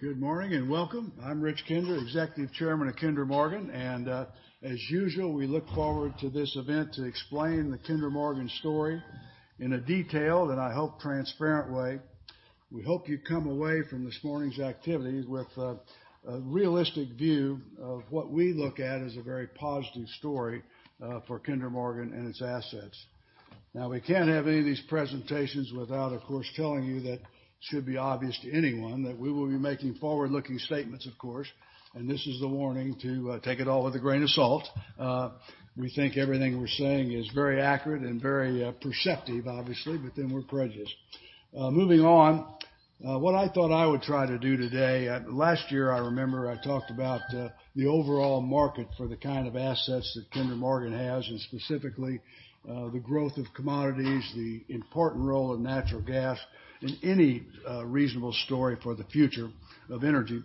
Good morning, and welcome. I'm Richard Kinder, Executive Chairman of Kinder Morgan. As usual, we look forward to this event to explain the Kinder Morgan story in a detailed, and I hope, transparent way. We hope you come away from this morning's activities with a realistic view of what we look at as a very positive story for Kinder Morgan and its assets. Now, we can't have any of these presentations without, of course, telling you that it should be obvious to anyone that we will be making forward-looking statements, of course, and this is the warning to take it all with a grain of salt. We think everything we're saying is very accurate and very perceptive, obviously, but then we're prejudiced. Moving on, what I thought I would try to do today... Last year, I remember I talked about the overall market for the kind of assets that Kinder Morgan has, and specifically, the growth of commodities, the important role of natural gas in any reasonable story for the future of energy.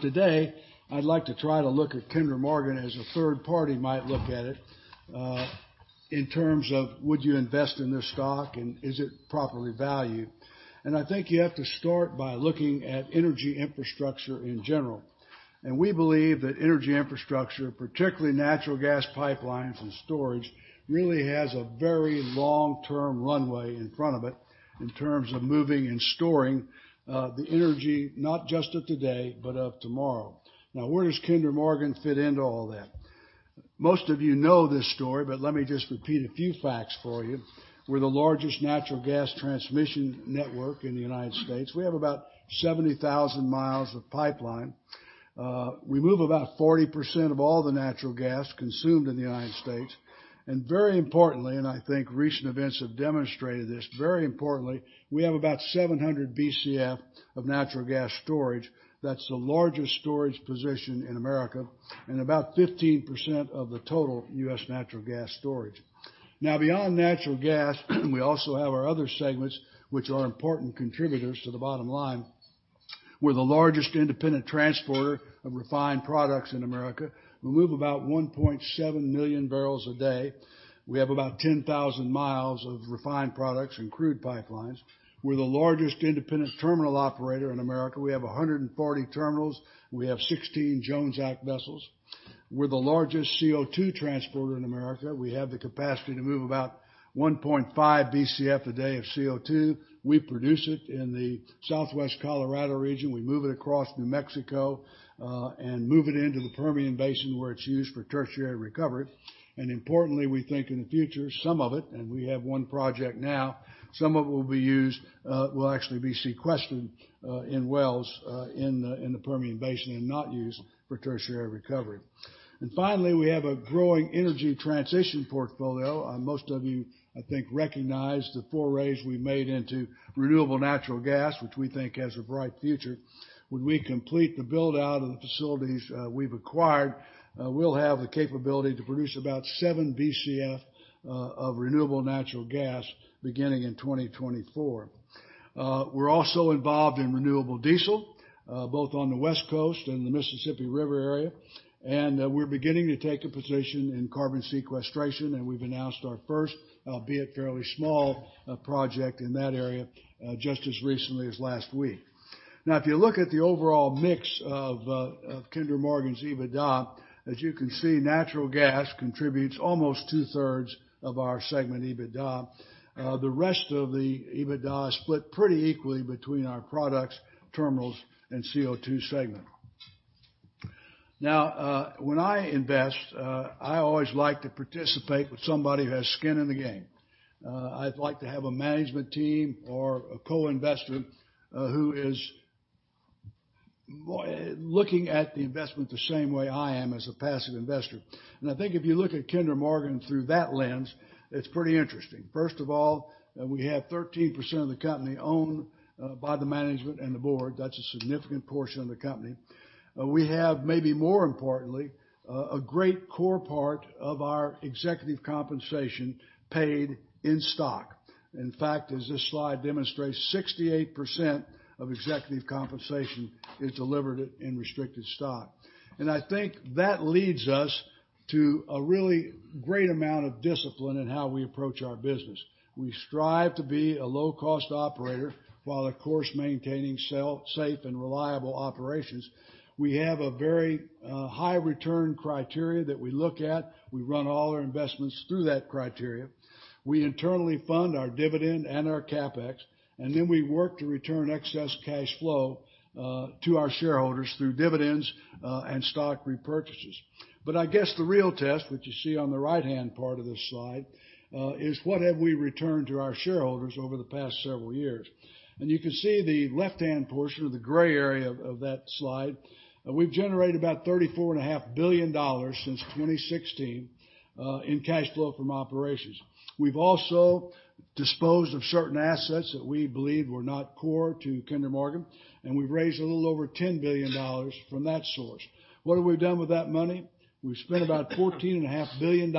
Today, I'd like to try to look at Kinder Morgan as a third party might look at it in terms of would you invest in this stock, and is it properly valued? I think you have to start by looking at energy infrastructure in general. We believe that energy infrastructure, particularly natural gas pipelines and storage, really has a very long-term runway in front of it in terms of moving and storing the energy not just of today, but of tomorrow. Where does Kinder Morgan fit into all that? Most of you know this story, let me just repeat a few facts for you. We're the largest natural gas transmission network in the United States. We have about 70,000 mi of pipeline. We move about 40% of all the natural gas consumed in the United States. Very importantly, and I think recent events have demonstrated this, very importantly, we have about 700 BCF of natural gas storage. That's the largest storage position in America and about 15% of the total U.S. natural gas storage. Beyond natural gas, we also have our other segments, which are important contributors to the bottom line. We're the largest independent transporter of refined products in America. We move about 1.7 million barrels a day. We have about 10,000 mi of refined products and crude pipelines. We're the largest independent terminal operator in America. We have 140 terminals. We have 16 Jones Act vessels. We're the largest CO2 transporter in America. We have the capacity to move about one point five BCF a day of CO2. We produce it in the southwest Colorado region. We move it across New Mexico and move it into the Permian Basin, where it's used for tertiary recovery. Importantly, we think in the future, some of it, and we have one project now, some of it will be used, will actually be sequestered in wells in the Permian Basin and not used for tertiary recovery. Finally, we have a growing energy transition portfolio. Most of you, I think, recognize the forays we made into renewable natural gas, which we think has a bright future. When we complete the build-out of the facilities we've acquired, we'll have the capability to produce about seven BCF of renewable natural gas beginning in 2024. We're also involved in renewable diesel, both on the West Coast and the Mississippi River area. We're beginning to take a position in carbon sequestration, and we've announced our first, albeit fairly small, project in that area, just as recently as last week. If you look at the overall mix of Kinder Morgan's EBITDA, as you can see, natural gas contributes almost two-thirds of our segment EBITDA. The rest of the EBITDA is split pretty equally between our products, terminals, and CO2 segment. When I invest, I always like to participate with somebody who has skin in the game. I'd like to have a management team or a co-investor who is looking at the investment the same way I am as a passive investor. I think if you look at Kinder Morgan through that lens, it's pretty interesting. First of all, we have 13% of the company owned by the management and the board. That's a significant portion of the company. We have maybe more importantly, a great core part of our executive compensation paid in stock. In fact, as this slide demonstrates, 68% of executive compensation is delivered in restricted stock. I think that leads us to a really great amount of discipline in how we approach our business. We strive to be a low-cost operator while of course maintaining safe and reliable operations. We have a very high return criteria that we look at. We run all our investments through that criteria. We internally fund our dividend and our CapEx, we work to return excess cash flow to our shareholders through dividends and stock repurchases. I guess the real test, which you see on the right-hand part of this slide, is what have we returned to our shareholders over the past several years. You can see the left-hand portion or the gray area of that slide, we've generated about $34.5 billion since 2016 in cash flow from operations. We've also disposed of certain assets that we believe were not core to Kinder Morgan, we've raised a little over $10 billion from that source. What have we done with that money? We've spent about $14.5 billion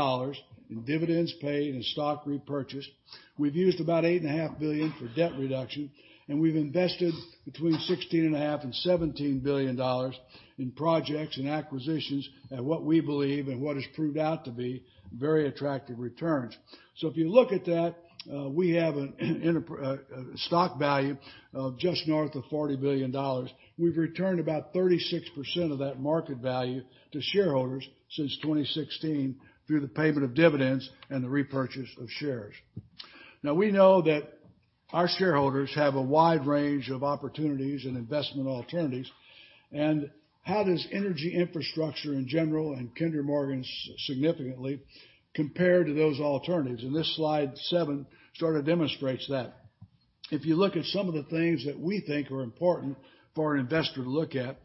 in dividends paid and stock repurchased. We've used about $8.5 billion for debt reduction, and we've invested between $16.5 billion-$17 billion in projects and acquisitions at what we believe and what has proved out to be very attractive returns. If you look at that, we have a stock value of just north of $40 billion. We've returned about 36% of that market value to shareholders since 2016 through the payment of dividends and the repurchase of shares. Now we know that our shareholders have a wide range of opportunities and investment alternatives. How does energy infrastructure in general, and Kinder Morgan significantly, compare to those alternatives? This slide seven sort of demonstrates that. If you look at some of the things that we think are important for an investor to look at,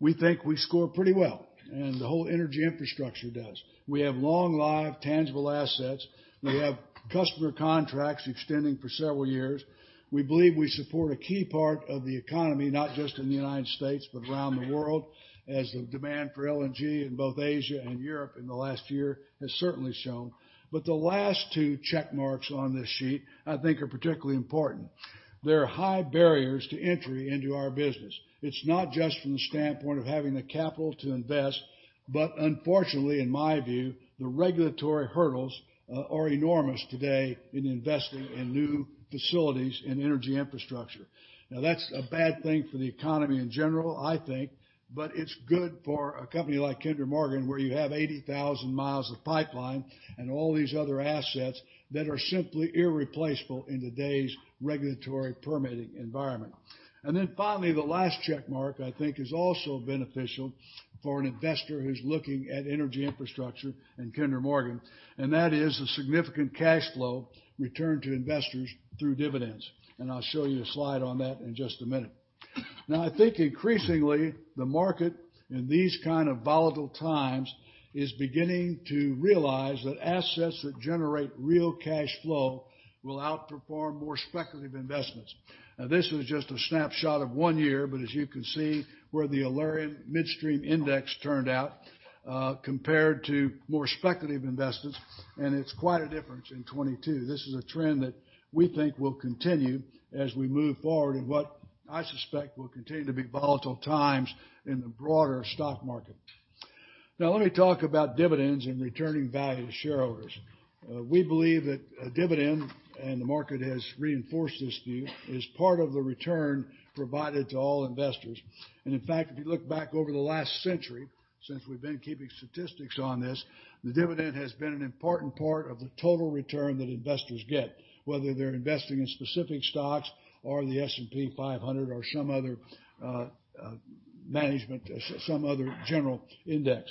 we think we score pretty well, and the whole energy infrastructure does. We have long live tangible assets. We have customer contracts extending for several years. We believe we support a key part of the economy, not just in the United States, but around the world, as the demand for LNG in both Asia and Europe in the last year has certainly shown. The last two check marks on this sheet, I think, are particularly important. There are high barriers to entry into our business. It's not just from the standpoint of having the capital to invest, but unfortunately, in my view, the regulatory hurdles are enormous today in investing in new facilities in energy infrastructure. That's a bad thing for the economy in general, I think, but it's good for a company like Kinder Morgan, where you have 80,000 mi of pipeline and all these other assets that are simply irreplaceable in today's regulatory permitting environment. Finally, the last check mark, I think, is also beneficial for an investor who's looking at energy infrastructure and Kinder Morgan, and that is a significant cash flow returned to investors through dividends. I'll show you a slide on that in just a minute. I think increasingly, the market in these kind of volatile times is beginning to realize that assets that generate real cash flow will outperform more speculative investments. This was just a snapshot of one year, but as you can see where the Alerian Midstream Index turned out, compared to more speculative investments, and it's quite a difference in 2022. This is a trend that we think will continue as we move forward in what I suspect will continue to be volatile times in the broader stock market. Let me talk about dividends and returning value to shareholders. We believe that a dividend, and the market has reinforced this view, is part of the return provided to all investors. In fact, if you look back over the last century since we've been keeping statistics on this, the dividend has been an important part of the total return that investors get, whether they're investing in specific stocks or the S&P 500 or some other general index.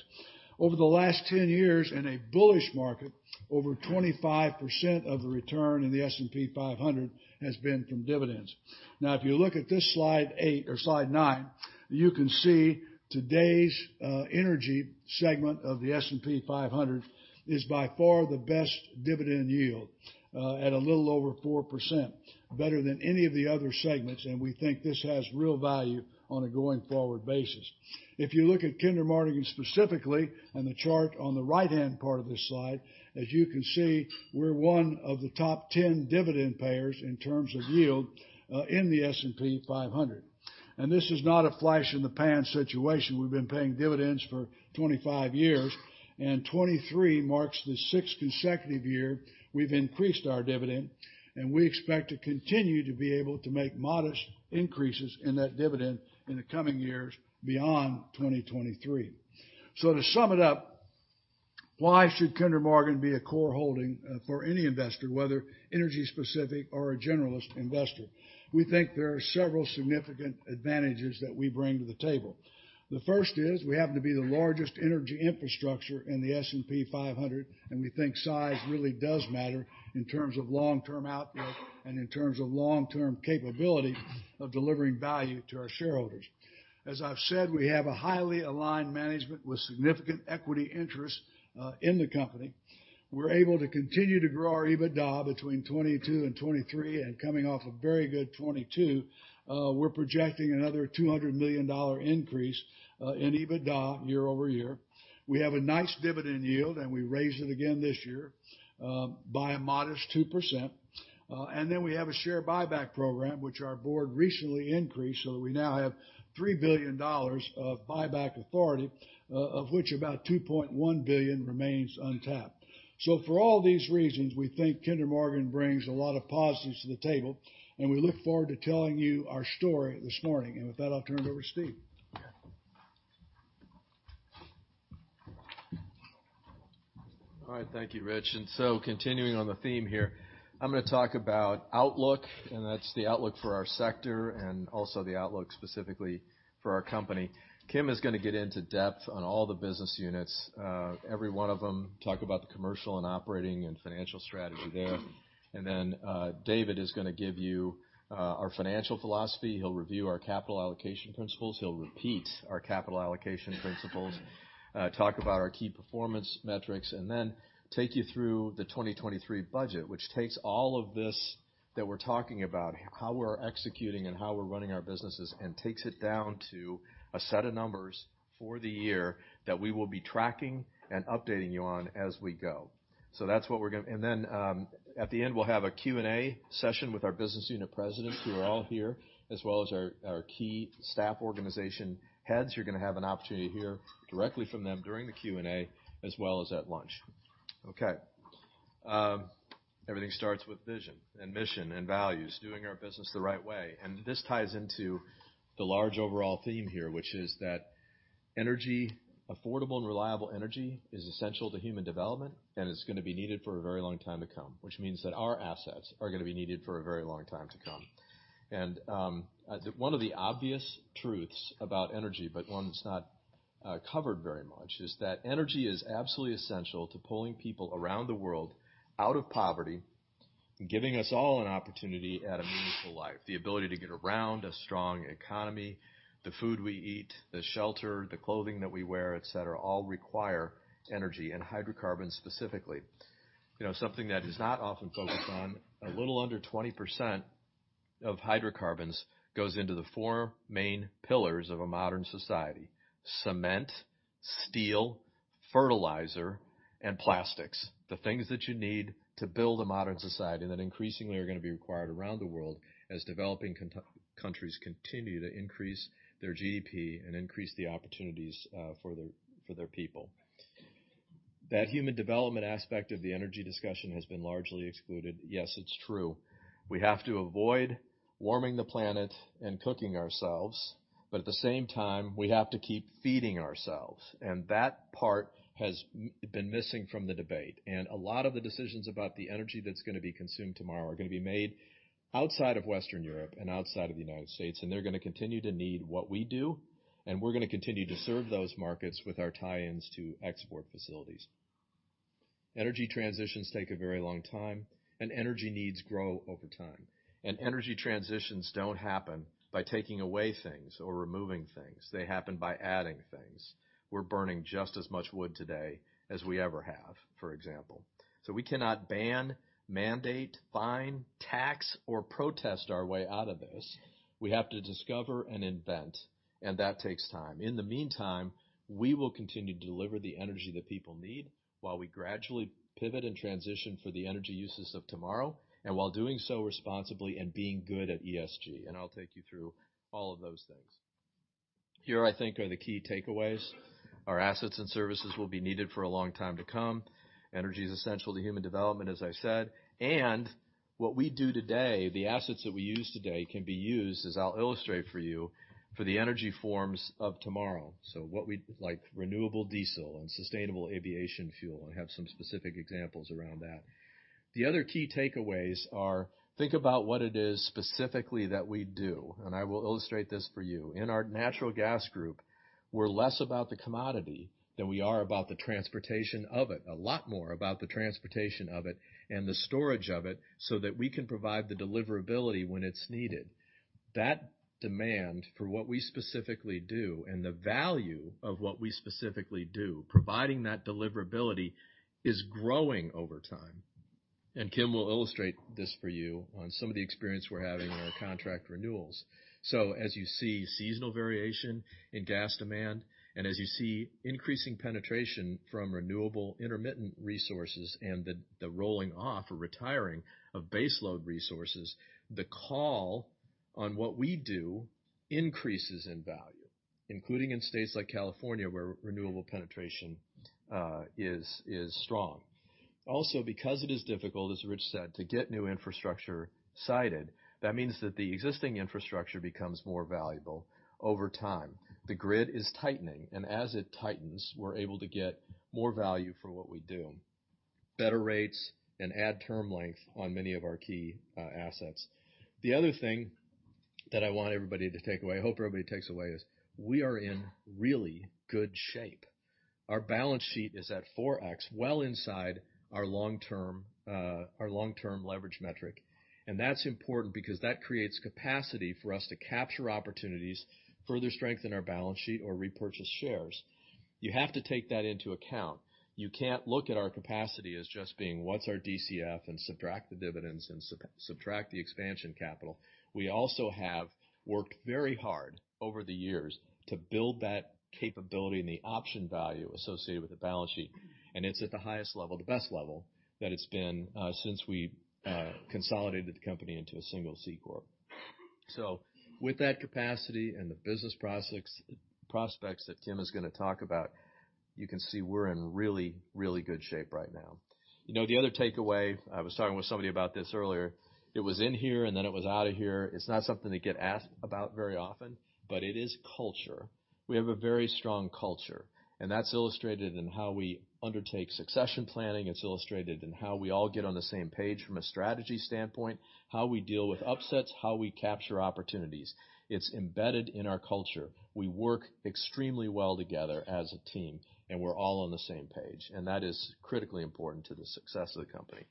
Over the last 10 years in a bullish market, over 25% of the return in the S&P 500 has been from dividends. If you look at this slide eight or slide nine you can see today's energy segment of the S&P 500 is by far the best dividend yield at a little over 4%, better than any of the other segments. We think this has real value on a going-forward basis. If you look at Kinder Morgan specifically and the chart on the right-hand part of this slide, as you can see, we're one of the top 10 dividend payers in terms of yield in the S&P 500. This is not a flash in the pan situation. We've been paying dividends for 25 years. 2023 marks the sixth consecutive year we've increased our dividend. We expect to continue to be able to make modest increases in that dividend in the coming years beyond 2023. To sum it up, why should Kinder Morgan be a core holding for any investor, whether energy-specific or a generalist investor? We think there are several significant advantages that we bring to the table. The first is we happen to be the largest energy infrastructure in the S&P 500. We think size really does matter in terms of long-term outlook and in terms of long-term capability of delivering value to our shareholders. As I've said, we have a highly aligned management with significant equity interest in the company. We're able to continue to grow our EBITDA between 2022 and 2023. Coming off a very good 2022, we're projecting another $200 million increase in EBITDA year-over-year. We have a nice dividend yield. We raised it again this year by a modest 2%. We have a share buyback program, which our board recently increased, so we now have $3 billion of buyback authority, of which about $2.1 billion remains untapped. For all these reasons, we think Kinder Morgan brings a lot of positives to the table. We look forward to telling you our story this morning. With that, I'll turn it over to Steve. All right. Thank you, Richard. Continuing on the theme here, I'm gonna talk about outlook, and that's the outlook for our sector and also the outlook specifically for our company. Kim is gonna get into depth on all the business units, every one of them, talk about the commercial and operating and financial strategy there. David is gonna give you our financial philosophy. He'll review our capital allocation principles. He'll repeat our capital allocation principles, talk about our key performance metrics, and then take you through the 2023 budget, which takes all of this that we're talking about, how we're executing and how we're running our businesses, and takes it down to a set of numbers for the year that we will be tracking and updating you on as we go. At the end, we'll have a Q&A session with our business unit presidents, who are all here, as well as our key staff organization heads. You're gonna have an opportunity to hear directly from them during the Q&A as well as at lunch. Okay. Everything starts with vision and mission and values, doing our business the right way. This ties into the large overall theme here, which is that affordable and reliable energy is essential to human development, and it's gonna be needed for a very long time to come, which means that our assets are gonna be needed for a very long time to come. As one of the obvious truths about energy, but one that's not covered very much, is that energy is absolutely essential to pulling people around the world out of poverty, giving us all an opportunity at a meaningful life. The ability to get around, a strong economy, the food we eat, the shelter, the clothing that we wear, et cetera, all require energy and hydrocarbons specifically. You know, something that is not often focused on, a little under 20% of hydrocarbons goes into the four main pillars of a modern society: cement, steel, fertilizer, and plastics. The things that you need to build a modern society that increasingly are gonna be required around the world as developing countries continue to increase their GDP and increase the opportunities for their people. That human development aspect of the energy discussion has been largely excluded. Yes, it's true. We have to avoid warming the planet and cooking ourselves. At the same time, we have to keep feeding ourselves. That part has been missing from the debate. A lot of the decisions about the energy that's gonna be consumed tomorrow are gonna be made outside of Western Europe and outside of the United States, and they're gonna continue to need what we do, and we're gonna continue to serve those markets with our tie-ins to export facilities. Energy transitions take a very long time, and energy needs grow over time. Energy transitions don't happen by taking away things or removing things. They happen by adding things. We're burning just as much wood today as we ever have, for example. We cannot ban, mandate, fine, tax, or protest our way out of this. We have to discover and invent, and that takes time. In the meantime, we will continue to deliver the energy that people need while we gradually pivot and transition for the energy uses of tomorrow, and while doing so responsibly and being good at ESG. I'll take you through all of those things. Here, I think are the key takeaways. Our assets and services will be needed for a long time to come. Energy is essential to human development, as I said. What we do today, the assets that we use today can be used, as I'll illustrate for you, for the energy forms of tomorrow. Like renewable diesel and sustainable aviation fuel. I have some specific examples around that. The other key takeaways are think about what it is specifically that we do, and I will illustrate this for you. In our natural gas group, we're less about the commodity than we are about the transportation of it, a lot more about the transportation of it and the storage of it, so that we can provide the deliverability when it's needed. That demand for what we specifically do and the value of what we specifically do, providing that deliverability, is growing over time. Kim will illustrate this for you on some of the experience we're having in our contract renewals. As you see seasonal variation in gas demand, and as you see increasing penetration from renewable intermittent resources and the rolling off or retiring of baseload resources, the call on what we do increases in value, including in states like California, where renewable penetration is strong. Because it is difficult, as Richard said, to get new infrastructure sited, that means that the existing infrastructure becomes more valuable over time. The grid is tightening, and as it tightens, we're able to get more value for what we do, better rates and add term length on many of our key assets. The other thing that I want everybody to take away, hope everybody takes away, is we are in really good shape. Our balance sheet is at 4x, well inside our long-term, our long-term leverage metric. That's important because that creates capacity for us to capture opportunities, further strengthen our balance sheet or repurchase shares. You have to take that into account. You can't look at our capacity as just being what's our DCF and subtract the dividends and subtract the expansion capital. We also have worked very hard over the years to build that capability and the option value associated with the balance sheet, and it's at the highest level, the best level that it's been, since we consolidated the company into a single C corp. With that capacity and the business prospects that Kim is gonna talk about, you can see we're in really, really good shape right now. You know, the other takeaway, I was talking with somebody about this earlier, it was in here and then it was out of here. It's not something I get asked about very often, but it is culture. We have a very strong culture, and that's illustrated in how we undertake succession planning. It's illustrated in how we all get on the same page from a strategy standpoint, how we deal with upsets, how we capture opportunities. It's embedded in our culture. We work extremely well together as a team, and we're all on the same page. That is critically important to the success of the company.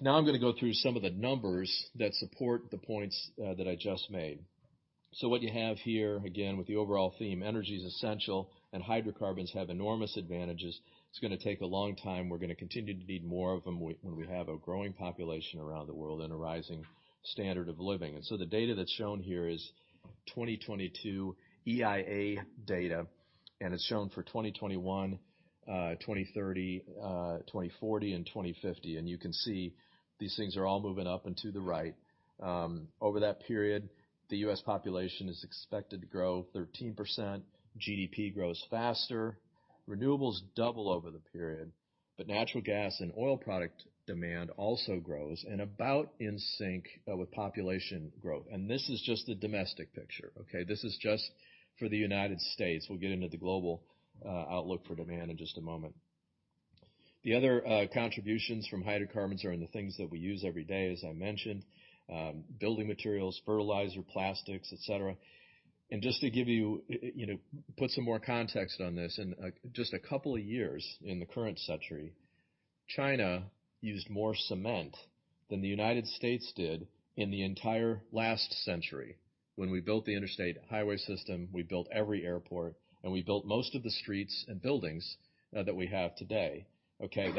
Now I'm gonna go through some of the numbers that support the points that I just made. What you have here, again, with the overall theme, energy is essential and hydrocarbons have enormous advantages. It's gonna take a long time. We're gonna continue to need more of them when we have a growing population around the world and a rising standard of living. The data that's shown here is 2022 EIA data, and it's shown for 2021, 2030, 2040, and 2050. You can see these things are all moving up and to the right. Over that period, the U.S. population is expected to grow 13%. GDP grows faster. Renewables double over the period, but natural gas and oil product demand also grows and about in sync with population growth. This is just the domestic picture, okay? This is just for the United States. We'll get into the global outlook for demand in just a moment. The other contributions from hydrocarbons are in the things that we use every day, as I mentioned, building materials, fertilizer, plastics, et cetera. Just to give you know, put some more context on this. In just a couple of years in the current century, China used more cement than the United States did in the entire last century when we built the interstate highway system, we built every airport, and we built most of the streets and buildings that we have today. Okay?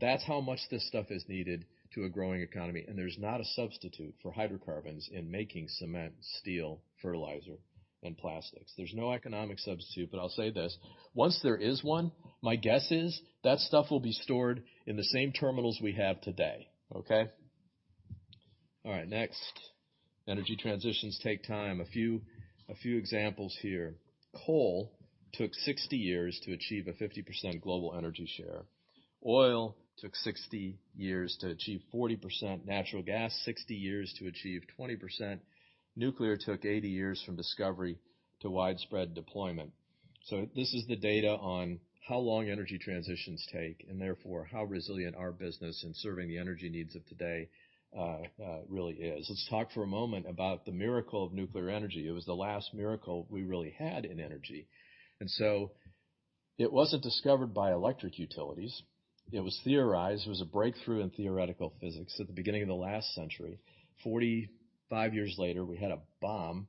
That's how much this stuff is needed to a growing economy. There's not a substitute for hydrocarbons in making cement, steel, fertilizer, and plastics. There's no economic substitute. I'll say this, once there is one, my guess is that stuff will be stored in the same terminals we have today. Okay? All right. Next. Energy transitions take time. A few examples here. Coal took 60 years to achieve a 50% global energy share. Oil took 60 years to achieve 40%. Natural gas, 60 years to achieve 20%. Nuclear took 80 years from discovery to widespread deployment. This is the data on how long energy transitions take, and therefore how resilient our business in serving the energy needs of today, really is. Let's talk for a moment about the miracle of nuclear energy. It was the last miracle we really had in energy. It wasn't discovered by electric utilities. It was theorized. It was a breakthrough in theoretical physics at the beginning of the last century. 45 years later, we had a bomb.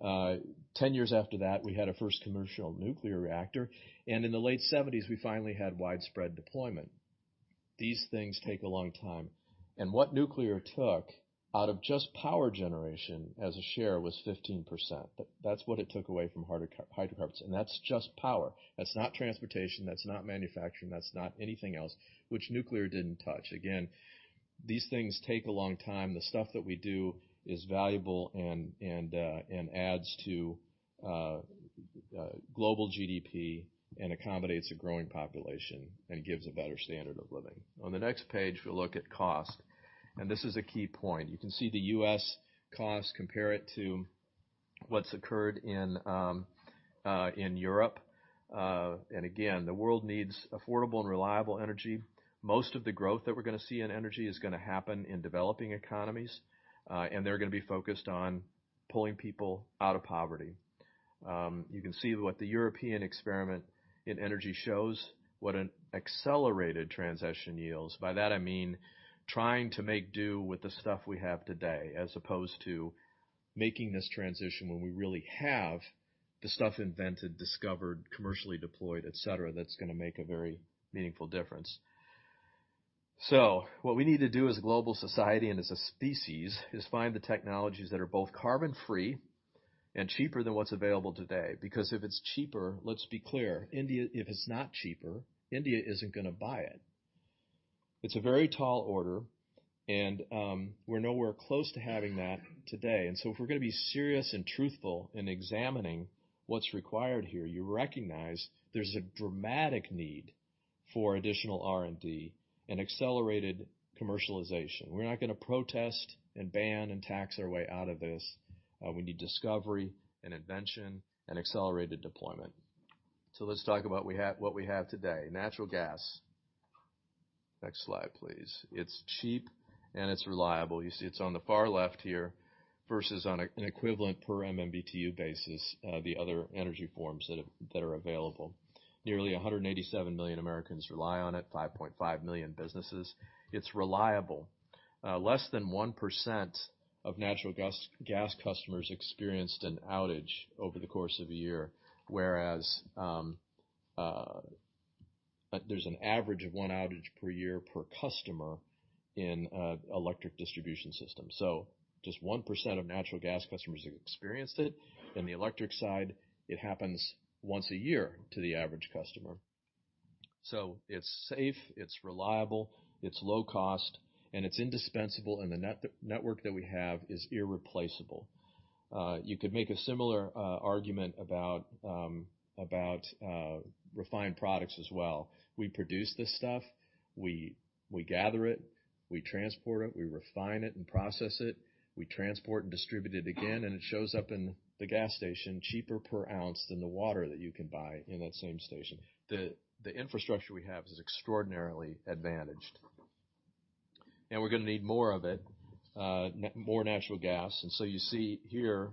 10 years after that, we had our first commercial nuclear reactor. In the late 1970s, we finally had widespread deployment. These things take a long time. What nuclear took out of just power generation as a share was 15%. That's what it took away from hydrocarbons, and that's just power. That's not transportation, that's not manufacturing, that's not anything else, which nuclear didn't touch. These things take a long time. The stuff that we do is valuable and adds to global GDP and accommodates a growing population and gives a better standard of living. On the next page, we'll look at cost. This is a key point. You can see the US cost, compare it to what's occurred in Europe. The world needs affordable and reliable energy. Most of the growth that we're gonna see in energy is gonna happen in developing economies, and they're gonna be focused on pulling people out of poverty. You can see what the European experiment in energy shows, what an accelerated transition yields. By that I mean trying to make do with the stuff we have today as opposed to making this transition when we really have the stuff invented, discovered, commercially deployed, et cetera, that's gonna make a very meaningful difference. What we need to do as a global society and as a species is find the technologies that are both carbon-free and cheaper than what's available today. Because if it's cheaper, let's be clear, India-- if it's not cheaper, India isn't gonna buy it. It's a very tall order, and we're nowhere close to having that today. If we're gonna be serious and truthful in examining what's required here, you recognize there's a dramatic need for additional R&D and accelerated commercialization. We're not gonna protest and ban and tax our way out of this. We need discovery and invention and accelerated deployment. Let's talk about what we have today. Natural gas. Next slide, please. It's cheap, and it's reliable. You see it's on the far left here versus on an equivalent per MMBtu basis, the other energy forms that are available. Nearly 187 million Americans rely on it, 5.5 million businesses. It's reliable. Less than 1% of natural gas customers experienced an outage over the course of a year, whereas there's an average of one outage per year per customer in electric distribution system. Just 1% of natural gas customers experienced it. In the electric side, it happens once a year to the average customer. It's safe, it's reliable, it's low cost, and it's indispensable, and the network that we have is irreplaceable. You could make a similar argument about refined products as well. We produce this stuff, we gather it, we transport it, we refine it and process it. We transport and distribute it again. It shows up in the gas station cheaper per ounce than the water that you can buy in that same station. The infrastructure we have is extraordinarily advantaged. Now we're gonna need more of it, more natural gas. You see here,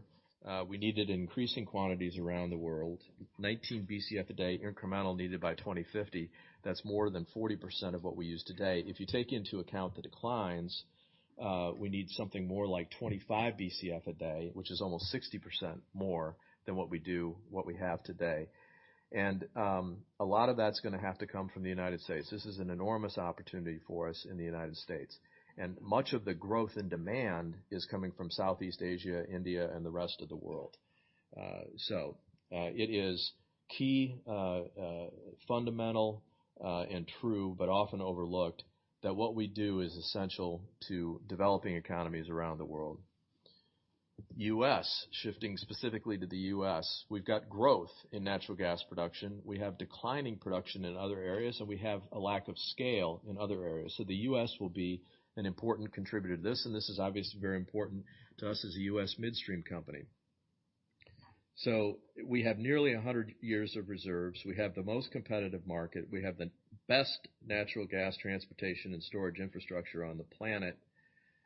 we needed increasing quantities around the world, 19 BCF a day incremental needed by 2050. That's more than 40% of what we use today. If you take into account the declines, we need something more like 25 BCF a day, which is almost 60% more than what we have today. A lot of that's gonna have to come from the United States. This is an enormous opportunity for us in the United States. Much of the growth and demand is coming from Southeast Asia, India, and the rest of the world. It is key, fundamental, and true, but often overlooked that what we do is essential to developing economies around the world. U.S., shifting specifically to the U.S. We've got growth in natural gas production. We have declining production in other areas, and we have a lack of scale in other areas. The U.S. will be an important contributor to this, and this is obviously very important to us as a U.S. midstream company. We have nearly 100 years of reserves. We have the most competitive market. We have the best natural gas transportation and storage infrastructure on the planet.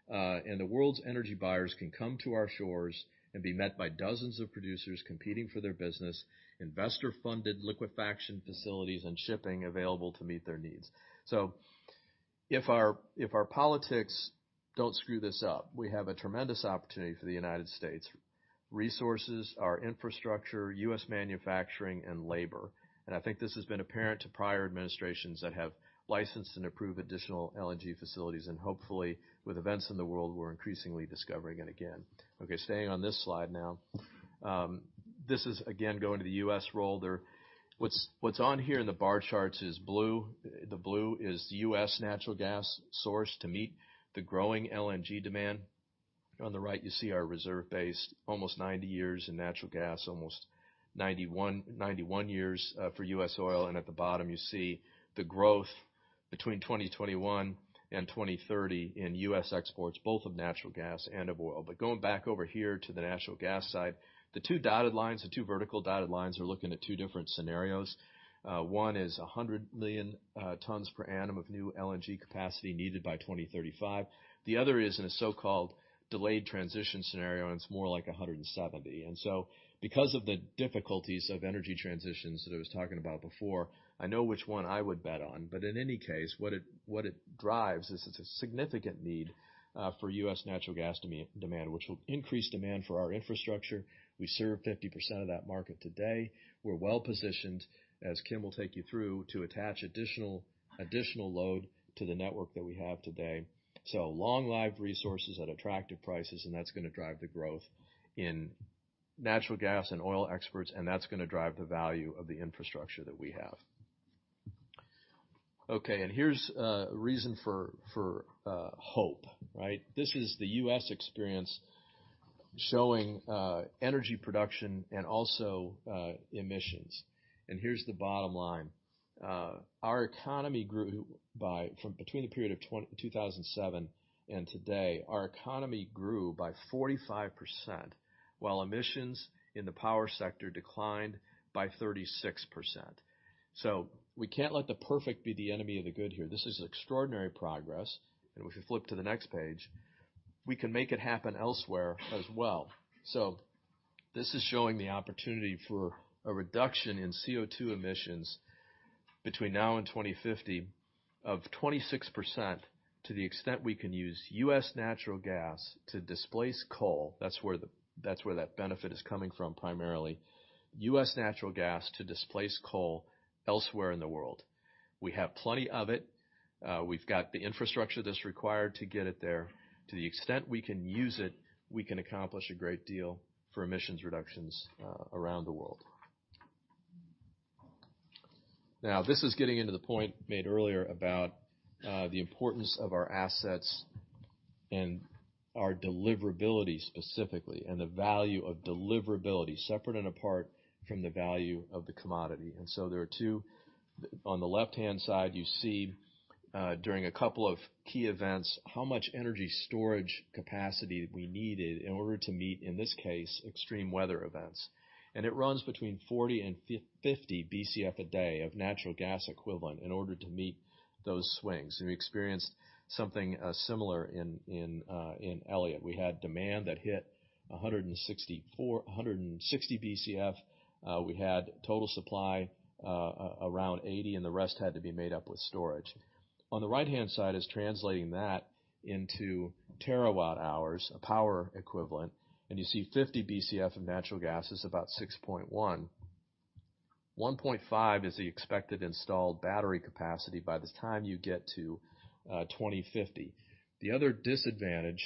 The world's energy buyers can come to our shores and be met by dozens of producers competing for their business, investor-funded liquefaction facilities and shipping available to meet their needs. If our politics don't screw this up, we have a tremendous opportunity for the United States resources, our infrastructure, U.S. manufacturing and labor. I think this has been apparent to prior administrations that have licensed and approved additional LNG facilities, and hopefully with events in the world, we're increasingly discovering it again. Staying on this slide now. This is again, going to the U.S. role there. What's on here in the bar charts is blue. The blue is the U.S. natural gas source to meet the growing LNG demand. On the right, you see our reserve base, almost 90 years in natural gas, almost 91 years for U.S. oil. At the bottom, you see the growth between 2021 and 2030 in U.S. exports, both of natural gas and of oil. Going back over here to the natural gas side, the two dotted lines, the two vertical dotted lines are looking at two different scenarios. One is 100 million tons per annum of new LNG capacity needed by 2035. The other is in a so-called delayed transition scenario, and it's more like 170. Because of the difficulties of energy transitions that I was talking about before, I know which one I would bet on, but in any case, what it, what it drives is it's a significant need for U.S. natural gas demand, which will increase demand for our infrastructure. We serve 50% of that market today. We're well-positioned, as Kim will take you through, to attach additional load to the network that we have today. Long live resources at attractive prices, and that's gonna drive the growth in natural gas and oil exports, and that's gonna drive the value of the infrastructure that we have. Here's a reason for hope, right? This is the U.S. experience showing energy production and also emissions. Here's the bottom line. Our economy grew between the period of 2007 and today, our economy grew by 45%, while emissions in the power sector declined by 36%. We can't let the perfect be the enemy of the good here. This is extraordinary progress. If we flip to the next page, we can make it happen elsewhere as well. This is showing the opportunity for a reduction in CO₂ emissions between now and 2050 of 26% to the extent we can use U.S. natural gas to displace coal. That's where that benefit is coming from, primarily. U.S. natural gas to displace coal elsewhere in the world. We have plenty of it. We've got the infrastructure that's required to get it there. To the extent we can use it, we can accomplish a great deal for emissions reductions around the world. This is getting into the point made earlier about the importance of our assets and our deliverability specifically, and the value of deliverability separate and apart from the value of the commodity. There are two. On the left-hand side, you see during a couple of key events, how much energy storage capacity we needed in order to meet, in this case, extreme weather events. It runs between 40 BCF and 50 BCF a day of natural gas equivalent in order to meet those swings. We experienced something similar in Elliott. We had demand that hit 160 BCF. We had total supply around 80 BCF, the rest had to be made up with storage. On the right-hand side is translating that into terawatt-hours, a power equivalent, you see 50 BCF of natural gas is about 6.1. 1.5 is the expected installed battery capacity by the time you get to 2050. The other disadvantage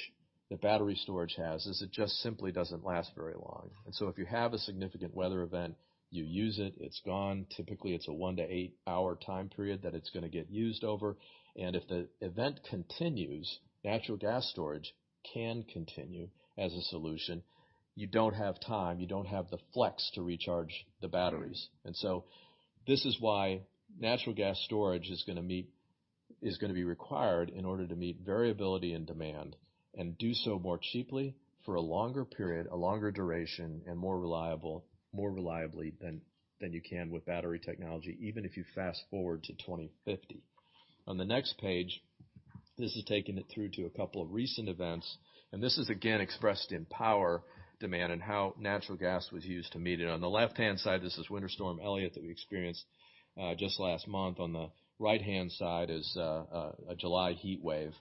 that battery storage has is it just simply doesn't last very long. If you have a significant weather event, you use it's gone. Typically, it's a one hour to eight-hour time period that it's gonna get used over. If the event continues, natural gas storage can continue as a solution. You don't have time. You don't have the flex to recharge the batteries. This is why natural gas storage is gonna be required in order to meet variability in demand and do so more cheaply for a longer period, a longer duration and more reliably than you can with battery technology, even if you fast-forward to 2050. On the next page, this is taking it through to a couple of recent events, and this is again expressed in power demand and how natural gas was used to meet it. On the left-hand side, this is Winter Storm Elliott that we experienced just last month. On the right-hand side is a July heatwave.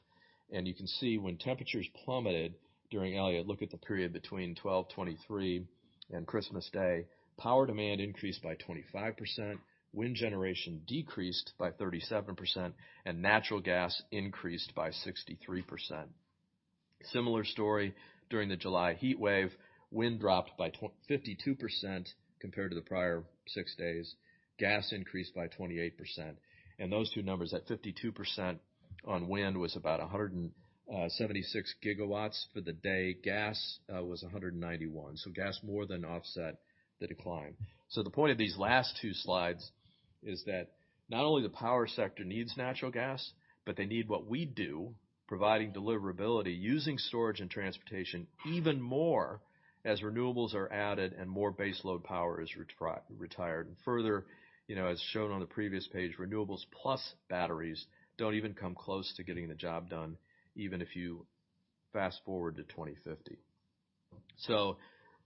You can see when temperatures plummeted during Elliott, look at the period between 12/23 and Christmas Day, power demand increased by 25%, wind generation decreased by 37%, and natural gas increased by 63%. Similar story during the July heatwave, wind dropped by 52% compared to the prior six days. Gas increased by 28%. Those two numbers, that 52% on wind was about 176 GW for the day. Gas was 191, gas more than offset the decline. The point of these last two slides is that not only the power sector needs natural gas, but they need what we do, providing deliverability, using storage and transportation even more as renewables are added and more base load power is retired. Further, you know, as shown on the previous page, renewables plus batteries don't even come close to getting the job done, even if you fast-forward to 2050.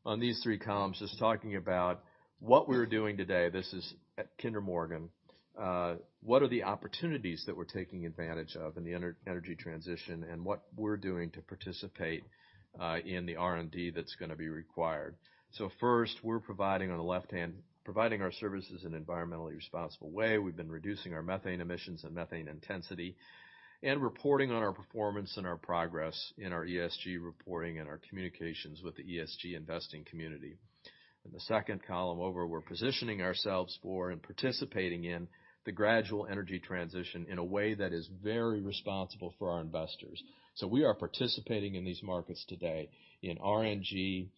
On these three columns, just talking about what we're doing today, this is at Kinder Morgan. What are the opportunities that we're taking advantage of in the energy transition and what we're doing to participate in the R&D that's gonna be required. First, we're providing on the left-hand, providing our services in an environmentally responsible way. We've been reducing our methane emissions and methane intensity and reporting on our performance and our progress in our ESG reporting and our communications with the ESG investing community. In the second column over, we're positioning ourselves for and participating in the gradual energy transition in a way that is very responsible for our investors. We are participating in these markets today in RNG,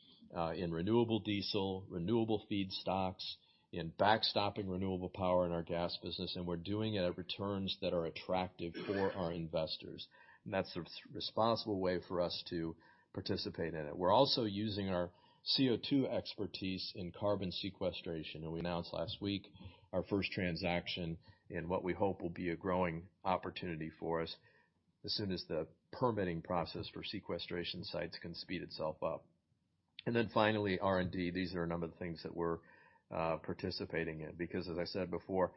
in renewable diesel, renewable feedstocks, in backstopping renewable power in our gas business, and we're doing it at returns that are attractive for our investors. That's the responsible way for us to participate in it. We're also using our CO2 expertise in carbon sequestration. We announced last week our first transaction in what we hope will be a growing opportunity for us as soon as the permitting process for sequestration sites can speed itself up. Finally, R&D. These are a number of things that we're participating in because, as I said before,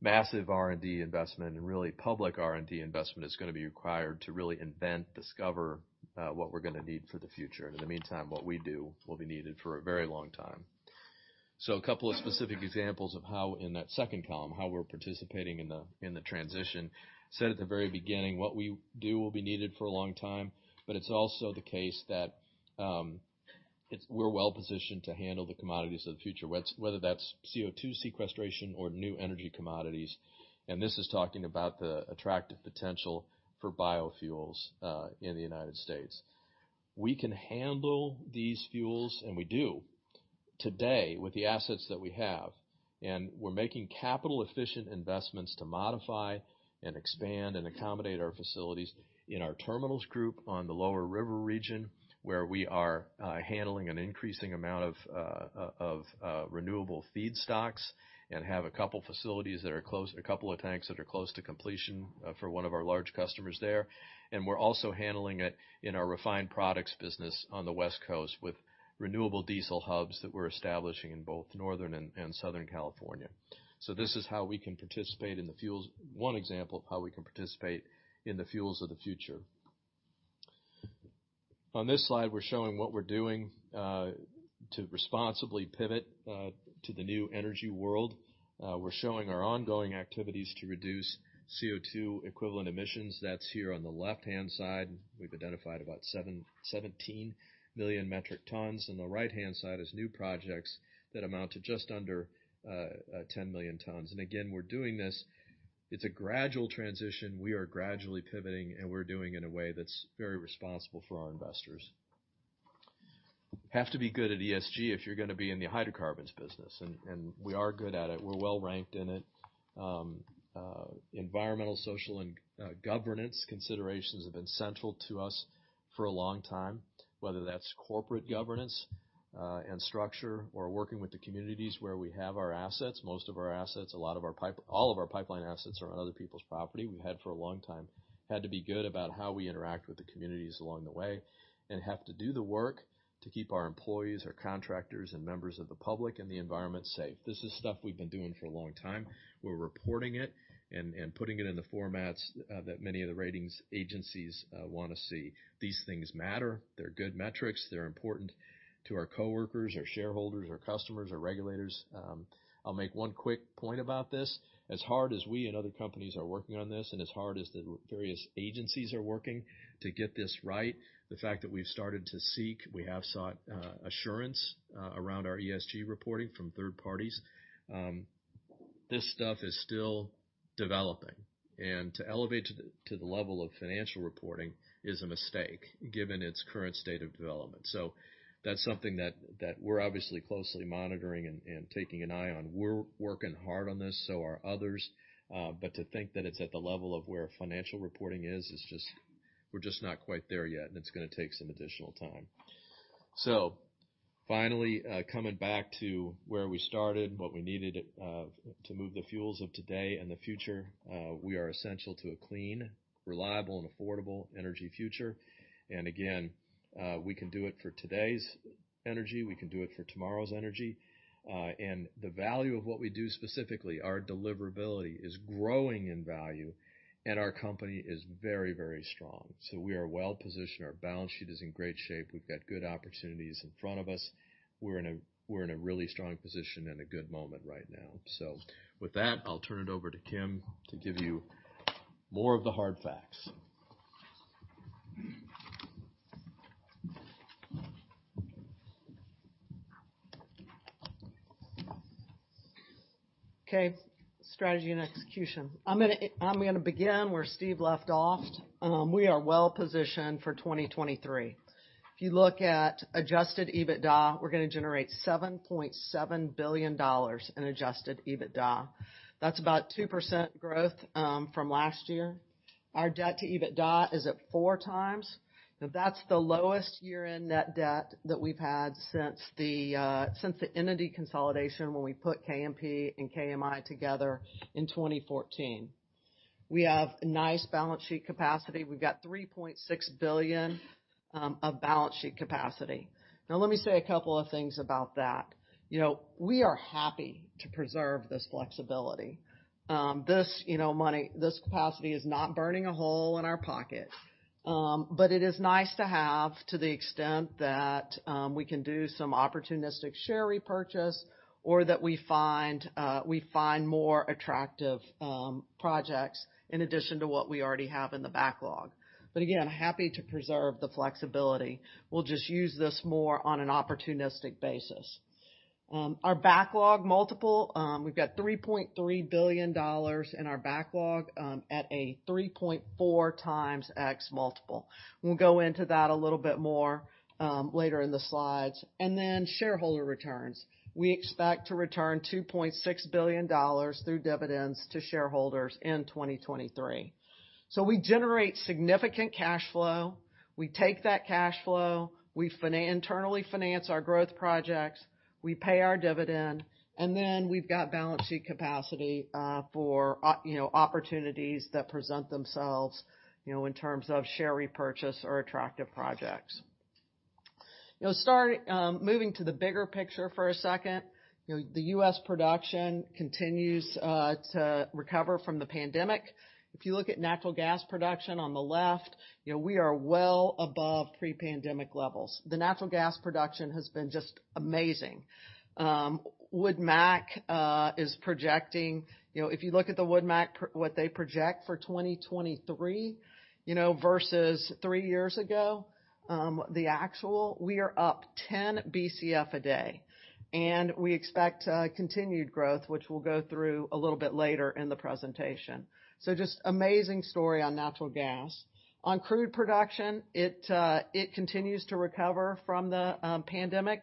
massive R&D investment and really public R&D investment is going to be required to really invent, discover what we're going to need for the future. In the meantime, what we do will be needed for a very long time. A couple of specific examples of how, in that second column, how we're participating in the, in the transition. Said at the very beginning, what we do will be needed for a long time, but it's also the case that, it's we're well-positioned to handle the commodities of the future, whether that's CO2 sequestration or new energy commodities. This is talking about the attractive potential for biofuels in the United States. We can handle these fuels, and we do today with the assets that we have, and we're making capital-efficient investments to modify and expand and accommodate our facilities in our Terminals group on the lower river region, where we are handling an increasing amount of renewable feedstocks and have a couple of tanks that are close to completion for one of our large customers there. We're also handling it in our refined products business on the West Coast with renewable diesel hubs that we're establishing in both Northern and Southern California. This is how we can participate in the fuels. One example of how we can participate in the fuels of the future. On this slide, we're showing what we're doing to responsibly pivot to the new energy world. We're showing our ongoing activities to reduce CO2 equivalent emissions. That's here on the left-hand side. We've identified about 17 million metric tons. On the right-hand side is new projects that amount to just under 10 million tons. Again, we're doing this, it's a gradual transition. We are gradually pivoting, and we're doing in a way that's very responsible for our investors. Have to be good at ESG if you're gonna be in the hydrocarbons business, and we are good at it. We're well ranked in it. Environmental, social and governance considerations have been central to us for a long time, whether that's corporate governance and structure or working with the communities where we have our assets. Most of our assets, all of our pipeline assets are on other people's property. We've had for a long time. Had to be good about how we interact with the communities along the way and have to do the work to keep our employees, our contractors, and members of the public and the environment safe. This is stuff we've been doing for a long time. We're reporting it and putting it in the formats that many of the ratings agencies wanna see. These things matter. They're good metrics. They're important to our coworkers, our shareholders, our customers, our regulators. I'll make one quick point about this. As hard as we and other companies are working on this, and as hard as the various agencies are working to get this right, the fact that we've started to seek, we have sought assurance around our ESG reporting from third parties, this stuff is still developing. To elevate to the level of financial reporting is a mistake given its current state of development. That's something that we're obviously closely monitoring and taking an eye on. We're working hard on this, so are others. To think that it's at the level of where financial reporting is just. We're just not quite there yet. It's gonna take some additional time. Finally, coming back to where we started, what we needed, to move the fuels of today and the future, we are essential to a clean, reliable, and affordable energy future. Again, we can do it for today's energy, we can do it for tomorrow's energy, and the value of what we do, specifically our deliverability, is growing in value, and our company is very, very strong. We are well-positioned. Our balance sheet is in great shape. We've got good opportunities in front of us. We're in a really strong position and a good moment right now. With that, I'll turn it over to Kim to give you more of the hard facts. Okay. Strategy and execution. I'm gonna begin where Steve left off. We are well-positioned for 2023. If you look at adjusted EBITDA, we're gonna generate $7.7 billion in adjusted EBITDA. That's about 2% growth from last year. Our debt to EBITDA is at 4x. That's the lowest year-end net debt that we've had since the entity consolidation when we put KMP and KMI together in 2014. We have nice balance sheet capacity. We've got $3.6 billion of balance sheet capacity. Let me say a couple of things about that. You know, we are happy to preserve this flexibility. This, you know, money, this capacity is not burning a hole in our pocket. But it is nice to have to the extent that we can do some opportunistic share repurchase or that we find more attractive projects in addition to what we already have in the backlog. Again, happy to preserve the flexibility. We'll just use this more on an opportunistic basis. Our backlog multiple, we've got $3.3 billion in our backlog at a 3.4x multiple. We'll go into that a little bit more later in the slides. Shareholder returns. We expect to return $2.6 billion through dividends to shareholders in 2023. We generate significant cash flow. We take that cash flow. We internally finance our growth projects. We pay our dividend, then we've got balance sheet capacity, you know, opportunities that present themselves, you know, in terms of share repurchase or attractive projects. You know, start moving to the bigger picture for a second. You know, the U.S. production continues to recover from the pandemic. If you look at natural gas production on the left, you know, we are well above pre-pandemic levels. The natural gas production has been just amazing. WoodMac is projecting... You know, if you look at the WoodMac what they project for 2023, you know, versus three years ago, the actual, we are up 10 Bcf a day. We expect continued growth, which we'll go through a little bit later in the presentation. Just amazing story on natural gas. On crude production, it continues to recover from the pandemic.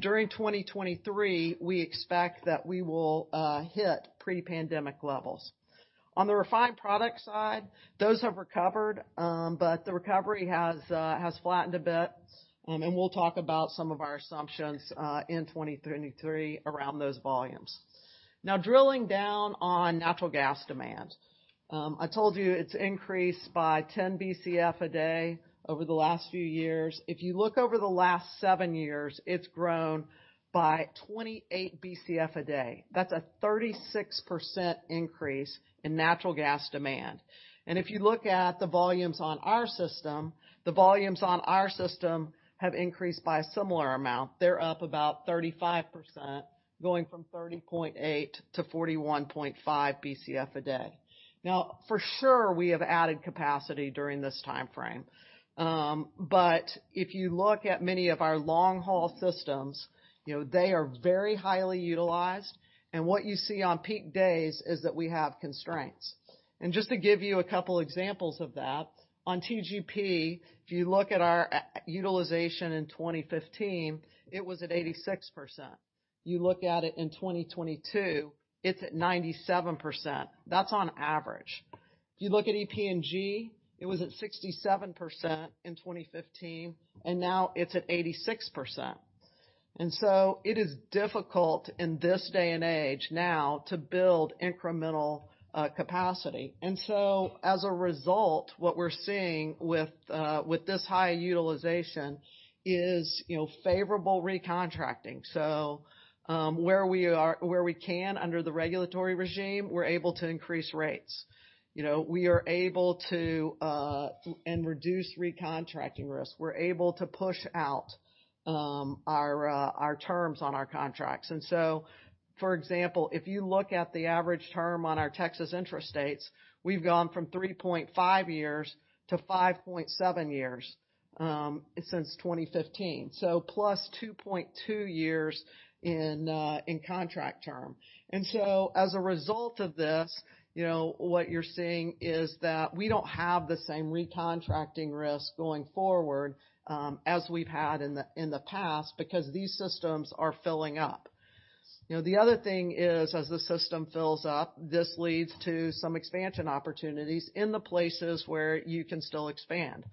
During 2023, we expect that we will hit pre-pandemic levels. On the refined product side, those have recovered, but the recovery has flattened a bit. We'll talk about some of our assumptions in 2023 around those volumes. Now, drilling down on natural gas demand. I told you it's increased by 10 Bcf a day over the last few years. If you look over the last seven years, it's grown by 28 Bcf a day. That's a 36% increase in natural gas demand. If you look at the volumes on our system, the volumes on our system have increased by a similar amount. They're up about 35%, going from 30.8 BCF-41.5 Bcf a day. For sure, we have added capacity during this timeframe. If you look at many of our long-haul systems, you know, they are very highly utilized. What you see on peak days is that we have constraints. Just to give you a couple examples of that, on TGP, if you look at our utilization in 2015, it was at 86%. You look at it in 2022, it's at 97%. That's on average. If you look at EPNG, it was at 67% in 2015, and now it's at 86%. It is difficult in this day and age now to build incremental capacity. As a result, what we're seeing with this high utilization is, you know, favorable recontracting. Where we can under the regulatory regime, we're able to increase rates. You know, we are able to and reduce recontracting risk. We're able to push out our terms on our contracts. For example, if you look at the average term on our Texas intrastates, we've gone from 3.5 years-5.7 years since 2015. +2.2 years in contract term. As a result of this, you know, what you're seeing is that we don't have the same recontracting risk going forward as we've had in the past because these systems are filling up. You know, the other thing is, as the system fills up, this leads to some expansion opportunities in the places where you can still expand.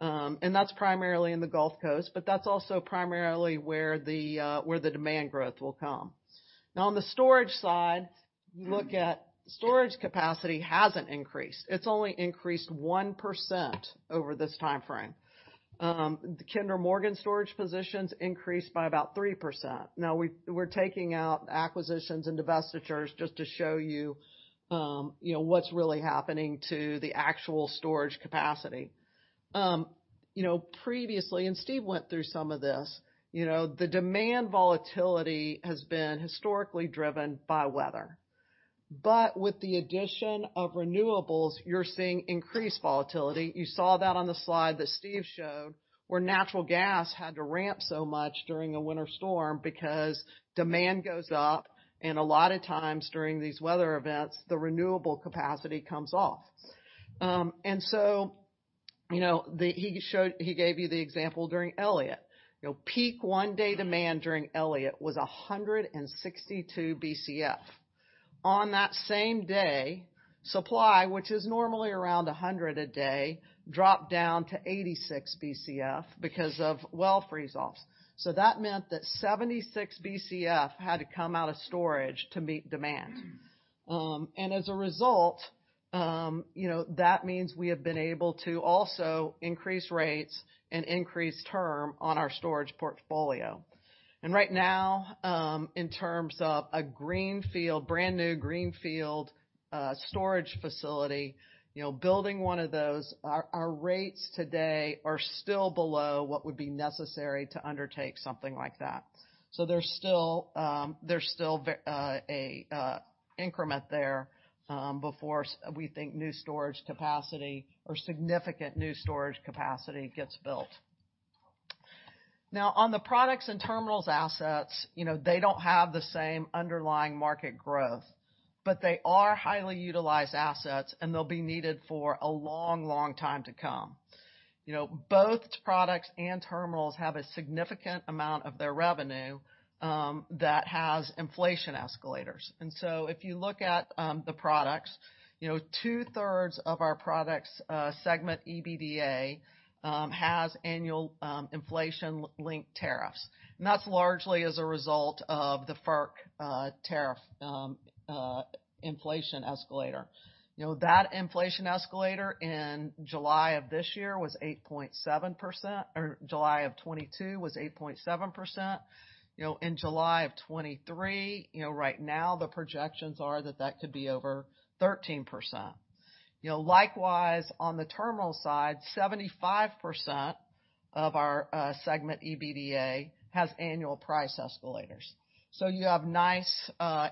That's primarily in the Gulf Coast, but that's also primarily where the demand growth will come. Now, on the storage side, you look at storage capacity hasn't increased. It's only increased 1% over this timeframe. The Kinder Morgan storage positions increased by about 3%. Now, we're taking out acquisitions and divestitures just to show you know, what's really happening to the actual storage capacity. You know, previously, and Steve went through some of this, you know, the demand volatility has been historically driven by weather. With the addition of renewables, you're seeing increased volatility. You saw that on the slide that Steve showed, where natural gas had to ramp so much during a winter storm because demand goes up, and a lot of times during these weather events, the renewable capacity comes off. You know, he gave you the example during Elliott. You know, peak one-day demand during Elliott was 162 BCF. On that same day, supply, which is normally around 100 a day, dropped down to 86 BCF because of well freeze-offs. That meant that 76 BCF had to come out of storage to meet demand. As a result, you know, that means we have been able to also increase rates and increase term on our storage portfolio. Right now, in terms of a greenfield, brand new greenfield, storage facility, you know, building one of those, our rates today are still below what would be necessary to undertake something like that. There's still a increment there before we think new storage capacity or significant new storage capacity gets built. On the products and terminals assets, you know, they don't have the same underlying market growth, but they are highly utilized assets, and they'll be needed for a long, long time to come. You know, both products and terminals have a significant amount of their revenue that has inflation escalators. If you look at the products, you know, 2/3 of our products segment EBITDA has annual inflation-linked tariffs, and that's largely as a result of the FERC tariff inflation escalator. You know, that inflation escalator in July of this year was 8.7%, or July of 2022 was 8.7%. You know, in July of 2023, you know, right now the projections are that that could be over 13%. You know, likewise, on the terminal side, 75% of our segment EBITDA has annual price escalators. You have nice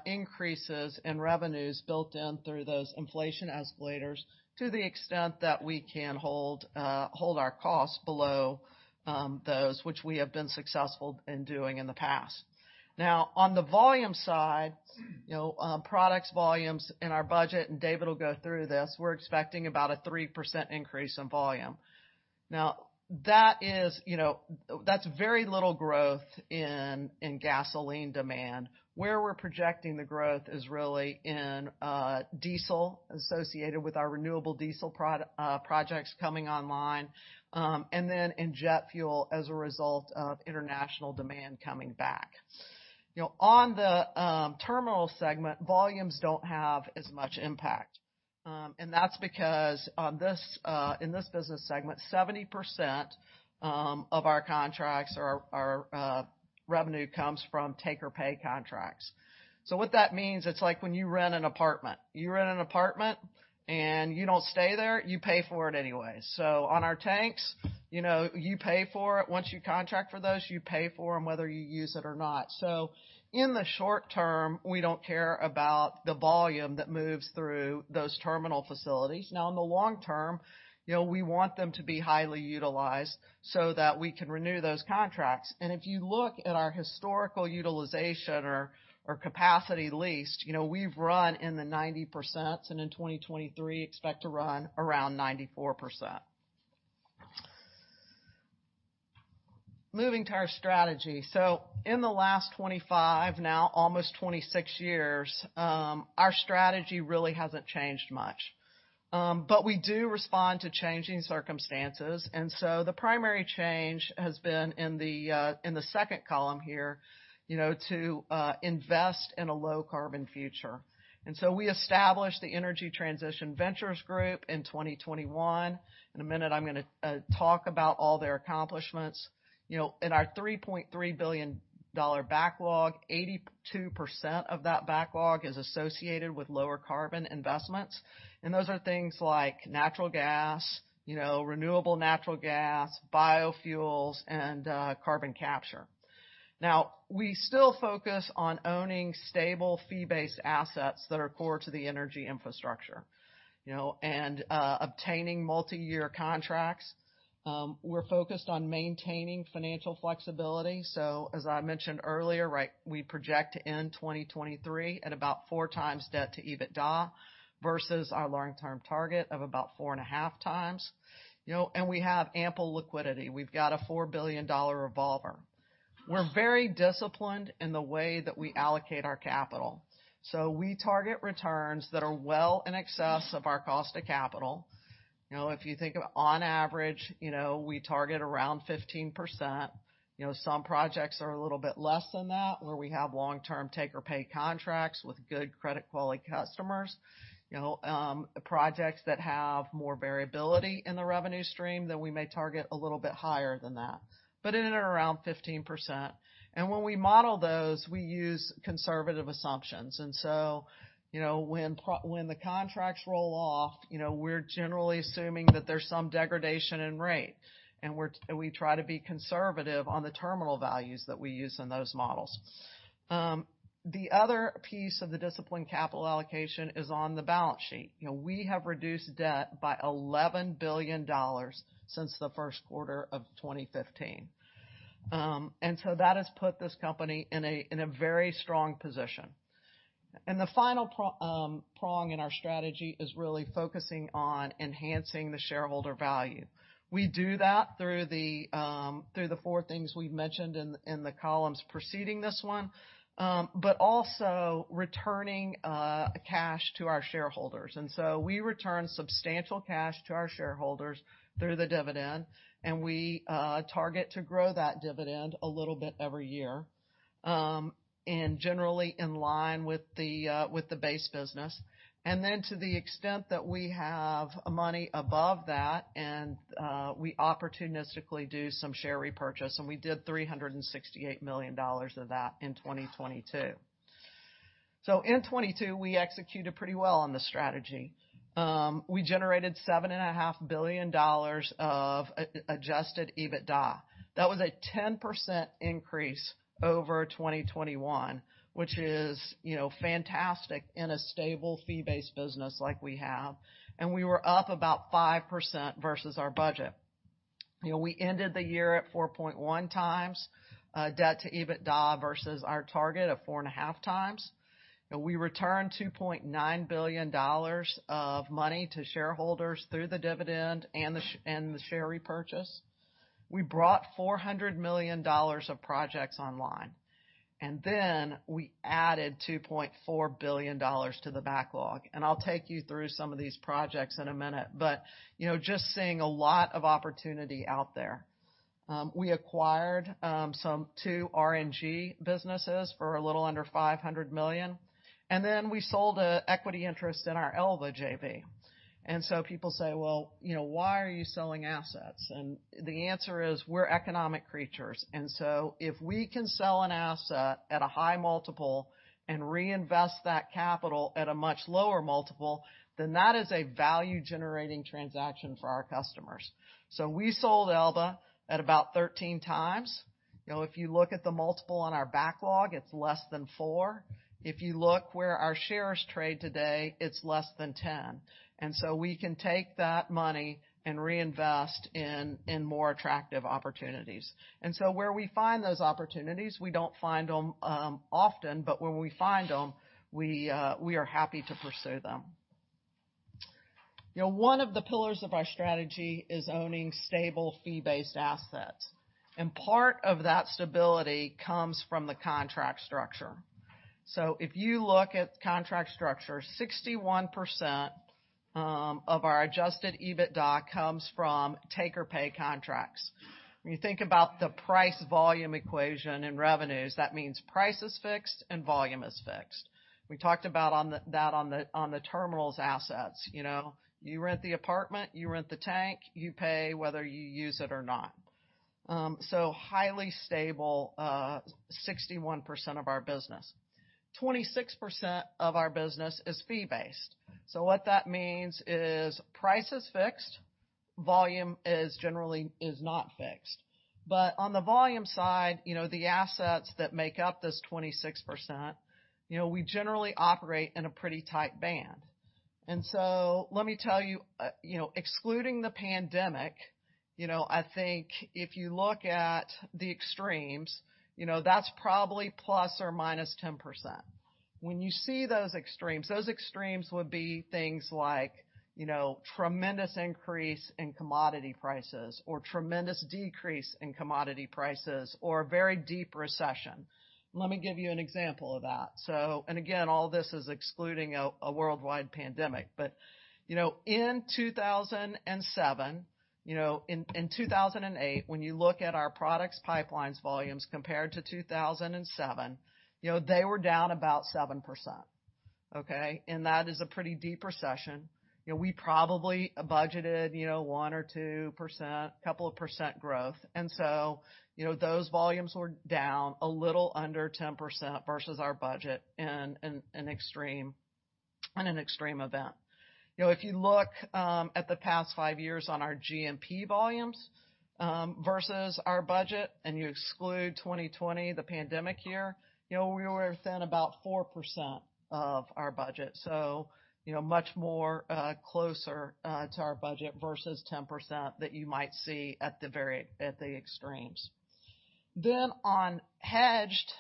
increases in revenues built in through those inflation escalators to the extent that we can hold our costs below those which we have been successful in doing in the past. On the volume side, you know, products volumes in our budget, and David will go through this, we're expecting about a 3% increase in volume. That is, you know, that's very little growth in gasoline demand. Where we're projecting the growth is really in diesel associated with our renewable diesel projects coming online, then in jet fuel as a result of international demand coming back. You know, on the terminal segment, volumes don't have as much impact. That's because on this in this business segment, 70% of our contracts or our revenue comes from take-or-pay contracts. What that means, it's like when you rent an apartment. You rent an apartment and you don't stay there, you pay for it anyway. On our tanks, you know, you pay for it. Once you contract for those, you pay for them whether you use it or not. In the short term, we don't care about the volume that moves through those terminal facilities. In the long term, you know, we want them to be highly utilized so that we can renew those contracts. If you look at our historical utilization or capacity leased, you know, we've run in the 90%, and in 2023 expect to run around 94%. Moving to our strategy. In the last 25 years, now almost 26 years, our strategy really hasn't changed much. We do respond to changing circumstances. The primary change has been in the in the second column here, you know, to invest in a low carbon future. We established the Energy Transition Ventures group in 2021. In a minute, I'm gonna talk about all their accomplishments. You know, in our $3.3 billion backlog, 82% of that backlog is associated with lower carbon investments. Those are things like natural gas, you know, renewable natural gas, biofuels, and carbon capture. We still focus on owning stable fee-based assets that are core to the energy infrastructure, you know, and obtaining multi-year contracts. We're focused on maintaining financial flexibility. As I mentioned earlier, right, we project to end 2023 at about 4x debt to EBITDA versus our long-term target of about 4.5x. You know, and we have ample liquidity. We've got a $4 billion revolver. We're very disciplined in the way that we allocate our capital. We target returns that are well in excess of our cost to capital. You know, if you think of on average, you know, we target around 15%. You know, some projects are a little bit less than that, where we have long-term take or pay contracts with good credit quality customers. You know, projects that have more variability in the revenue stream, then we may target a little bit higher than that, but in and around 15%. When we model those, we use conservative assumptions. You know, when the contracts roll off, you know, we're generally assuming that there's some degradation in rate, and we try to be conservative on the terminal values that we use in those models. The other piece of the disciplined capital allocation is on the balance sheet. You know, we have reduced debt by $11 billion since the Q1 of 2015. That has put this company in a very strong position. The final prong in our strategy is really focusing on enhancing the shareholder value. We do that through the through the four things we've mentioned in the columns preceding this one, but also returning cash to our shareholders. We return substantial cash to our shareholders through the dividend, and we target to grow that dividend a little bit every year, and generally in line with the with the base business. To the extent that we have money above that, we opportunistically do some share repurchase, and we did $368 million of that in 2022. In 2022, we executed pretty well on the strategy. We generated $7.5 billion of adjusted EBITDA. That was a 10% increase over 2021, which is, you know, fantastic in a stable fee-based business like we have. We were up about 5% versus our budget. You know, we ended the year at 4.1x debt to EBITDA versus our target of 4.5x. We returned $2.9 billion of money to shareholders through the dividend and the share repurchase. We brought $400 million of projects online, and then we added $2.4 billion to the backlog. I'll take you through some of these projects in a minute. You know, just seeing a lot of opportunity out there. We acquired some two RNG businesses for a little under $500 million, and then we sold an equity interest in our Elba JV. People say, "Well, you know, why are you selling assets?" The answer is, we're economic creatures. If we can sell an asset at a high multiple and reinvest that capital at a much lower multiple, then that is a value-generating transaction for our customers. We sold Elba at about 13x. You know, if you look at the multiple on our backlog, it's less than 4. If you look where our shares trade today, it's less than 10. We can take that money and reinvest in more attractive opportunities. Where we find those opportunities, we don't find them often, but when we find them, we are happy to pursue them. You know, one of the pillars of our strategy is owning stable fee-based assets, and part of that stability comes from the contract structure. If you look at contract structure, 61% of our adjusted EBITDA comes from take-or-pay contracts. When you think about the price-volume equation in revenues, that means price is fixed and volume is fixed. We talked about that on the terminals assets. You know, you rent the apartment, you rent the tank, you pay whether you use it or not. highly stable, 61% of our business. 26% of our business is fee-based. What that means is price is fixed, volume is generally not fixed. On the volume side, you know, the assets that make up this 26%, you know, we generally operate in a pretty tight band. Let me tell you know, excluding the pandemic, you know, I think if you look at the extremes, you know, that's probably ±10%. When you see those extremes, those extremes would be things like, you know, tremendous increase in commodity prices or tremendous decrease in commodity prices or a very deep recession. Let me give you an example of that. And again, all this is excluding a worldwide pandemic. You know, in 2007, you know, in 2008, when you look at our products pipelines volumes compared to 2007, you know, they were down about 7%, okay? That is a pretty deep recession. You know, we probably budgeted, you know, 1% or 2%, couple of percent growth. You know, those volumes were down a little under 10% versus our budget in an extreme event. You know, if you look at the past five years on our GMP volumes versus our budget, and you exclude 2020, the pandemic year, you know, we were within about 4% of our budget. You know, much more closer to our budget versus 10% that you might see at the extremes. On hedged,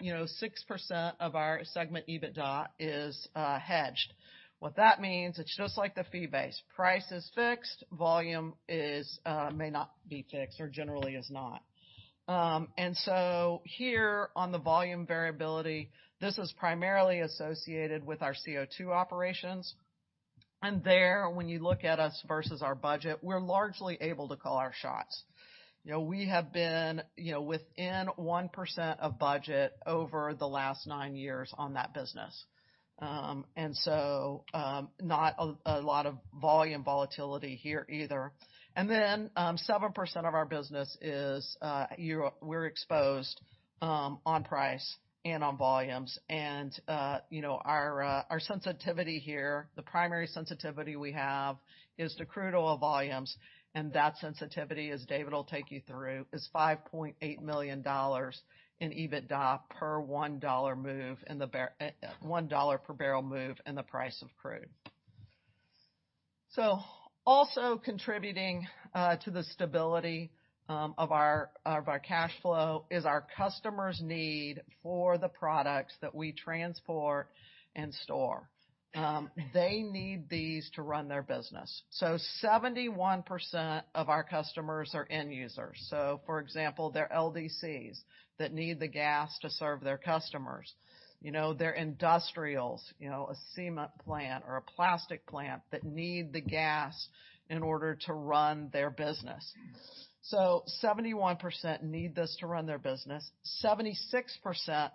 you know, 6% of our segment EBITDA is hedged. What that means, it's just like the fee-based. Price is fixed, volume is may not be fixed or generally is not. Here on the volume variability, this is primarily associated with our CO2 operations. When you look at us versus our budget, we're largely able to call our shots. You know, we have been, you know, within 1% of budget over the last nine years on that business. Not a lot of volume volatility here either. 7% of our business is EOR, we're exposed on price and on volumes. You know, our sensitivity here, the primary sensitivity we have is to crude oil volumes, and that sensitivity, as David will take you through, is $5.8 million in EBITDA per $1 move, $1 per barrel move in the price of crude. Also contributing the stability of our cash flow is our customers' need for the products that we transport and store. They need these to run their business. 71% of our customers are end users. For example, they're LDCs that need the gas to serve their customers. You know, they're industrials, you know, a cement plant or a plastic plant that need the gas in order to run their business. 71% need this to run their business. 76%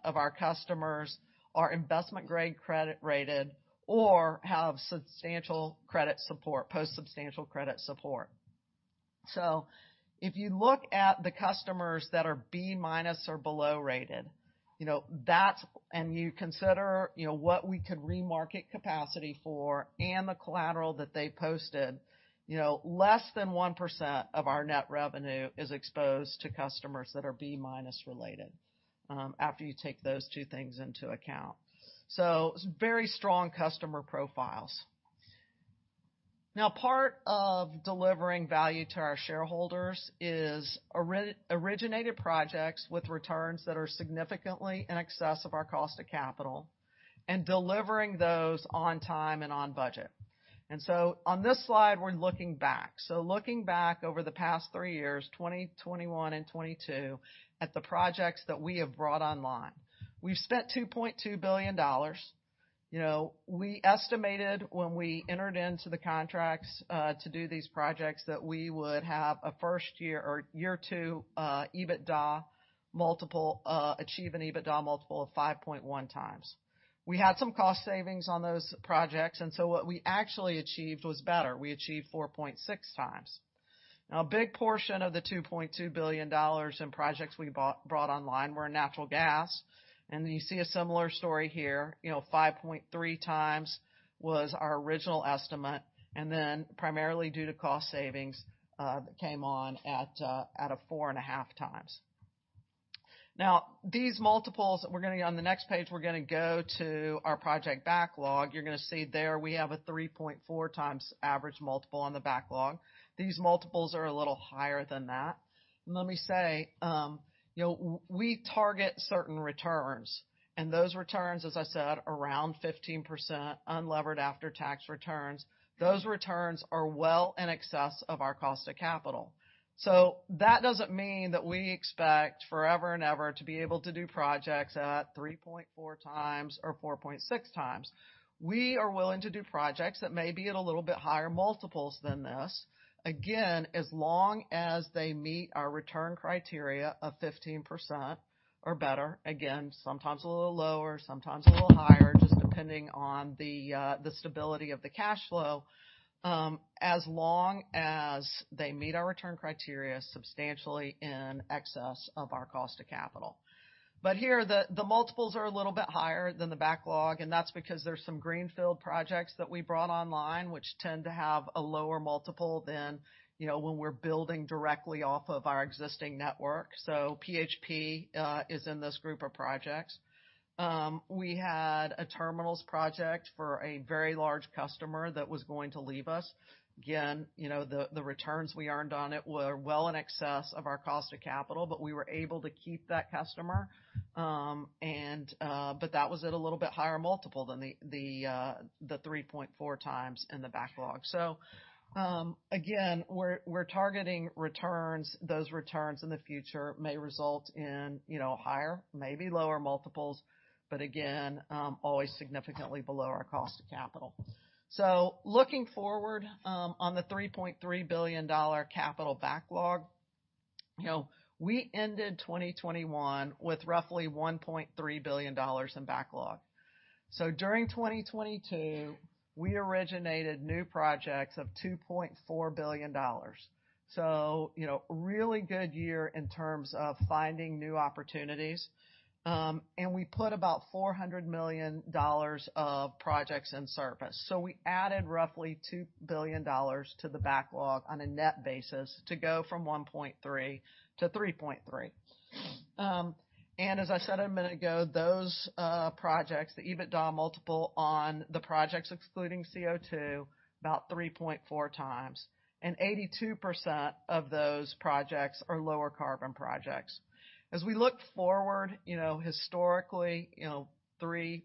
of our customers are investment-grade credit rated or have substantial credit support, post substantial credit support. If you look at the customers that are B- or below rated, you know, that's and you consider, you know, what we could remarket capacity for and the collateral that they posted, you know, less than 1% of our net revenue is exposed to customers that are B- related, after you take those two things into account. Very strong customer profiles. Part of delivering value to our shareholders is originated projects with returns that are significantly in excess of our cost to capital and delivering those on time and on budget. On this slide, we're looking back. Looking back over the past three years, 2020, 2021 and 2022, at the projects that we have brought online. We've spent $2.2 billion. You know, we estimated when we entered into the contracts to do these projects that we would have a first year or year two EBITDA multiple, achieve an EBITDA multiple of 5.1x. We had some cost savings on those projects, what we actually achieved was better. We achieved 4.6x. A big portion of the $2.2 billion in projects we brought online were natural gas. You see a similar story here. You know, 5.3x was our original estimate, and then primarily due to cost savings, came on at 4.5x. These multiples, on the next page, we're gonna go to our project backlog. You're gonna see there we have a 3.4x average multiple on the backlog. These multiples are a little higher than that. Let me say, you know, we target certain returns, and those returns, as I said, around 15% unlevered after-tax returns. Those returns are well in excess of our cost of capital. That doesn't mean that we expect forever and ever to be able to do projects at 3.4x or 4.6x. We are willing to do projects that may be at a little bit higher multiples than this. Again, as long as they meet our return criteria of 15% or better, again, sometimes a little lower, sometimes a little higher, just depending on the stability of the cash flow, as long as they meet our return criteria substantially in excess of our cost of capital. Here the multiples are a little bit higher than the backlog, and that's because there's some greenfield projects that we brought online, which tend to have a lower multiple than, you know, when we're building directly off of our existing network. PHP is in this group of projects. We had a terminals project for a very large customer that was going to leave us. Again, you know, the returns we earned on it were well in excess of our cost of capital, but we were able to keep that customer. That was at a little bit higher multiple than the 3.4x in the backlog. Again, we're targeting returns. Those returns in the future may result in, you know, higher, maybe lower multiples, but again, always significantly below our cost of capital. Looking forward, on the $3.3 billion capital backlog, you know, we ended 2021 with roughly $1.3 billion in backlog. During 2022, we originated new projects of $2.4 billion. You know, really good year in terms of finding new opportunities. We put about $400 million of projects in service. We added roughly $2 billion to the backlog on a net basis to go from $1.3 billion-$3.3 billion. As I said a minute ago, those projects, the EBITDA multiple on the projects, excluding CO2, about 3.4x, and 82% of those projects are lower carbon projects. As we look forward, you know, historically, you know, 3+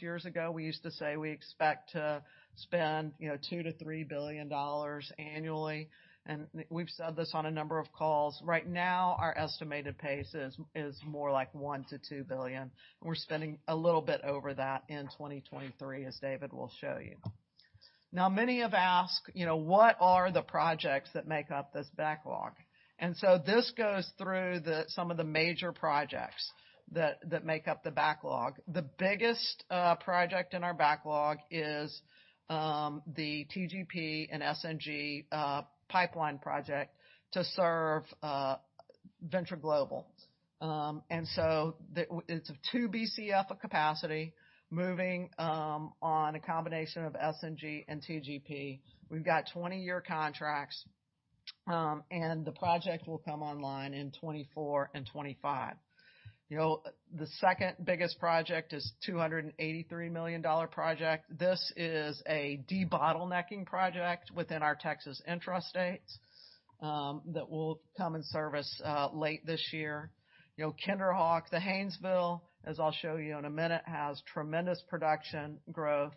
years ago, we used to say we expect to spend, you know, $2 billion-$3 billion annually, and we've said this on a number of calls. Right now, our estimated pace is more like $1 billion-$2 billion. We're spending a little bit over that in 2023, as David will show you. Now, many have asked, you know, what are the projects that make up this backlog? This goes through some of the major projects that make up the backlog. The biggest project in our backlog is the TGP and SNG pipeline project to serve Venture Global. It's a two BCF of capacity moving on a combination of SNG and TGP. We've got 20-year contracts. The project will come online in 2024 and 2025. You know, the second biggest project is a $283 million project. This is a debottlenecking project within our Texas intrastates that will come in service late this year. You know, KinderHawk, the Haynesville, as I'll show you in a minute, has tremendous production growth.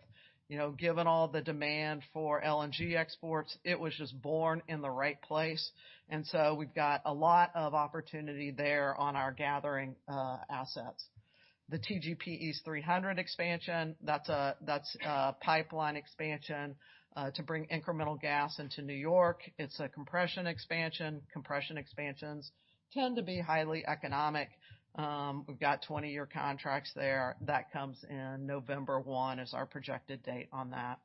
You know, given all the demand for LNG exports, it was just born in the right place. We've got a lot of opportunity there on our gathering assets. The TGP's 300 expansion, that's a pipeline expansion to bring incremental gas into New York. It's a compression expansion. Compression expansions tend to be highly economic. We've got 20-year contracts there that comes in November 1 is our projected date on that.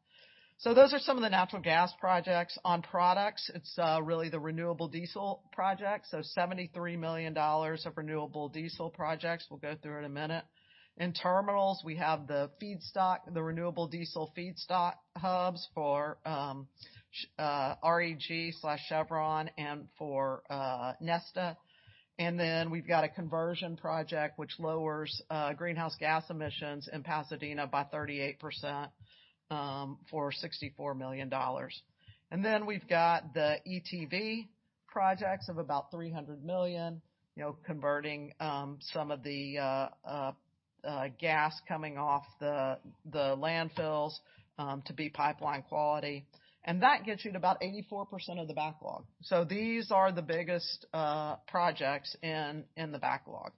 Those are some of the natural gas projects. On products, it's really the renewable diesel projects. $73 million of renewable diesel projects we'll go through in a minute. In terminals, we have the feedstock, the renewable diesel feedstock hubs for REG slash Chevron and for Neste. We've got a conversion project which lowers greenhouse gas emissions in Pasadena by 38%, for $64 million. We've got the ETV projects of about $300 million, you know, converting some of the gas coming off the landfills to be pipeline quality. That gets you to about 84% of the backlog. These are the biggest projects in the backlog.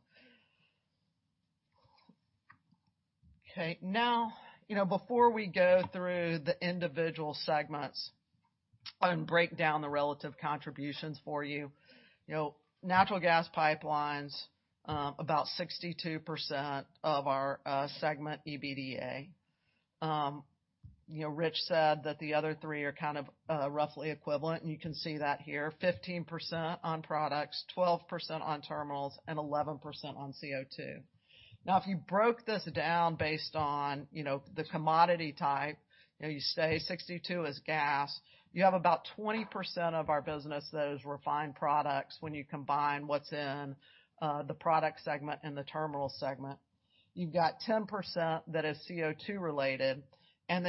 Okay. You know, before we go through the individual segments and break down the relative contributions for you. You know, natural gas pipelines, about 62% of our segment EBITDA. You know, Richard said that the other three are kind of roughly equivalent, and you can see that here. 15% on products, 12% on terminals, and 11% on CO2. If you broke this down based on, you know, the commodity type, you know, you say 62 is gas. You have about 20% of our business that is refined products when you combine what's in the product segment and the terminal segment. You've got 10% that is CO2 related,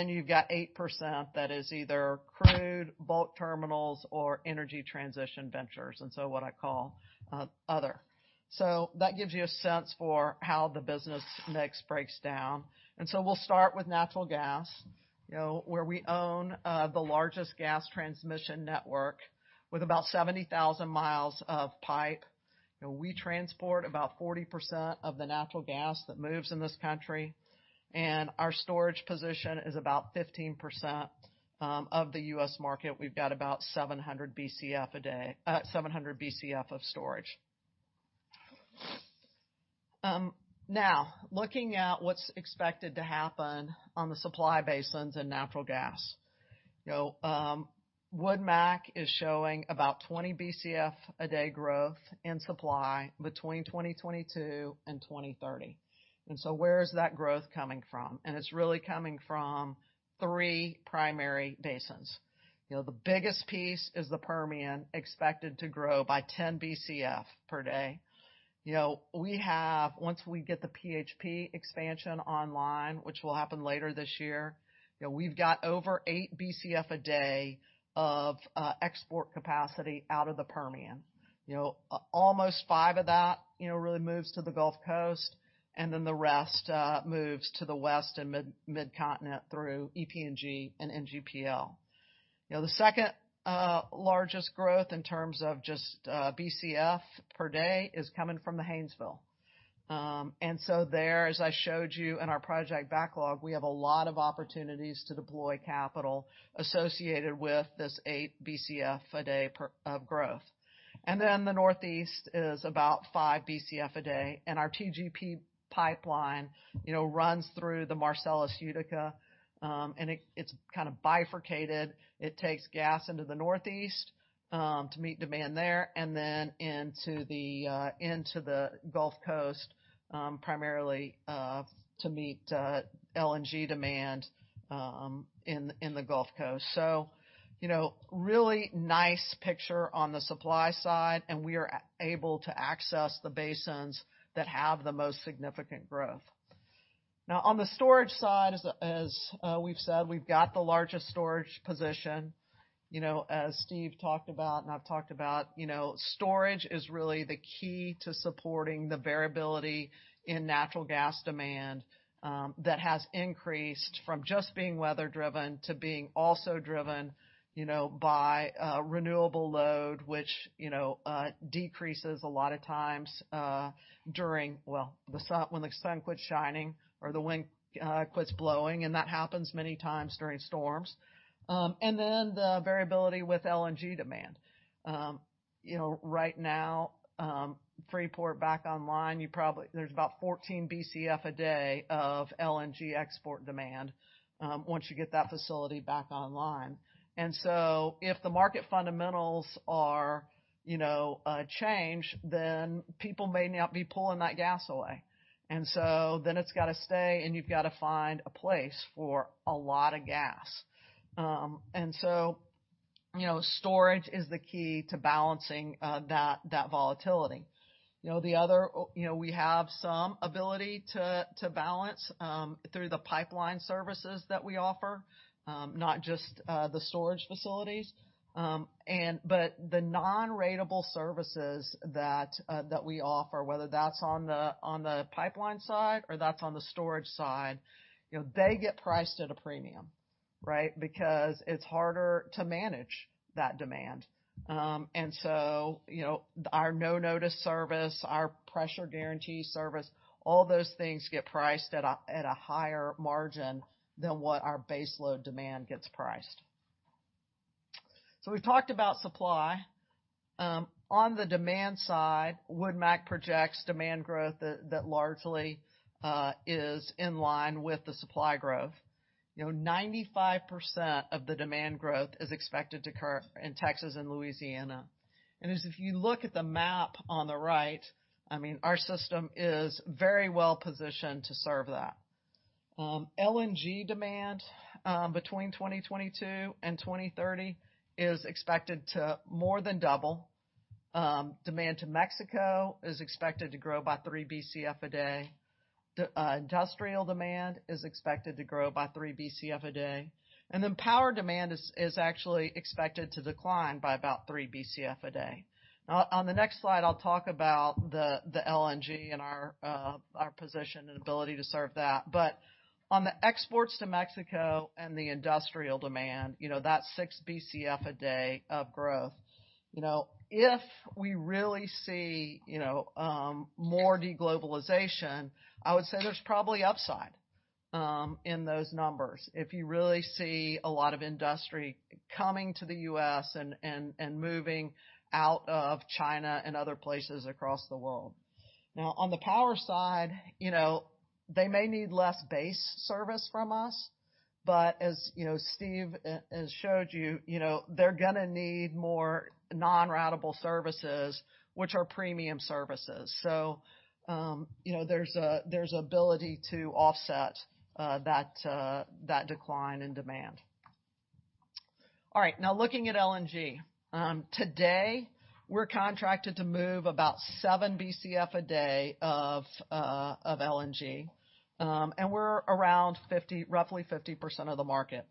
you've got 8% that is either crude, bulk terminals, or Energy Transition Ventures, what I call other. That gives you a sense for how the business mix breaks down. We'll start with natural gas, you know, where we own the largest gas transmission network with about 70,000 miles of pipe. We transport about 40% of the natural gas that moves in this country, our storage position is about 15% of the U.S. market. We've got about 700 BCF of storage. Now looking at what's expected to happen on the supply basins in natural gas. You know, WoodMac is showing about 20 BCF a day growth in supply between 2022 and 2030. Where is that growth coming from? It's really coming from three primary basins. You know, the biggest piece is the Permian, expected to grow by 10 BCF per day. You know, once we get the PHP expansion online, which will happen later this year, you know, we've got over 8 BCF a day of export capacity out of the Permian. You know, almost five of that, you know, really moves to the Gulf Coast, and then the rest moves to the West and Mid-continent through EPNG and NGPL. You know, the second largest growth in terms of just BCF per day is coming from the Haynesville. There, as I showed you in our project backlog, we have a lot of opportunities to deploy capital associated with this 8 BCF a day of growth. The Northeast is about 5 BCF a day, and our TGP pipeline, you know, runs through the Marcellus Utica. It's kind of bifurcated. It takes gas into the Northeast to meet demand there, and then into the Gulf Coast primarily to meet LNG demand in the Gulf Coast. You know, really nice picture on the supply side, and we are able to access the basins that have the most significant growth. On the storage side, as we've said, we've got the largest storage position. You know, as Steve talked about and I've talked about, you know, storage is really the key to supporting the variability in natural gas demand, that has increased from just being weather driven to being also driven, you know, by a renewable load, which, you know, decreases a lot of times during, well, when the sun quits shining or the wind quits blowing, and that happens many times during storms. Then the variability with LNG demand. You know, right now, Freeport back online, there's about 14 BCF a day of LNG export demand once you get that facility back online. If the market fundamentals are, you know, change, then people may not be pulling that gas away. Then it's gotta stay, and you've gotta find a place for a lot of gas. You know, storage is the key to balancing that volatility. You know, we have some ability to balance through the pipeline services that we offer, not just the storage facilities. The non-ratable services that we offer, whether that's on the, on the pipeline side or that's on the storage side, you know, they get priced at a premium, right? Because it's harder to manage that demand. You know, our no-notice service, our pressure guarantee service, all those things get priced at a higher margin than what our base load demand gets priced. We've talked about supply. On the demand side, Woodmac projects demand growth that largely is in line with the supply growth. You know, 95% of the demand growth is expected to occur in Texas and Louisiana. If you look at the map on the right, I mean, our system is very well-positioned to serve that. LNG demand between 2022 and 2030 is expected to more than double. Demand to Mexico is expected to grow by 3 Bcf a day. The industrial demand is expected to grow by 3 Bcf a day. Power demand is actually expected to decline by about 3 Bcf a day. On the next slide, I'll talk about the LNG and our position and ability to serve that. On the exports to Mexico and the industrial demand, you know, that 6 Bcf a day of growth, you know, if we really see, more de-globalization, I would say there's probably upside in those numbers. If you really see a lot of industry coming to the U.S. and moving out of China and other places across the world. Now on the power side, you know, they may need less base service from us, but as you know, Steve has showed you know, they're gonna need more non-ratable services, which are premium services. You know, there's ability to offset that decline in demand. All right, now looking at LNG. Today we're contracted to move about 7 Bcf a day of LNG, and we're around roughly 50% of the market.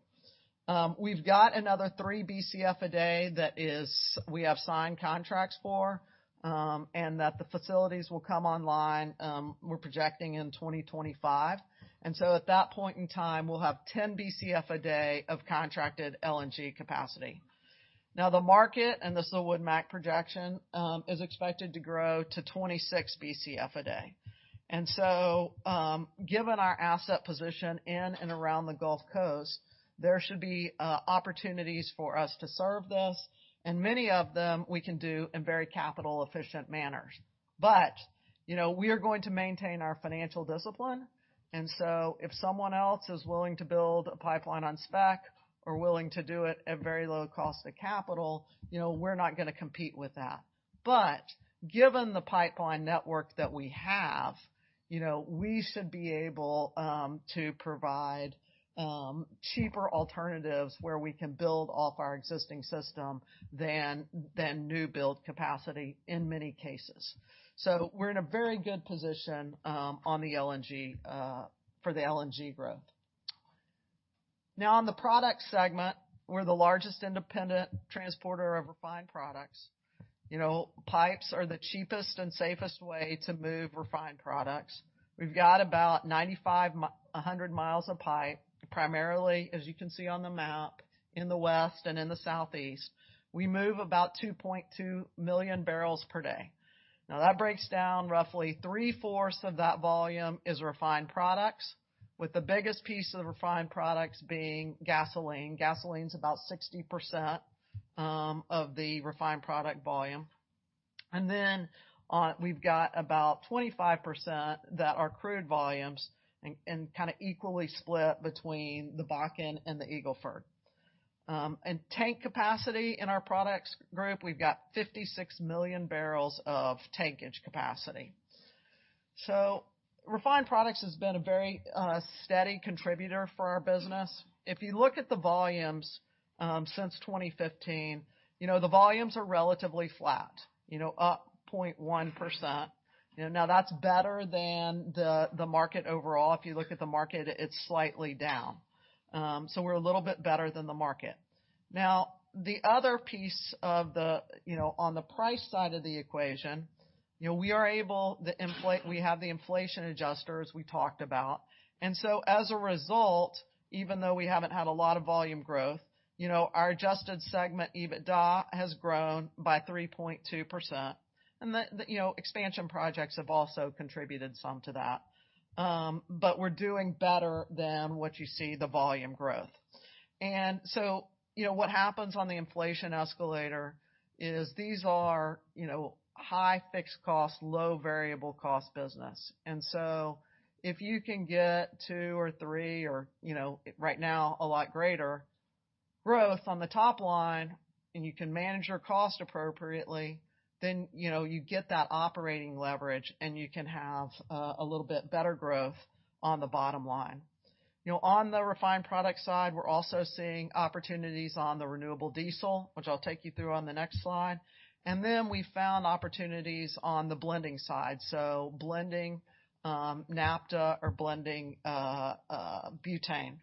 We've got another 3 Bcf a day that is, we have signed contracts for, and that the facilities will come online, we're projecting in 2025. At that point in time, we'll have 10 Bcf a day of contracted LNG capacity. The market, and this is a Woodmac projection, is expected to grow to 26 Bcf a day. Given our asset position in and around the Gulf Coast, there should be opportunities for us to serve this, and many of them we can do in very capital-efficient manners. You know, we are going to maintain our financial discipline. If someone else is willing to build a pipeline on spec or willing to do it at very low cost of capital, you know, we're not gonna compete with that. Given the pipeline network that we have, you know, we should be able to provide cheaper alternatives where we can build off our existing system than new build capacity in many cases. We're in a very good position on the LNG for the LNG growth. On the product segment, we're the largest independent transporter of refined products. You know, pipes are the cheapest and safest way to move refined products. We've got about 100 mi of pipe, primarily, as you can see on the map, in the West and in the Southeast. We move about 2.2 million barrels per day. That breaks down roughly 3/4 of that volume is refined products, with the biggest piece of the refined products being gasoline. Gasoline's about 60% of the refined product volume. We've got about 25% that are crude volumes and kinda equally split between the Bakken and the Eagle Ford. Tank capacity in our products group, we've got 56 million barrels of tankage capacity. Refined products has been a very steady contributor for our business. If you look at the volumes, since 2015, you know, the volumes are relatively flat, you know, up 0.1%. You know, now that's better than the market overall. If you look at the market, it's slightly down. We're a little bit better than the market. Now, the other piece of the, you know, on the price side of the equation, you know, we have the inflation adjusters we talked about. As a result, even though we haven't had a lot of volume growth, you know, our adjusted segment EBITDA has grown by 3.2%. The, you know, expansion projects have also contributed some to that. But we're doing better than what you see the volume growth. What happens on the inflation escalator is these are, you know, high fixed cost, low variable cost business. If you can get two or three or, you know, right now a lot greater growth on the top line, and you can manage your cost appropriately, then, you know, you get that operating leverage, and you can have a little bit better growth on the bottom line. You know, on the refined product side, we're also seeing opportunities on the renewable diesel, which I'll take you through on the next slide. We found opportunities on the blending side, blending naphtha or blending butane.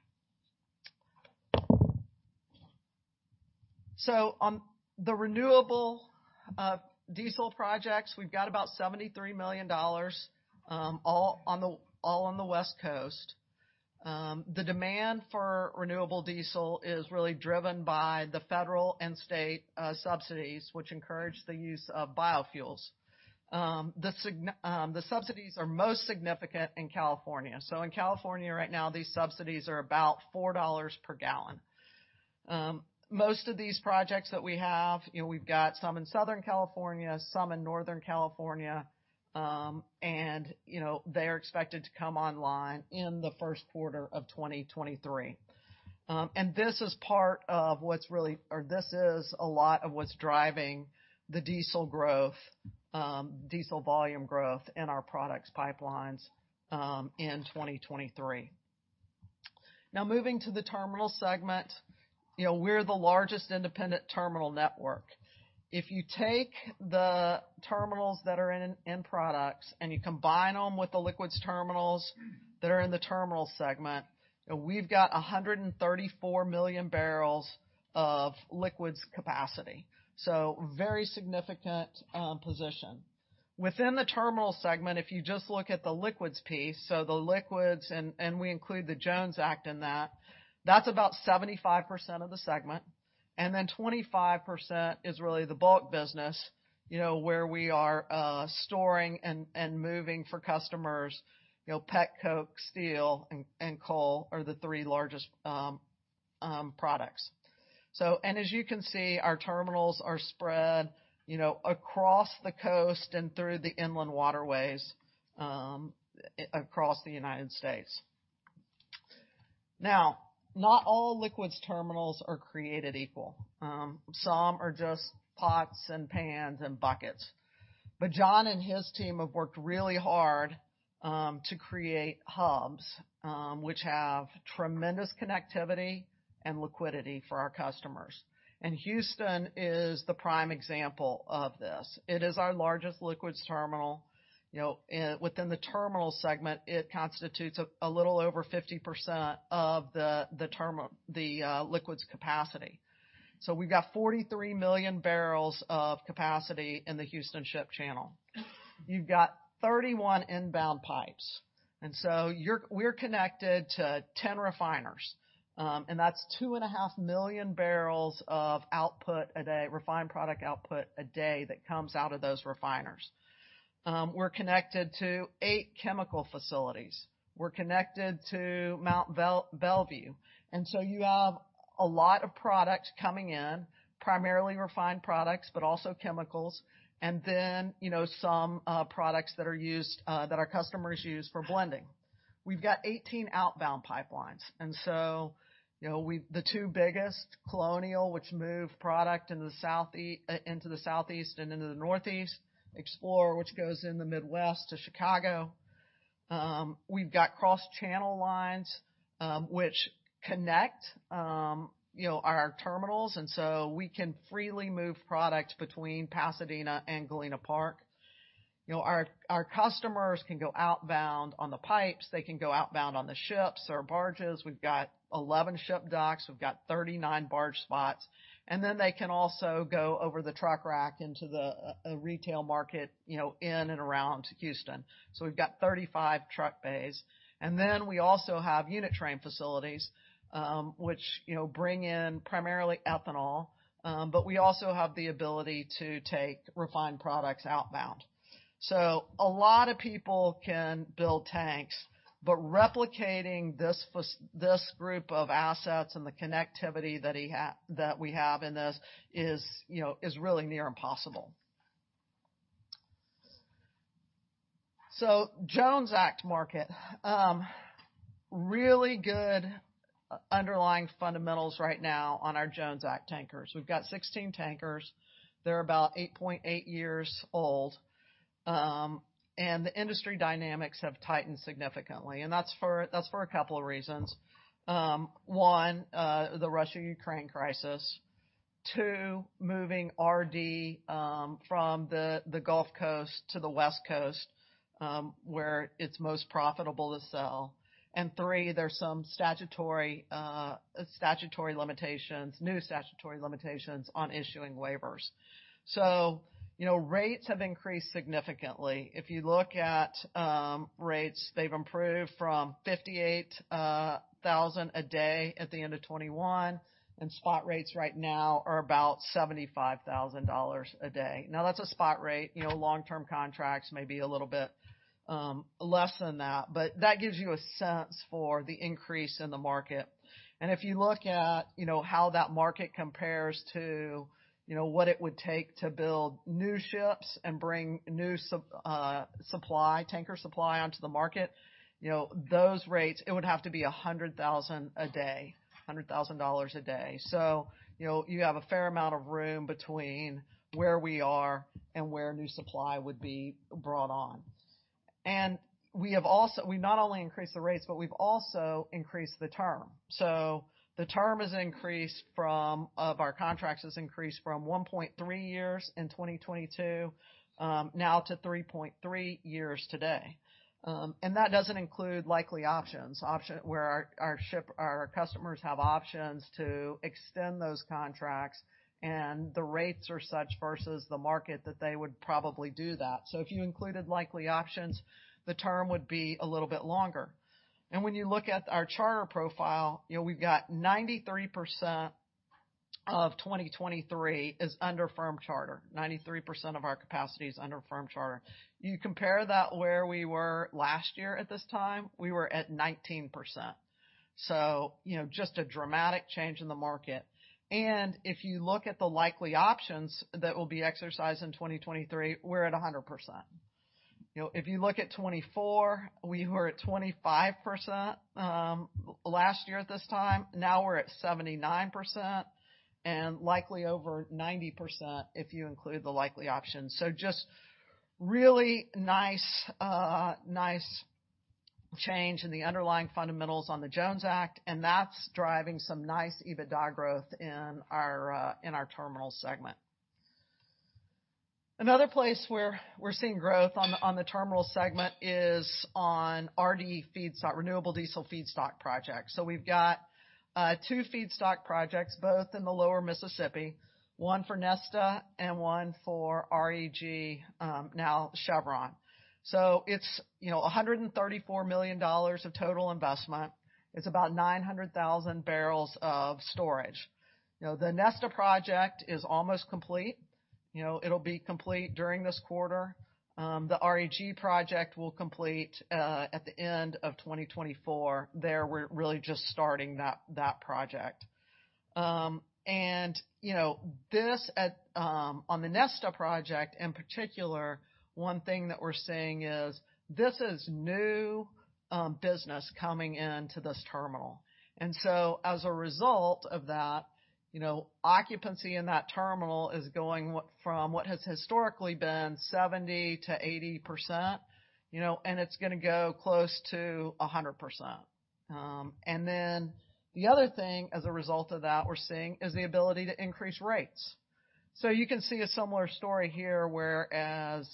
On the renewable diesel projects, we've got about $73 million, all on the West Coast. The demand for renewable diesel is really driven by the federal and state subsidies, which encourage the use of biofuels. The subsidies are most significant in California. In California right now, these subsidies are about $4 per gallon. Most of these projects that we have, you know, we've got some in Southern California, some in Northern California, and you know, they're expected to come online in the Q1 of 2023. This is a lot of what's driving the diesel growth, diesel volume growth in our products pipelines in 2023. Now moving to the terminal segment, you know, we're the largest independent terminal network. If you take the terminals that are in products and you combine them with the liquids terminals that are in the terminal segment, we've got 134 million barrels of liquids capacity. Very significant position. Within the terminal segment, if you just look at the liquids piece, so the liquids, and we include the Jones Act in that's about 75% of the segment, and then 25% is really the bulk business, you know, where we are storing and moving for customers. You know, petcoke, steel, and coal are the three largest products. As you can see, our terminals are spread, you know, across the coast and through the inland waterways, across the United States. Now, not all liquids terminals are created equal. Some are just pots and pans and buckets. John and his team have worked really hard to create hubs, which have tremendous connectivity and liquidity for our customers. Houston is the prime example of this. It is our largest liquids terminal. You know, within the terminal segment, it constitutes a little over 50% of the liquids capacity. We've got 43 million barrels of capacity in the Houston Ship Channel. You've got 31 inbound pipes. We're connected to 10 refiners, and that's 2.5 million barrels of output a day, refined product output a day that comes out of those refiners. We're connected to eight chemical facilities. We're connected to Mont Belvieu. You have a lot of products coming in, primarily refined products, but also chemicals, and then, you know, some products that are used that our customers use for blending. We've got 18 outbound pipelines. You know, the two biggest, Colonial, which move product into the Southeast and into the Northeast. Explorer, which goes in the Midwest to Chicago. We've got cross-channel lines, which connect, you know, our terminals. We can freely move product between Pasadena and Galena Park. You know, our customers can go outbound on the pipes. They can go outbound on the ships or barges. We've got 11 ship docks. We've got 39 barge spots. They can also go over the truck rack into the retail market, you know, in and around Houston. We've got 35 truck bays. We also have unit train facilities, which, you know, bring in primarily ethanol. We also have the ability to take refined products outbound. A lot of people can build tanks, but replicating this this group of assets and the connectivity that we have in this is, you know, is really near impossible. Jones Act market. Really good underlying fundamentals right now on our Jones Act tankers. We've got 16 tankers. They're about eight point eight years old. The industry dynamics have tightened significantly. That's for a couple of reasons. One, the Russia-Ukraine crisis. Two, moving RD from the Gulf Coast to the West Coast, where it's most profitable to sell. Three, there's some statutory limitations, new statutory limitations on issuing waivers. You know, rates have increased significantly. If you look at rates, they've improved from $58,000 a day at the end of 2021, and spot rates right now are about $75,000 a day. Now, that's a spot rate. You know, long-term contracts may be a little bit less than that, but that gives you a sense for the increase in the market. If you look at, you know, how that market compares to, you know, what it would take to build new ships and bring new supply, tanker supply onto the market, you know, those rates, it would have to be $100,000 a day, $100,000 a day. You know, you have a fair amount of room between where we are and where new supply would be brought on. We've not only increased the rates, but we've also increased the term. The term has increased from of our contracts has increased from 1.3 years in 2022, now to 3.3 years today. That doesn't include likely options, option where our customers have options to extend those contracts and the rates are such versus the market that they would probably do that. If you included likely options, the term would be a little bit longer. When you look at our charter profile, you know, we've got 93% of 2023 is under firm charter. 93% of our capacity is under firm charter. You compare that where we were last year at this time, we were at 19%. Just a dramatic change in the market. If you look at the likely options that will be exercised in 2023, we're at 100%. You know, if you look at 2024, we were at 25% last year at this time. We're at 79% and likely over 90%, if you include the likely options. Just really nice change in the underlying fundamentals on the Jones Act, and that's driving some nice EBITDA growth in our terminal segment. Another place where we're seeing growth on the terminal segment is on RD feedstock, renewable diesel feedstock projects. We've got two feedstock projects, both in the lower Mississippi, one for Neste and one for REG, now Chevron. It's, you know, $134 million of total investment. It's about 900,000 barrels of storage. You know, the Neste project is almost complete. You know, it'll be complete during this quarter. The REG project will complete at the end of 2024. There, we're really just starting that project. You know, this at on the Neste project in particular, one thing that we're seeing is this is new business coming into this terminal. As a result of that, you know, occupancy in that terminal is going from what has historically been 70%-80%, you know, and it's gonna go close to 100%. The other thing as a result of that we're seeing is the ability to increase rates. You can see a similar story here, whereas,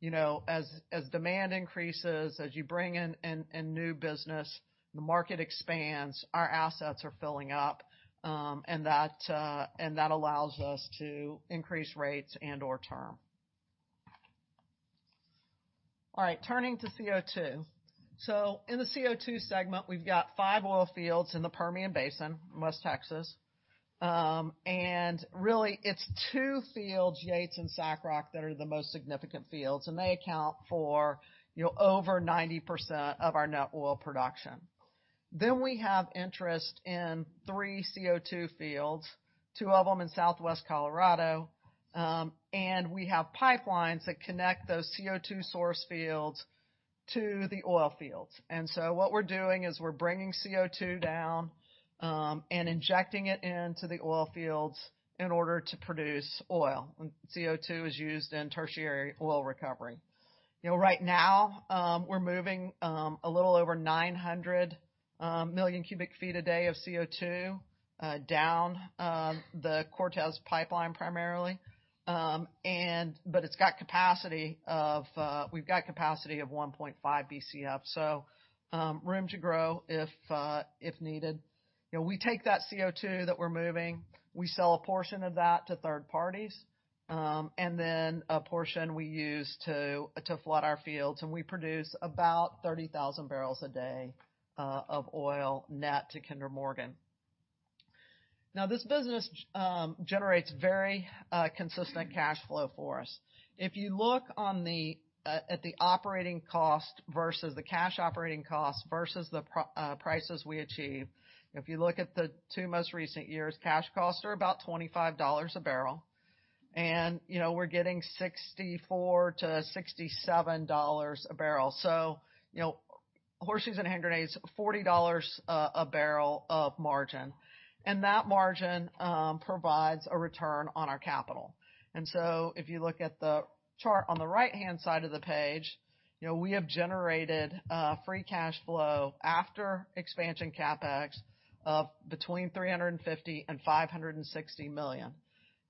you know, as demand increases, as you bring in new business, the market expands, our assets are filling up, and that allows us to increase rates and/or term. All right, turning to CO2. In the CO2 segment, we've got five oil fields in the Permian Basin in West Texas. Really it's 2 fields, Yates and SACROC, that are the most significant fields, and they account for, you know, over 90% of our net oil production. We have interest in three CO2 fields, two of them in southwest Colorado, we have pipelines that connect those CO2 source fields to the oil fields. What we're doing is we're bringing CO2 down, injecting it into the oil fields in order to produce oil. CO2 is used in tertiary oil recovery. You know, right now, we're moving a little over 900 million cubic feet a day of CO2 down the Cortez Pipeline primarily. It's got capacity of, we've got capacity of 1.5 BCF, room to grow if needed. You know, we take that CO2 that we're moving, we sell a portion of that to third parties, and then a portion we use to flood our fields, and we produce about 30,000 barrels a day of oil net to Kinder Morgan. Now, this business generates very consistent cash flow for us. If you look on the at the operating cost versus the cash operating cost versus the prices we achieve, if you look at the two most recent years, cash costs are about $25 a barrel. You know, we're getting $64-$67 a barrel. So, you know, horses and hand grenades, $40 a barrel of margin. That margin provides a return on our capital. If you look at the chart on the right-hand side of the page, you know, we have generated free cash flow after expansion CapEx of between $350 million and $560 million.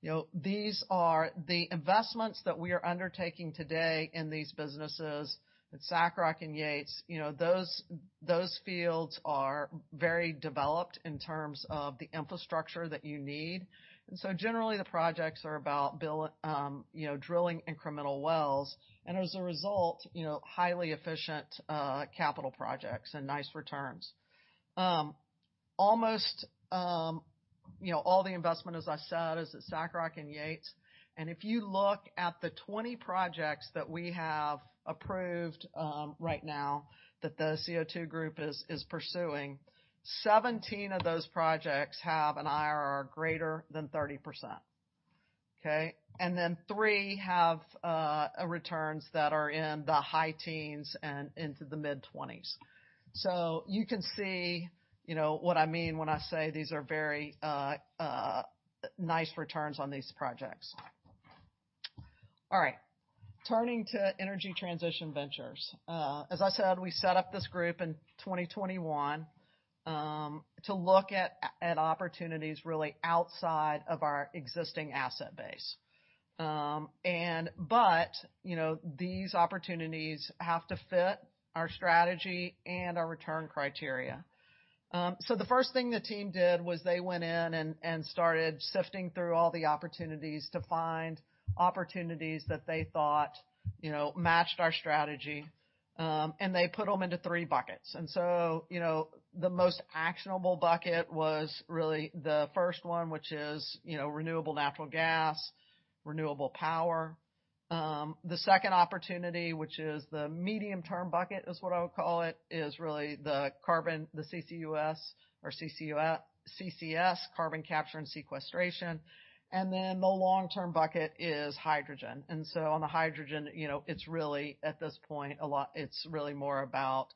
You know, these are the investments that we are undertaking today in these businesses at SACROC and Yates. You know, those fields are very developed in terms of the infrastructure that you need. Generally, the projects are about build, you know, drilling incremental wells, and as a result, you know, highly efficient capital projects and nice returns. Almost, you know, all the investment, as I said, is at SACROC and Yates. If you look at the 20 projects that we have approved right now that the CO2 group is pursuing, 17 of those projects have an IRR greater than 30%. Okay? Three have returns that are in the high teens and into the mid-20s. You can see, you know, what I mean when I say these are very nice returns on these projects. All right, turning to Energy Transition Ventures. As I said, we set up this group in 2021 to look at opportunities really outside of our existing asset base. But, you know, these opportunities have to fit our strategy and our return criteria. The first thing the team did was they went in and started sifting through all the opportunities to find opportunities that they thought, you know, matched our strategy, and they put them into three buckets. You know, the most actionable bucket was really the first one, which is, you know, renewable natural gas, renewable power. The second opportunity, which is the medium-term bucket, is what I would call it, is really the carbon, the CCUS or CCU-CCS, carbon capture and sequestration. The long-term bucket is hydrogen. On the hydrogen, you know, it's really, at this point, it's really more about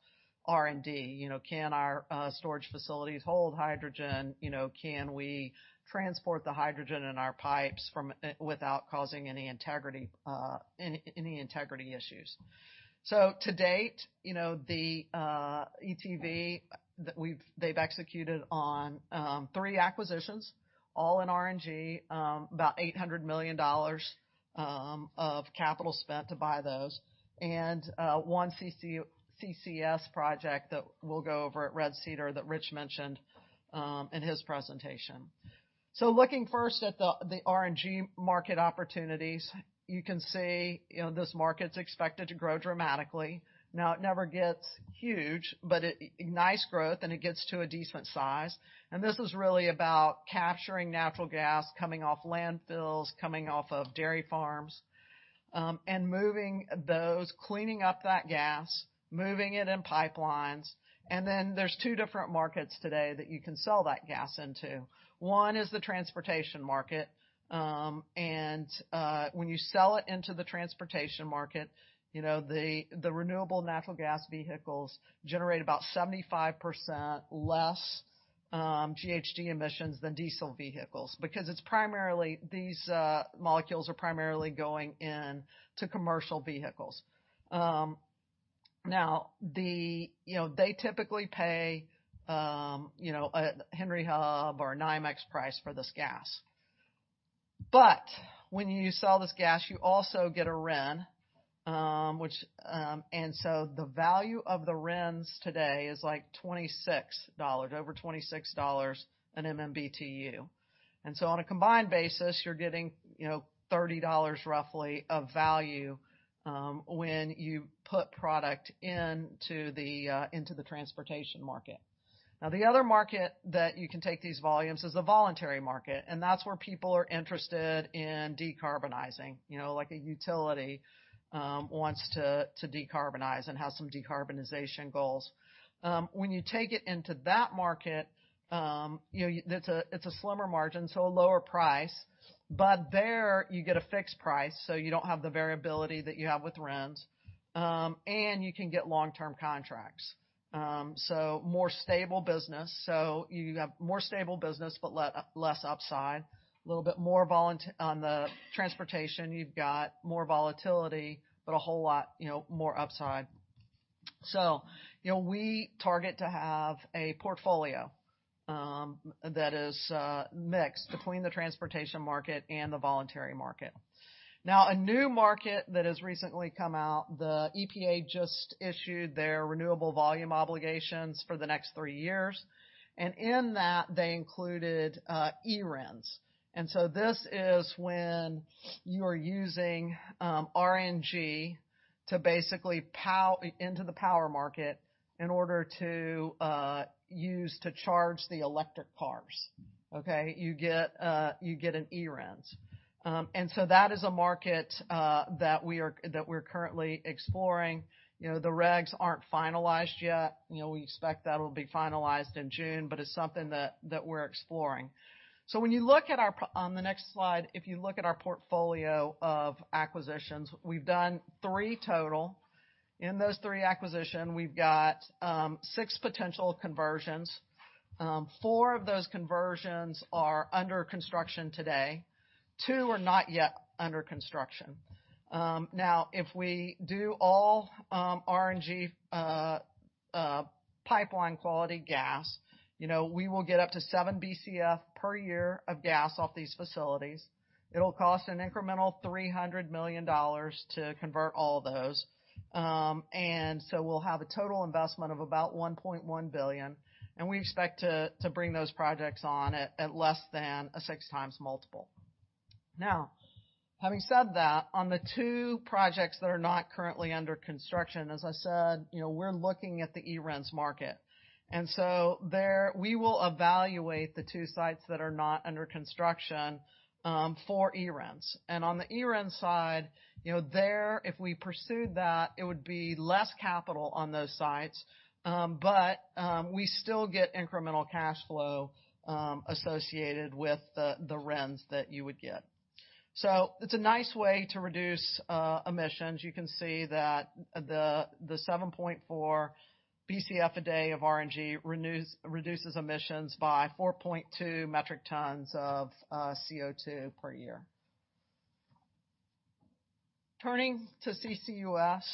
R&D. You know, can our storage facilities hold hydrogen? You know, can we transport the hydrogen in our pipes from without causing any integrity, any integrity issues? To date, you know, the ETV that they've executed on three acquisitions, all in RNG, about $800 million of capital spent to buy those, and one CC-CCS project that we'll go over at Red Cedar that Rich mentioned in his presentation. Looking first at the RNG market opportunities, you can see, you know, this market's expected to grow dramatically. Now, it never gets huge, but it nice growth, and it gets to a decent size. This is really about capturing natural gas coming off landfills, coming off of dairy farms, and moving those, cleaning up that gas, moving it in pipelines. Then there's two different markets today that you can sell that gas into. One is the transportation market, and when you sell it into the transportation market, you know, the renewable natural gas vehicles generate about 75% less GHG emissions than diesel vehicles because it's primarily these molecules are primarily going in to commercial vehicles. Now the, you know, they typically pay, you know, a Henry Hub or a NYMEX price for this gas. When you sell this gas, you also get a RIN, which, the value of the RINs today is like $26, over $26 an MMBtu. On a combined basis, you're getting, you know, $30 roughly of value, when you put product into the transportation market. The other market that you can take these volumes is the voluntary market, and that's where people are interested in decarbonizing. You know, like a utility, wants to decarbonize and has some decarbonization goals. When you take it into that market, you know, it's a slimmer margin, so a lower price. There you get a fixed price, so you don't have the variability that you have with RINs, and you can get long-term contracts. So more stable business. You have more stable business, but less upside, a little bit more on the transportation, you've got more volatility, but a whole lot, you know, more upside. You know, we target to have a portfolio that is mixed between the transportation market and the voluntary market. A new market that has recently come out, the EPA just issued their Renewable Volume Obligations for the next three years, and in that, they included eRINs. This is when you are using RNG to basically into the power market in order to use to charge the electric cars, okay? You get an eRINs. That is a market that we are, that we're currently exploring. You know, the regs aren't finalized yet. You know, we expect that'll be finalized in June. It's something that we're exploring. When you look at on the next slide, if you look at our portfolio of acquisitions, we've done three total. In those three acquisition, we've got six potential conversions. four of those conversions are under construction today. two are not yet under construction. Now, if we do all RNG pipeline quality gas, you know, we will get up to seven BCF per year of gas off these facilities. It'll cost an incremental $300 million to convert all those. We'll have a total investment of about $1.1 billion, and we expect to bring those projects on at less than a 6x multiple. Having said that, on the two projects that are not currently under construction, as I said, you know, we're looking at the eRINs market. There we will evaluate the two sites that are not under construction for eRINs. On the eRIN side, you know, there, if we pursued that, it would be less capital on those sites, but we still get incremental cash flow associated with the RINs that you would get. It's a nice way to reduce emissions. You can see that the 7.4 Bcf a day of RNG reduces emissions by 4.2 metric tons of CO2 per year. Turning to CCUS.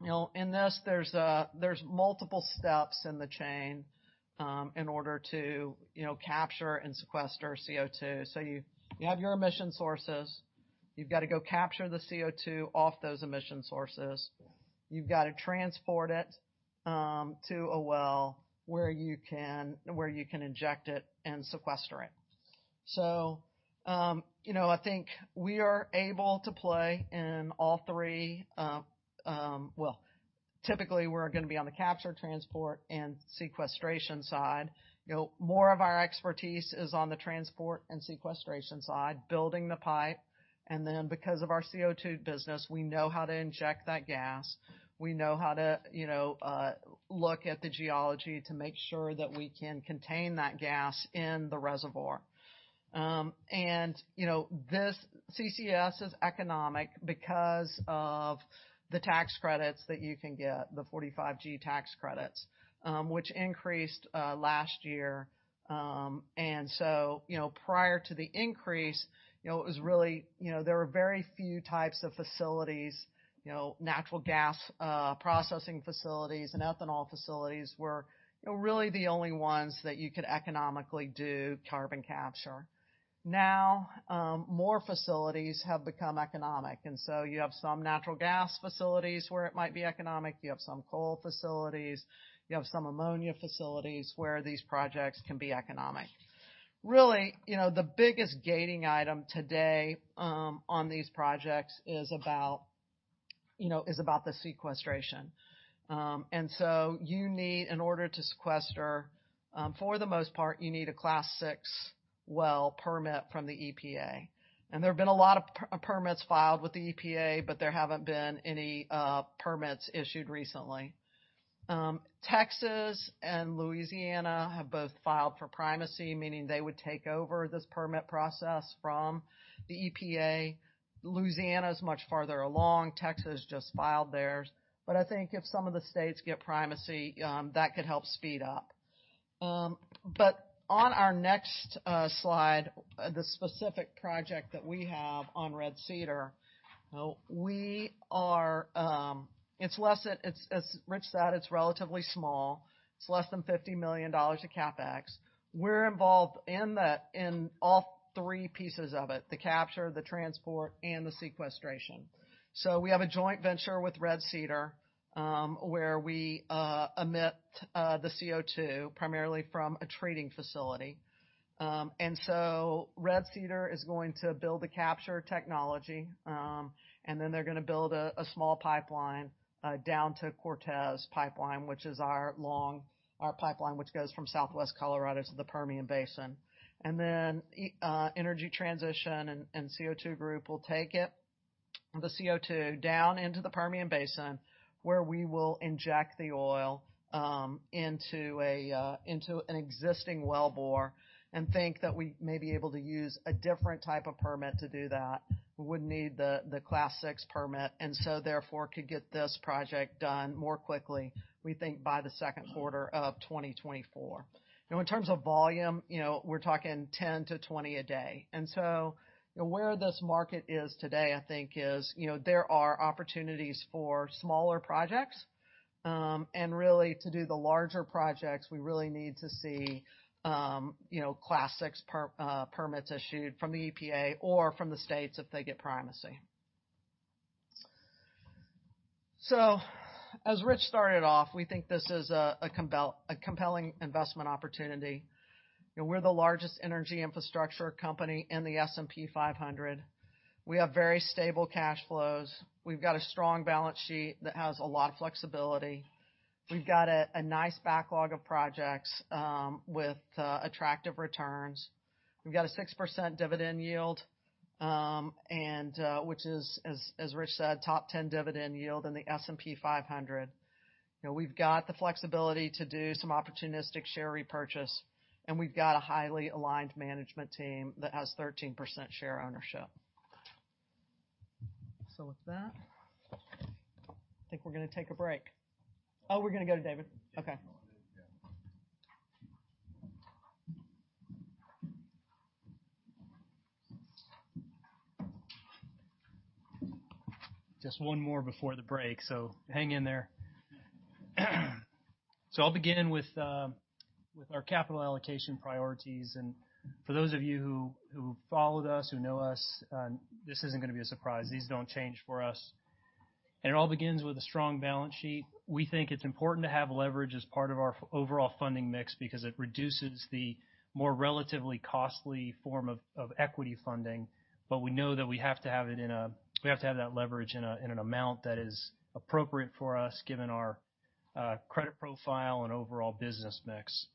You know, in this, there's multiple steps in the chain in order to, you know, capture and sequester CO2. You have your emission sources. You've got to go capture the CO2 off those emission sources. You've got to transport it to a well where you can inject it and sequester it. You know, I think we are able to play in all three. Well, typically, we're gonna be on the capture, transport, and sequestration side. You know, more of our expertise is on the transport and sequestration side, building the pipe. Because of our CO2 business, we know how to inject that gas. We know how to, you know, look at the geology to make sure that we can contain that gas in the reservoir. You know, CCUS is economic because of the tax credits that you can get, the 45Q tax credits, which increased last year. You know, prior to the increase, you know, it was really, you know, there were very few types of facilities, you know, natural gas processing facilities and ethanol facilities were, you know, really the only ones that you could economically do carbon capture. Now, more facilities have become economic, and so you have some natural gas facilities where it might be economic, you have some coal facilities, you have some ammonia facilities where these projects can be economic. Really, you know, the biggest gating item today, on these projects is about, you know, is about the sequestration. You need, in order to sequester, for the most part, you need a Class VI well permit from the EPA. And there have been a lot of permits filed with the EPA, but there haven't been any permits issued recently. Texas and Louisiana have both filed for primacy, meaning they would take over this permit process from the EPA. Louisiana is much farther along. Texas just filed theirs. I think if some of the states get primacy, that could help speed up. On our next slide, the specific project that we have on Red Cedar, you know, we are. Richard said it's relatively small. It's less than $50 million of CapEx. We're involved in that, in all three pieces of it, the capture, the transport, and the sequestration. We have a joint venture with Red Cedar, where we emit the CO2 primarily from a trading facility. Red Cedar is going to build the capture technology, they're gonna build a small pipeline down to Cortez Pipeline, which is our pipeline, which goes from southwest Colorado to the Permian Basin. Energy Transition and CO2 group will take it, the CO2, down into the Permian Basin, where we will inject the oil into an existing wellbore and think that we may be able to use a different type of permit to do that. We wouldn't need the Class VI permit, could get this project done more quickly, we think by the Q2 of 2024. In terms of volume, you know, we're talking 10-20 a day. You know, where this market is today, I think is, you know, there are opportunities for smaller projects. Really to do the larger projects, we really need to see, you know, Class VI permits issued from the EPA or from the states if they get primacy. As Richard started off, we think this is a compelling investment opportunity. You know, we're the largest energy infrastructure company in the S&P 500. We have very stable cash flows. We've got a strong balance sheet that has a lot of flexibility. We've got a nice backlog of projects with attractive returns. We've got a 6% dividend yield, and which is, as Richard said, top 10 dividend yield in the S&P 500. You know, we've got the flexibility to do some opportunistic share repurchase, and we've got a highly aligned management team that has 13% share ownership. With that, I think we're gonna take a break. Oh, we're gonna go to David. Okay. Just one more before the break, so hang in there. I'll begin with our capital allocation priorities. For those of you who followed us, who know us, this isn't gonna be a surprise. These don't change for us. It all begins with a strong balance sheet. We think it's important to have leverage as part of our overall funding mix because it reduces the more relatively costly form of equity funding. We know that we have to have that leverage in an amount that is appropriate for us, given our credit profile and overall business mix.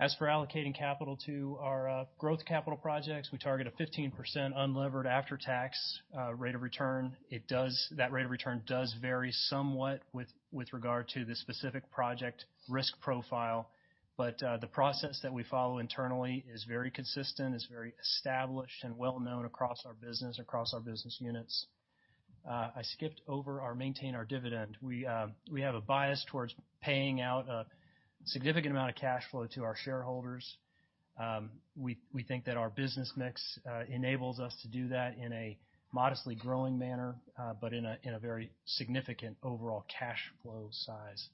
As for allocating capital to our growth capital projects, we target a 15% unlevered after-tax rate of return. It does that rate of return does vary somewhat with regard to the specific project risk profile. The process that we follow internally is very consistent, is very established and well-known across our business, across our business units. I skipped over our maintain our dividend. We, we have a bias towards paying out a significant amount of cash flow to our shareholders. We, we think that our business mix enables us to do that in a modestly growing manner, but in a, in a very significant overall cash flow size.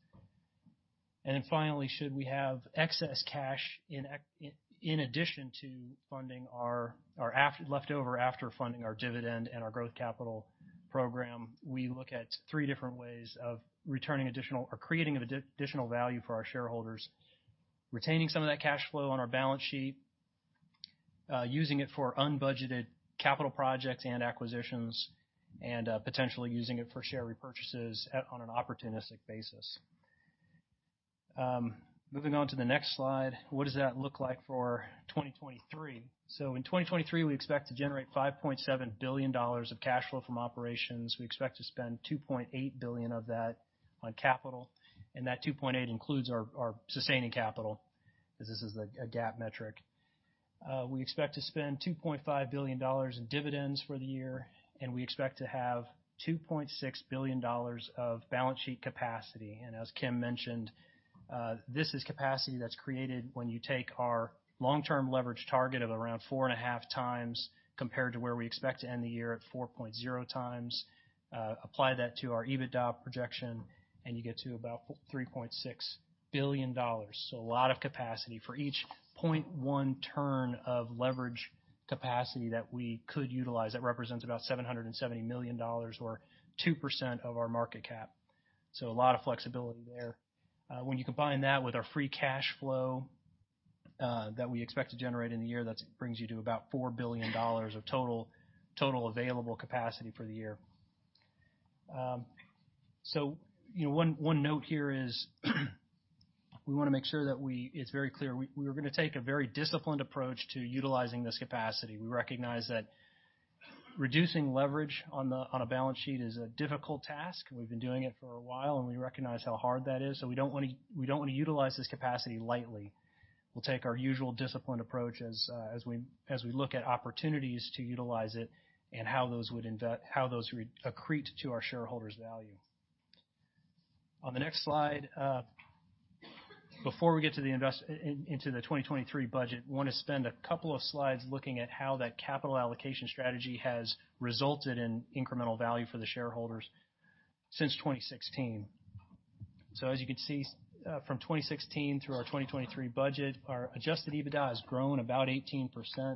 Finally, should we have excess cash in addition to funding our leftover after funding our dividend and our growth capital program, we look at three different ways of returning additional or creating additional value for our shareholders. Retaining some of that cash flow on our balance sheet, using it for unbudgeted capital projects and acquisitions, and potentially using it for share repurchases on an opportunistic basis. Moving on to the next slide. What does that look like for 2023? In 2023, we expect to generate $5.7 billion of cash flow from operations. We expect to spend $2.8 billion of that on capital. That $2.8 billion includes our sustaining capital, 'cause this is a GAAP metric. We expect to spend $2.5 billion in dividends for the year, and we expect to have $2.6 billion of balance sheet capacity. As Kim mentioned, this is capacity that's created when you take our long-term leverage target of around 4.5x compared to where we expect to end the year at 4.0x. Apply that to our EBITDA projection, and you get to about $3.6 billion. A lot of capacity. For each 0.1 turn of leverage capacity that we could utilize, that represents about $770 million or 2% of our market cap. A lot of flexibility there. When you combine that with our free cash flow that we expect to generate in the year, that brings you to about $4 billion of total available capacity for the year. you know, one note here is we wanna make sure that it's very clear we're gonna take a very disciplined approach to utilizing this capacity. We recognize that reducing leverage on a balance sheet is a difficult task. We've been doing it for a while, and we recognize how hard that is, so we don't wanna utilize this capacity lightly. We'll take our usual disciplined approach as we look at opportunities to utilize it and how those would accrete to our shareholders' value. On the next slide, before we get into the 2023 budget, wanna spend a couple of slides looking at how that capital allocation strategy has resulted in incremental value for the shareholders since 2016. As you can see, from 2016 through our 2023 budget, our Adjusted EBITDA has grown about 18%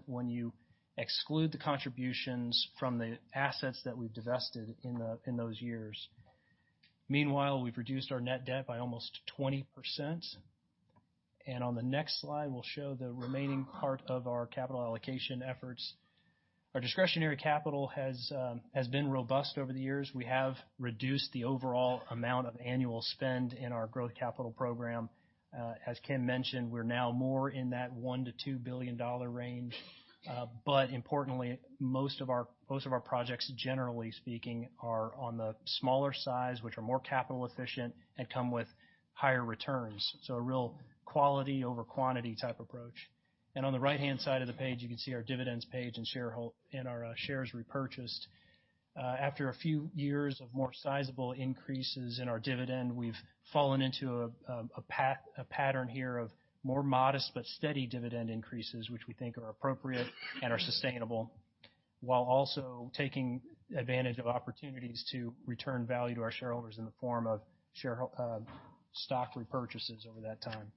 when you exclude the contributions from the assets that we've divested in those years. Meanwhile, we've reduced our net debt by almost 20%. On the next slide, we'll show the remaining part of our capital allocation efforts. Our discretionary capital has been robust over the years. We have reduced the overall amount of annual spend in our growth capital program. As Kim mentioned, we're now more in that $1 billion-$2 billion range. Importantly, most of our projects, generally speaking, are on the smaller size, which are more capital efficient and come with higher returns. A real quality over quantity type approach. On the right-hand side of the page, you can see our dividends page and our shares repurchased. After a few years of more sizable increases in our dividend, we've fallen into a pattern here of more modest but steady dividend increases, which we think are appropriate and are sustainable, while also taking advantage of opportunities to return value to our shareholders in the form of stock repurchases over that time.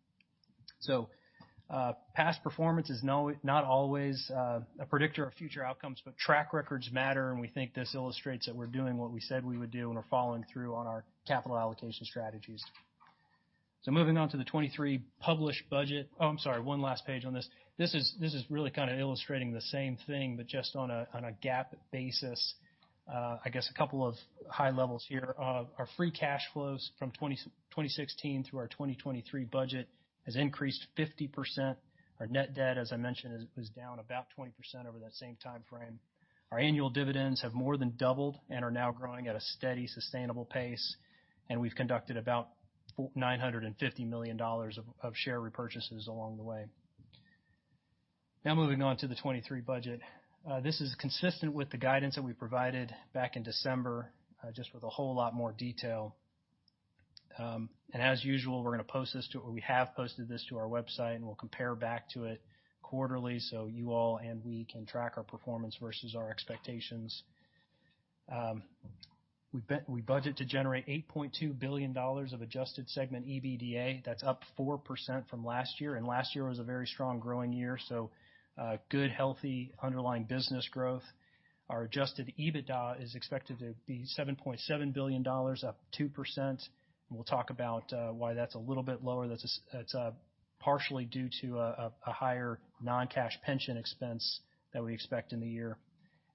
Past performance is not always a predictor of future outcomes, but track records matter, and we think this illustrates that we're doing what we said we would do, and we're following through on our capital allocation strategies. Moving on to the 2023 published budget. Oh, I'm sorry, one last page on this. This is really kind of illustrating the same thing, just on a GAAP basis. I guess a couple of high levels here. Our free cash flows from 2016 through our 2023 budget has increased 50%. Our net debt, as I mentioned, is down about 20% over that same timeframe. Our annual dividends have more than doubled and are now growing at a steady, sustainable pace. We've conducted about $950 million of share repurchases along the way. Now moving on to the 2023 budget. This is consistent with the guidance that we provided back in December, just with a whole lot more detail. As usual, we're gonna post this to, or we have posted this to our website, and we'll compare back to it quarterly so you all and we can track our performance versus our expectations. We budget to generate $8.2 billion of adjusted segment EBITDA. That's up 4% from last year, last year was a very strong growing year. Good, healthy underlying business growth. Our adjusted EBITDA is expected to be $7.7 billion, up 2%. We'll talk about why that's a little bit lower. That's partially due to a higher non-cash pension expense that we expect in the year.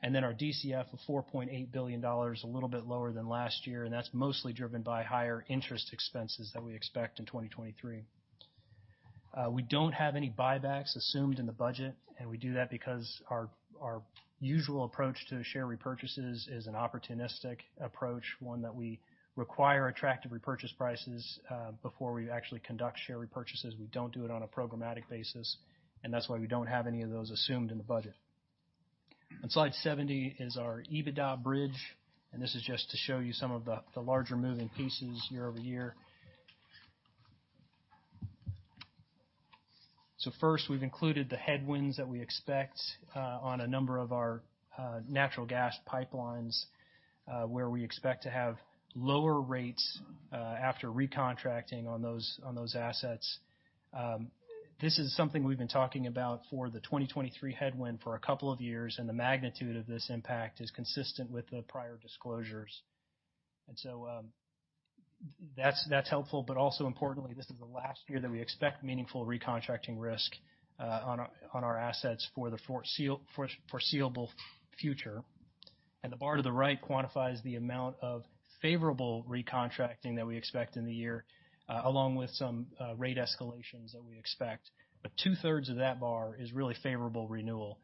Our DCF of $4.8 billion, a little bit lower than last year, and that's mostly driven by higher interest expenses that we expect in 2023. We don't have any buybacks assumed in the budget, we do that because our usual approach to share repurchases is an opportunistic approach, one that we require attractive repurchase prices before we actually conduct share repurchases. We don't do it on a programmatic basis, that's why we don't have any of those assumed in the budget. On slide 70 is our EBITDA bridge, this is just to show you some of the larger moving pieces year-over-year. First, we've included the headwinds that we expect on a number of our natural gas pipelines, where we expect to have lower rates after recontracting on those assets. This is something we've been talking about for the 2023 headwind for a couple of years, the magnitude of this impact is consistent with the prior disclosures. That's helpful. Also importantly, this is the last year that we expect meaningful recontracting risk on our assets for the foreseeable future. The bar to the right quantifies the amount of favorable recontracting that we expect in the year, along with some rate escalations that we expect. 2/3 of that bar is really favorable renewal.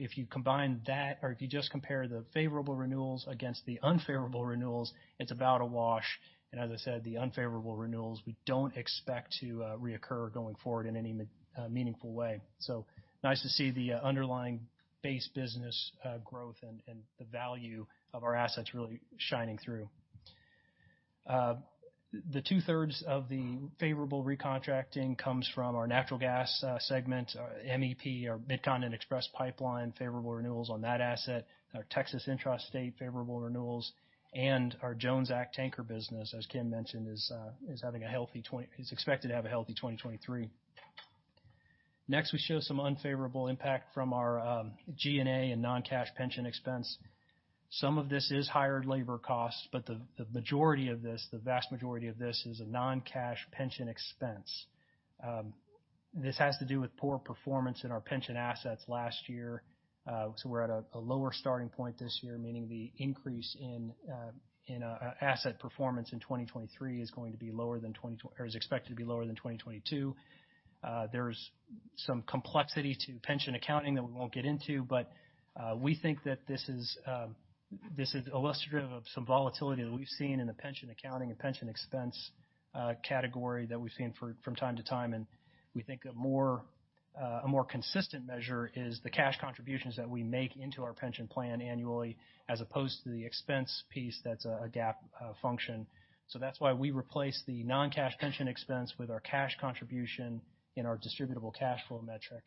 If you combine that or if you just compare the favorable renewals against the unfavorable renewals, it's about a wash. As I said, the unfavorable renewals, we don't expect to reoccur going forward in any meaningful way. Nice to see the underlying base business growth and the value of our assets really shining through. The two-thirds of the favorable recontracting comes from our natural gas segment, MEP or Midcontinent Express Pipeline, favorable renewals on that asset. Our Texas Intrastate favorable renewals and our Jones Act tanker business, as Kim mentioned, is expected to have a healthy 2023. Next, we show some unfavorable impact from our G&A and non-cash pension expense. Some of this is higher labor costs, but the majority of this, the vast majority of this is a non-cash pension expense. This has to do with poor performance in our pension assets last year. We're at a lower starting point this year, meaning the increase in asset performance in 2023 is going to be lower than or is expected to be lower than 2022. There's some complexity to pension accounting that we won't get into. We think that this is illustrative of some volatility that we've seen in the pension accounting and pension expense category that we've seen from time to time. We think a more consistent measure is the cash contributions that we make into our pension plan annually as opposed to the expense piece that's a GAAP function. That's why we replace the non-cash pension expense with our cash contribution in our distributable cash flow metric,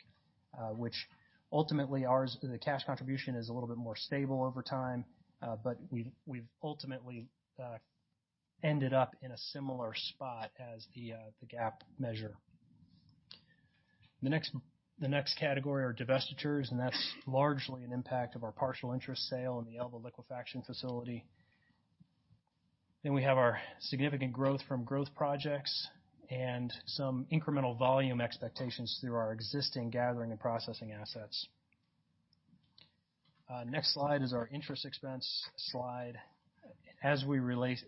which ultimately ours, the cash contribution is a little bit more stable over time. But we've ultimately ended up in a similar spot as the GAAP measure. The next category are divestitures, and that's largely an impact of our partial interest sale in the Elba liquefaction facility. We have our significant growth from growth projects and some incremental volume expectations through our existing gathering and processing assets. Next slide is our interest expense slide. As we released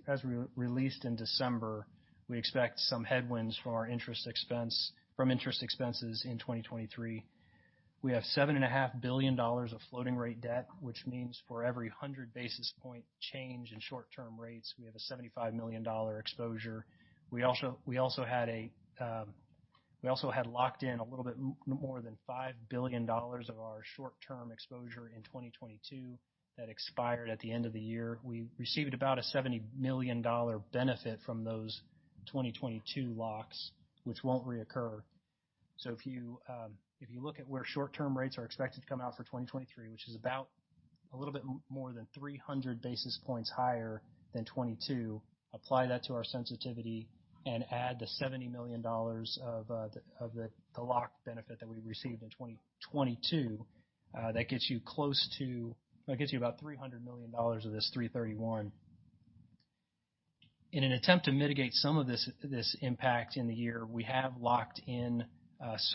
in December, we expect some headwinds from interest expenses in 2023. We have $7.5 billion of floating rate debt, which means for every 100 basis point change in short-term rates, we have a $75 million exposure. We also had a more than $5 billion of our short-term exposure in 2022 that expired at the end of the year. We received about a $70 million benefit from those 2022 locks, which won't reoccur. If you look at where short-term rates are expected to come out for 2023, which is about a little bit more than 300 basis points higher than 2022, apply that to our sensitivity and add the $70 million of the lock benefit that we received in 2022, that gets you about $300 million of this $331 million. In an attempt to mitigate some of this impact in the year, we have locked in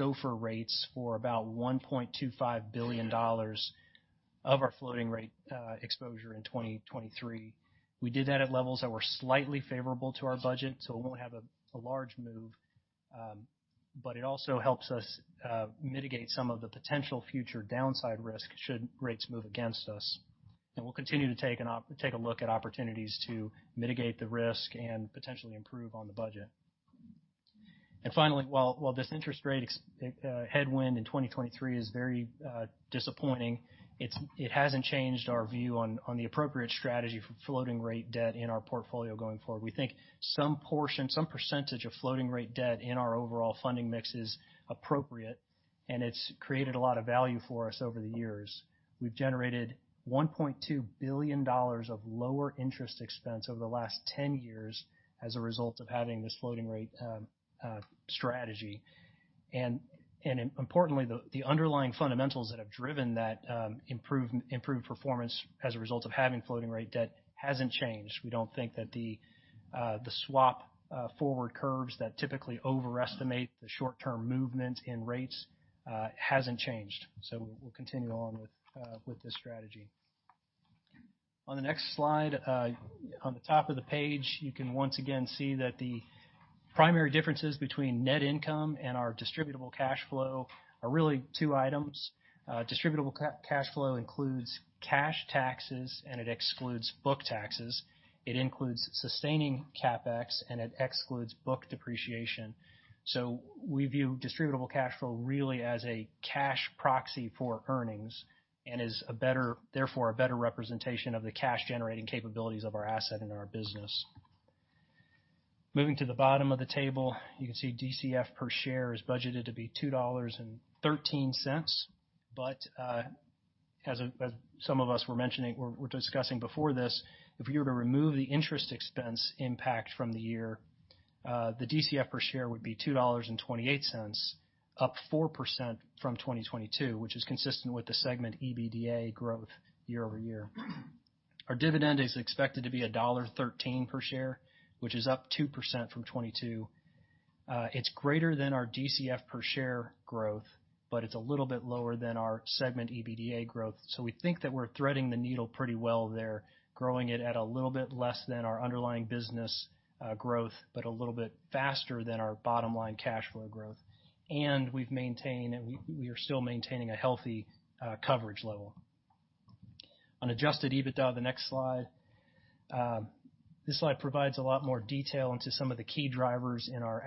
SOFR rates for about $1.25 billion of our floating rate exposure in 2023. We did that at levels that were slightly favorable to our budget, so it won't have a large move. It also helps us mitigate some of the potential future downside risk should rates move against us. We'll continue to take a look at opportunities to mitigate the risk and potentially improve on the budget. Finally, while this interest rate headwind in 2023 is very disappointing, it hasn't changed our view on the appropriate strategy for floating rate debt in our portfolio going forward. We think some portion, some percentage of floating rate debt in our overall funding mix is appropriate, and it's created a lot of value for us over the years. We've generated $1.2 billion of lower interest expense over the last 10 years as a result of having this floating rate strategy. Importantly, the underlying fundamentals that have driven that improved performance as a result of having floating rate debt hasn't changed. We don't think that the swap forward curves that typically overestimate the short-term movement in rates hasn't changed. We'll continue on with this strategy. On the next slide, on the top of the page, you can once again see that the primary differences between net income and our distributable cash flow are really two items. Distributable cash flow includes cash taxes and it excludes book taxes. It includes sustaining CapEx and it excludes book depreciation. We view distributable cash flow really as a cash proxy for earnings and is therefore, a better representation of the cash-generating capabilities of our asset and our business. Moving to the bottom of the table, you can see DCF per share is budgeted to be $2.13. As some of us were mentioning or were discussing before this, if we were to remove the interest expense impact from the year, the DCF per share would be $2.28, up 4% from 2022, which is consistent with the segment EBITDA growth year-over-year. Our dividend is expected to be $1.13 per share, which is up 2% from 2022. It's greater than our DCF per share growth, but it's a little bit lower than our segment EBITDA growth. We think that we're threading the needle pretty well there, growing it at a little bit less than our underlying business growth, but a little bit faster than our bottom-line cash flow growth. We've maintained, and we are still maintaining a healthy coverage level. On adjusted EBITDA, the next slide. This slide provides a lot more detail into some of the key drivers in our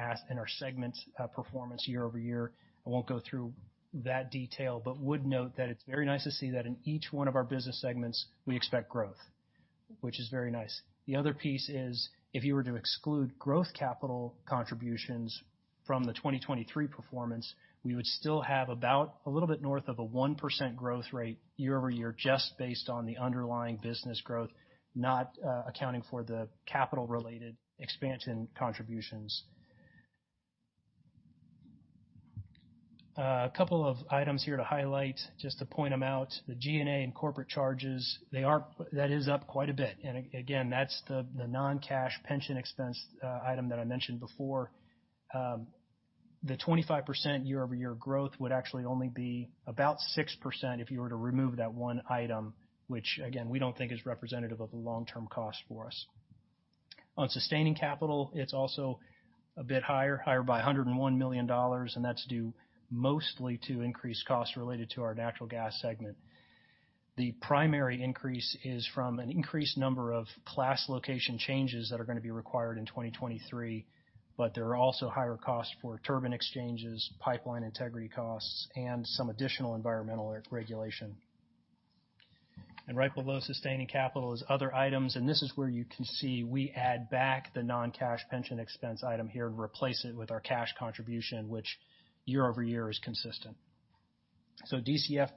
segment year-over-year performance. I won't go through that detail, but would note that it's very nice to see that in each one of our business segments, we expect growth, which is very nice. The other piece is, if you were to exclude growth capital contributions from the 2023 performance, we would still have about a little bit north of a 1% growth rate year-over-year, just based on the underlying business growth, not accounting for the capital-related expansion contributions. A couple of items here to highlight, just to point them out. The G&A and corporate charges, that is up quite a bit. Again, that's the non-cash pension expense item that I mentioned before. The 25% year-over-year growth would actually only be about 6% if you were to remove that one item, which again, we don't think is representative of the long-term cost for us. On sustaining capital, it's also a bit higher by $101 million, and that's due mostly to increased costs related to our natural gas segment. The primary increase is from an increased number of Class location changes that are going to be required in 2023, but there are also higher costs for turbine exchanges, pipeline integrity costs, and some additional environmental regulation. Right below sustaining capital is other items, and this is where you can see we add back the non-cash pension expense item here and replace it with our cash contribution, which year-over-year is consistent. DCF,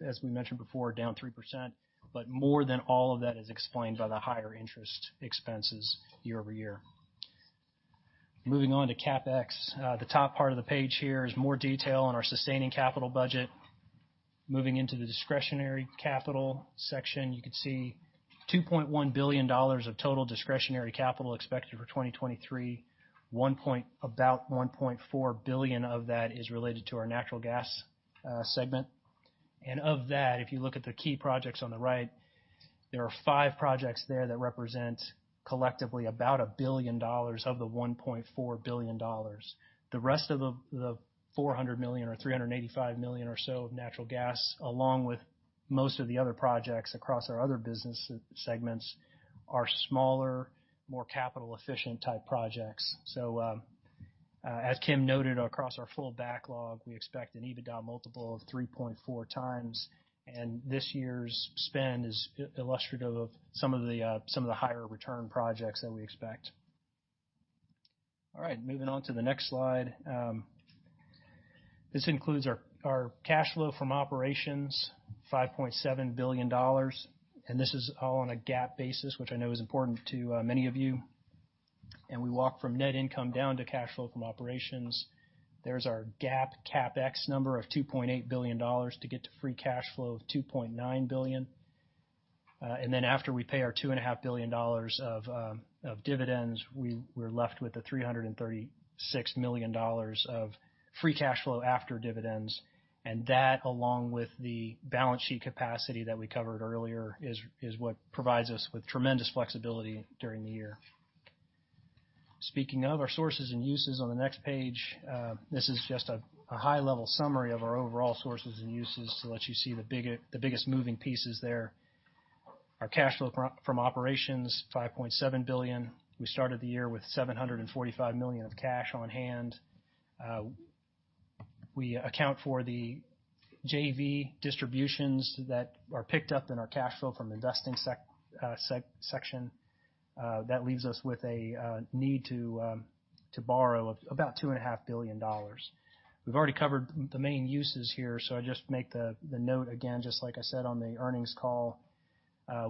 as we mentioned before, down 3%, but more than all of that is explained by the higher interest expenses year-over-year. Moving on to CapEx. The top part of the page here is more detail on our sustaining capital budget. Moving into the discretionary capital section, you can see $2.1 billion of total discretionary capital expected for 2023. About $1.4 billion of that is related to our natural gas segment. Of that, if you look at the key projects on the right, there are five projects there that represent collectively about $1 billion of the $1.4 billion. The rest of the $400 million or $385 million or so of natural gas, along with most of the other projects across our other business segments, are smaller, more capital efficient type projects. As Kim noted, across our full backlog, we expect an EBITDA multiple of 3.4x, and this year's spend is illustrative of some of the higher return projects that we expect. All right, moving on to the next slide. This includes our cash flow from operations, $5.7 billion. This is all on a GAAP basis, which I know is important to many of you. We walk from net income down to cash flow from operations. There's our GAAP CapEx number of $2.8 billion to get to free cash flow of $2.9 billion. After we pay our $2.5 billion of dividends, we're left with $336 million of free cash flow after dividends. That, along with the balance sheet capacity that we covered earlier, is what provides us with tremendous flexibility during the year. Speaking of, our sources and uses on the next page. This is just a high-level summary of our overall sources and uses to let you see the biggest moving pieces there. Our cash flow from operations, $5.7 billion. We started the year with $745 million of cash on hand. We account for the JV distributions that are picked up in our cash flow from investing section. That leaves us with a need to borrow of about $2.5 billion. We've already covered the main uses here, so I just make the note again, just like I said on the earnings call.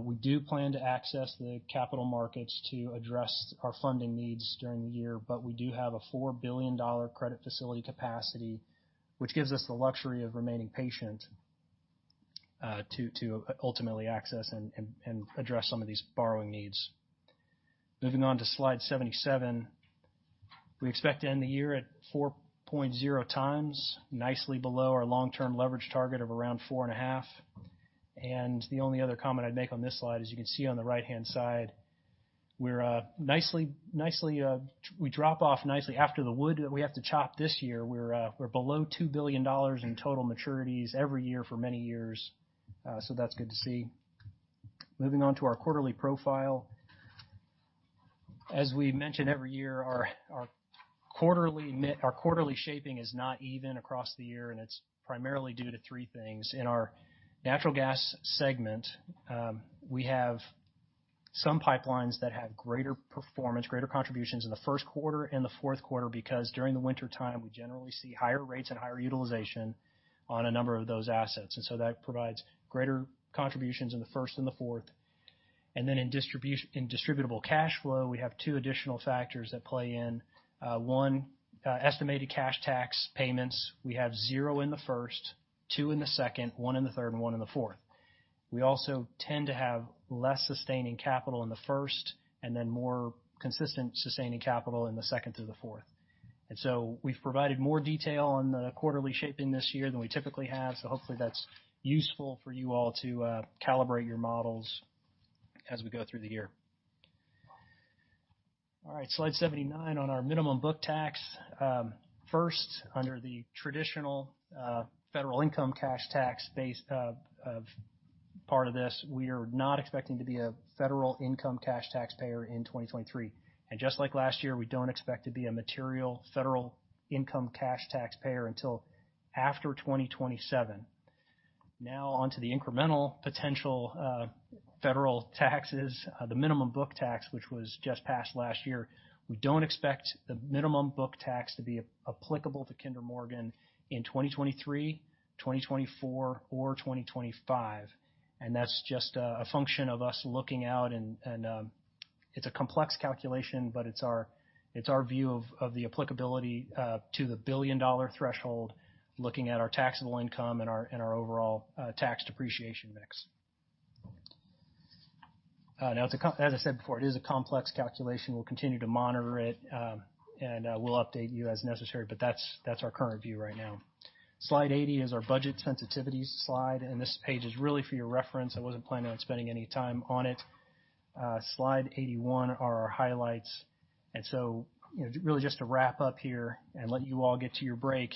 We do plan to access the capital markets to address our funding needs during the year, but we do have a $4 billion credit facility capacity, which gives us the luxury of remaining patient to ultimately access and address some of these borrowing needs. Moving on to slide 77. We expect to end the year at 4.0x, nicely below our long-term leverage target of around 4.5x. The only other comment I'd make on this slide is you can see on the right-hand side we're nicely, we drop off nicely after the wood that we have to chop this year. We're below $2 billion in total maturities every year for many years. That's good to see. Moving on to our quarterly profile. As we mention every year, our quarterly shaping is not even across the year. It's primarily due to three things. In our natural gas segment, we have some pipelines that have greater performance, greater contributions in the Q1 and the Q4 because during the wintertime, we generally see higher rates and higher utilization on a number of those assets. That provides greater contributions in the Q1 and the Q4. Then in distributable cash flow, we have two additional factors that play in. One, estimated cash tax payments. We have zero in the Q1, two in the Q2, one in the Q3 and one in the Q4. We also tend to have less sustaining capital in the Q1 and then more consistent sustaining capital in theQ2 through the Q4. So we've provided more detail on the quarterly shaping this year than we typically have, so hopefully that's useful for you all to calibrate your models as we go through the year. All right. Slide 79 on our minimum book tax. First, under the traditional federal income cash tax base of part of this, we are not expecting to be a federal income cash taxpayer in 2023. Just like last year, we don't expect to be a material federal income cash taxpayer until after 2027. On to the incremental potential federal taxes. The minimum book tax, which was just passed last year. We don't expect the minimum book tax to be applicable to Kinder Morgan in 2023, 2024 or 2025. That's just a function of us looking out and it's a complex calculation, but it's our, it's our view of the applicability to the billion-dollar threshold looking at our taxable income and our, and our overall tax depreciation mix. Now as I said before, it is a complex calculation. We'll continue to monitor it, and we'll update you as necessary. But that's our current view right now. Slide 80 is our budget sensitivities slide. This page is really for your reference. I wasn't planning on spending any time on it. Slide 81 are our highlights. You know, really just to wrap up here and let you all get to your break.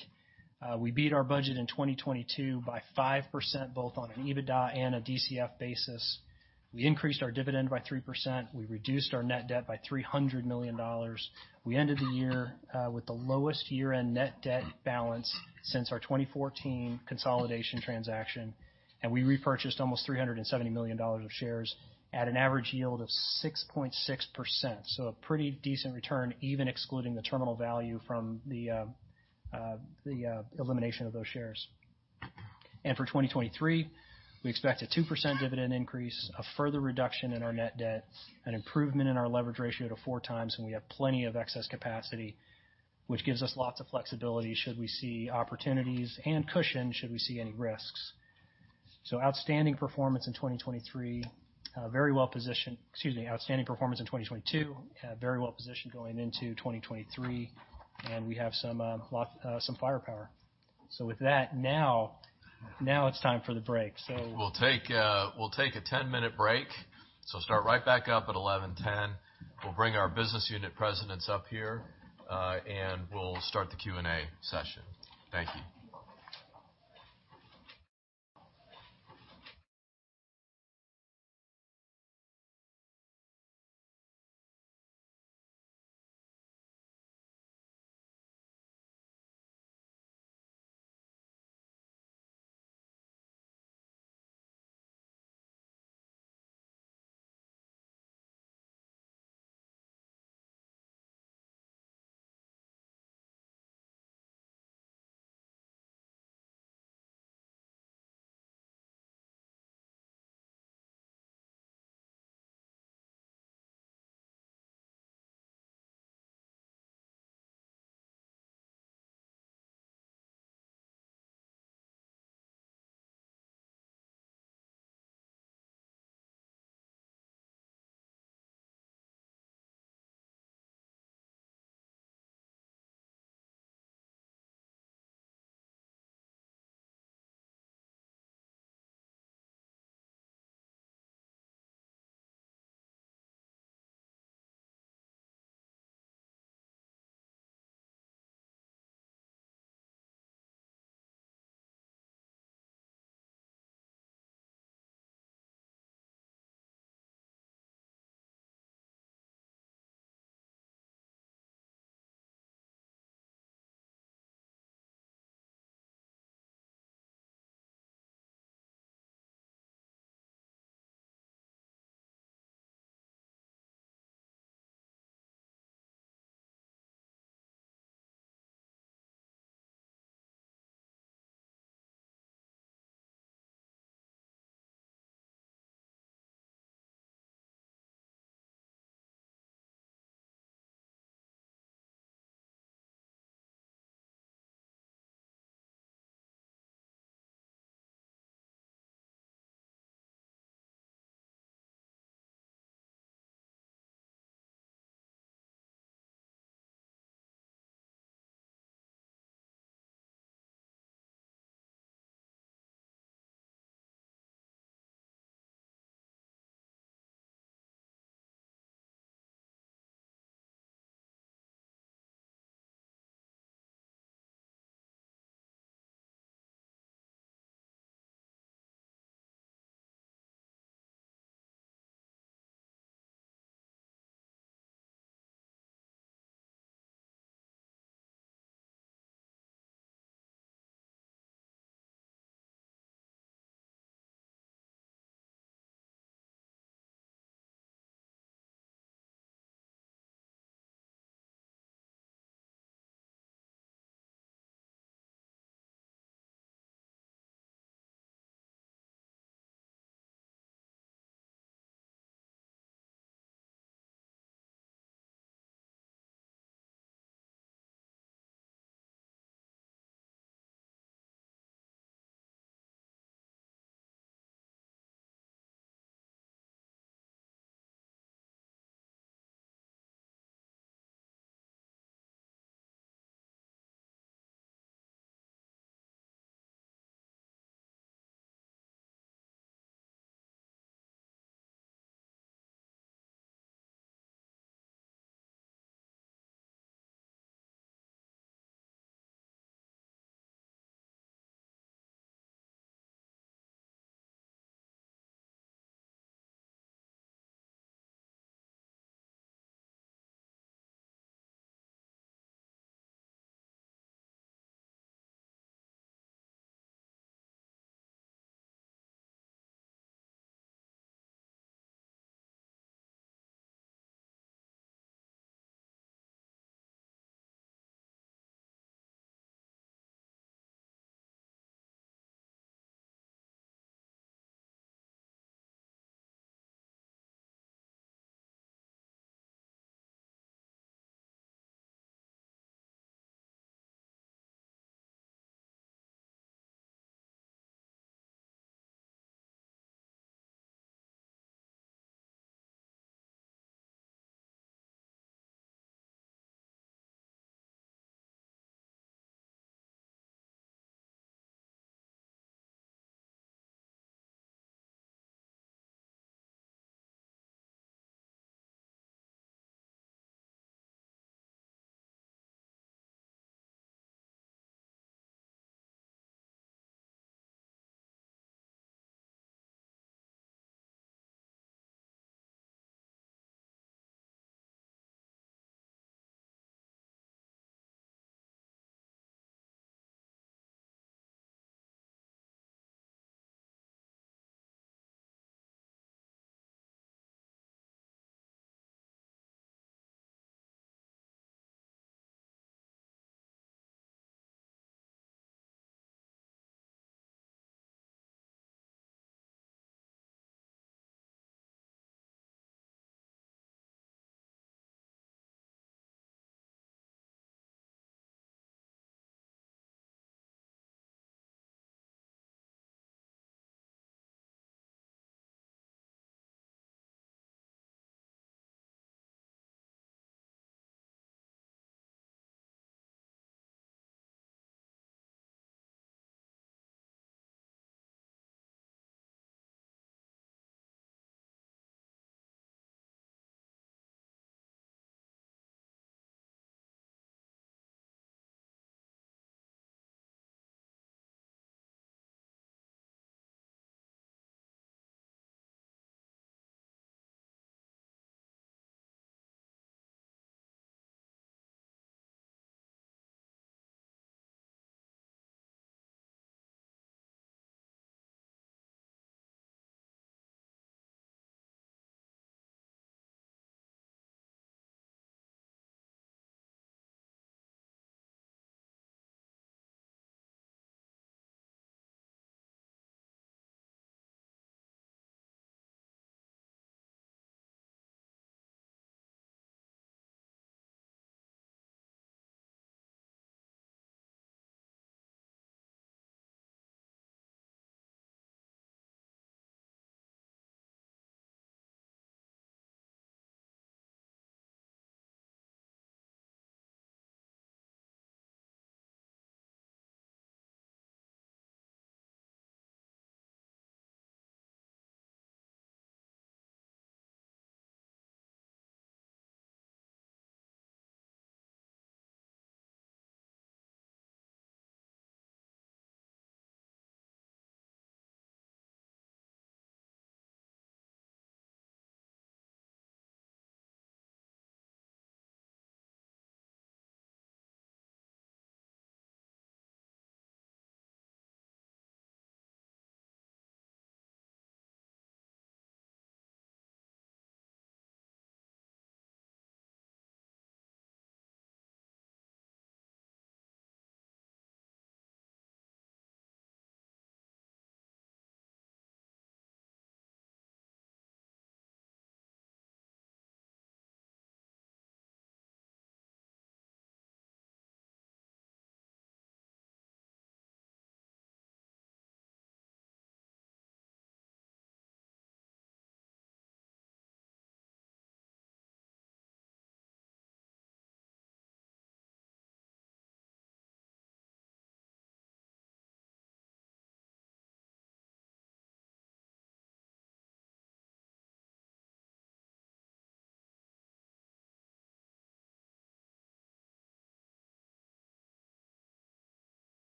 We beat our budget in 2022 by 5%, both on an EBITDA and a DCF basis. We increased our dividend by 3%. We reduced our net debt by $300 million. We ended the year, with the lowest year-end net debt balance since our 2014 consolidation transaction. We repurchased almost $370 million of shares at an average yield of 6.6%. A pretty decent return, even excluding the terminal value from the elimination of those shares. For 2023, we expect a 2% dividend increase, a further reduction in our net debt, an improvement in our leverage ratio to 4x, and we have plenty of excess capacity, which gives us lots of flexibility should we see opportunities and cushion should we see any risks. Outstanding performance in 2023. very well positioned, excuse me, outstanding performance in 2022. Very well positioned going into 2023. We have some firepower. With that, now it's time for the break. So- We'll take a 10-minute break. Start right back up at 11:10. We'll bring our business unit presidents up here, we'll start the Q&A session. Thank you.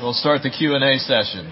We'll start the Q&A session.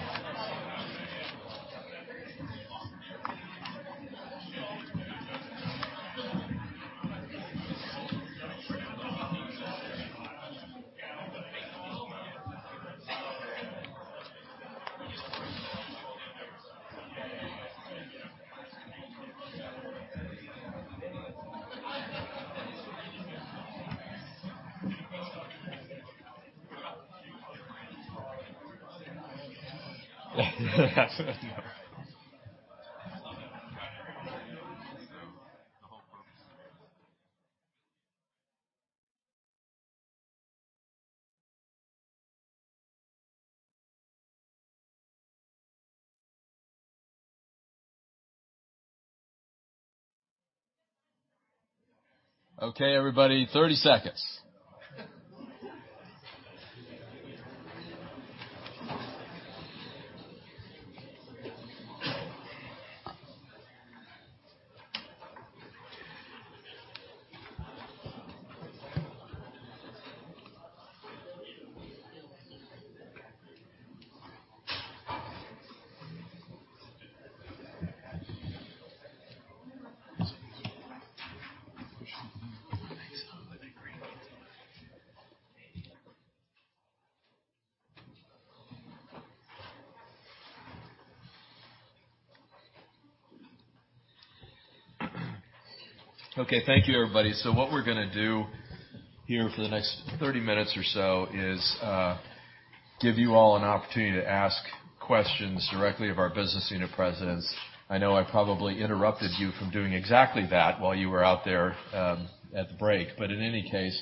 Okay, everybody, 30 seconds. Okay. Thank you, everybody. What we're gonna do here for the next 30 minutes or so is, give you all an opportunity to ask questions directly of our business unit presidents. I know I probably interrupted you from doing exactly that while you were out there, at the break. In any case,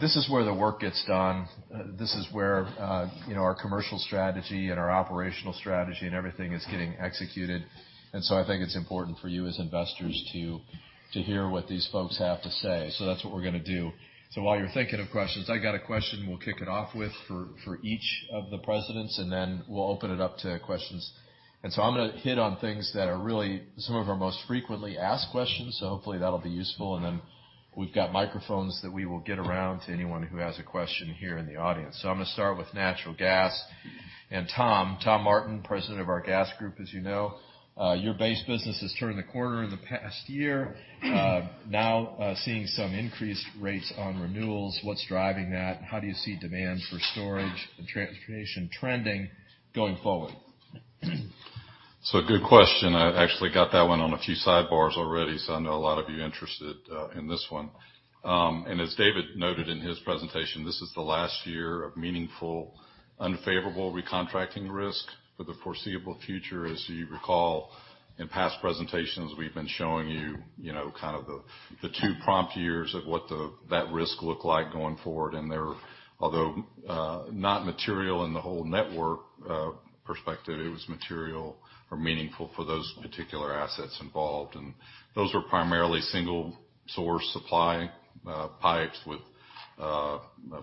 this is where the work gets done. This is where, you know, our commercial strategy and our operational strategy and everything is getting executed. I think it's important for you as investors to hear what these folks have to say. That's what we're gonna do. While you're thinking of questions, I got a question we'll kick it off with for each of the presidents, and then we'll open it up to questions. I'm gonna hit on things that are really some of our most frequently asked questions. Hopefully that'll be useful. We've got microphones that we will get around to anyone who has a question here in the audience. I'm going to start with natural gas. Thomas Martin, President of our gas group, as you know. Your base business has turned the corner in the past year. Now seeing some increased rates on renewals, what's driving that? How do you see demand for storage and transportation trending going forward? Good question. I actually got that one on a few sidebars already, so I know a lot of you are interested in this one. As David noted in his presentation, this is the last year of meaningful unfavorable recontracting risk for the foreseeable future. As you recall, in past presentations, we've been showing you know, kind of the two prompt years of what that risk look like going forward. Although not material in the whole network perspective, it was material or meaningful for those particular assets involved. Those were primarily single-source supply pipes with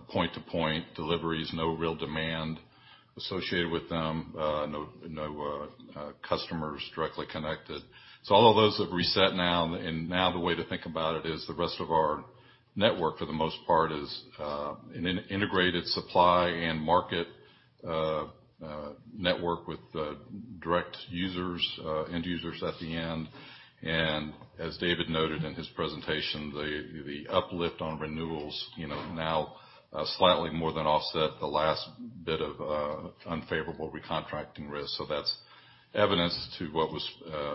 point-to-point deliveries, no real demand associated with them, no customers directly connected. All of those have reset now. Now the way to think about it is the rest of our network, for the most part, is an integrated supply and market network with direct users, end users at the end. As David noted in his presentation, the uplift on renewals, you know, now, slightly more than offset the last bit of unfavorable recontracting risk. That's evidence to what was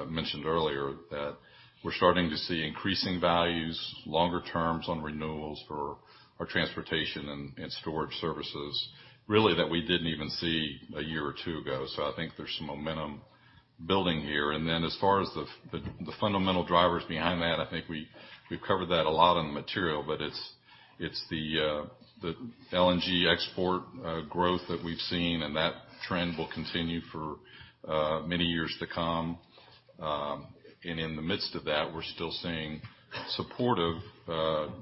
mentioned earlier, that we're starting to see increasing values, longer terms on renewals for our transportation and storage services really that we didn't even see a year or two ago. I think there's some momentum building here. As far as the fundamental drivers behind that, I think we've covered that a lot in the material, but it's the LNG export growth that we've seen, and that trend will continue for many years to come. In the midst of that, we're still seeing supportive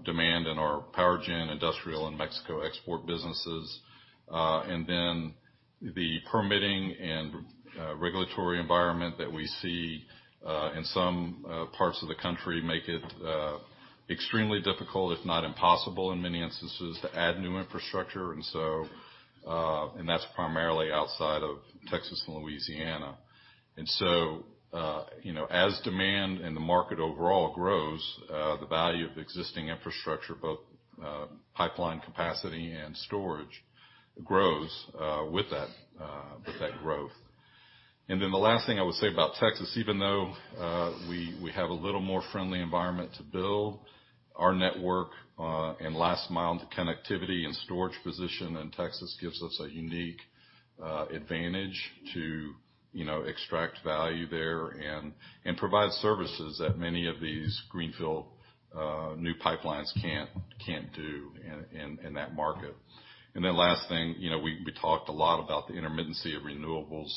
demand in our power gen, industrial, and Mexico export businesses. The permitting and regulatory environment that we see in some parts of the country make it extremely difficult, if not impossible in many instances, to add new infrastructure. That's primarily outside of Texas and Louisiana. You know, as demand in the market overall grows, the value of existing infrastructure, both pipeline capacity and storage grows with that, with that growth. The last thing I would say about Texas, even though we have a little more friendly environment to build our network, and last mile to connectivity and storage position in Texas gives us a unique advantage to, you know, extract value there and provide services that many of these greenfield new pipelines can't do in that market. Last thing, you know, we talked a lot about the intermittency of renewables.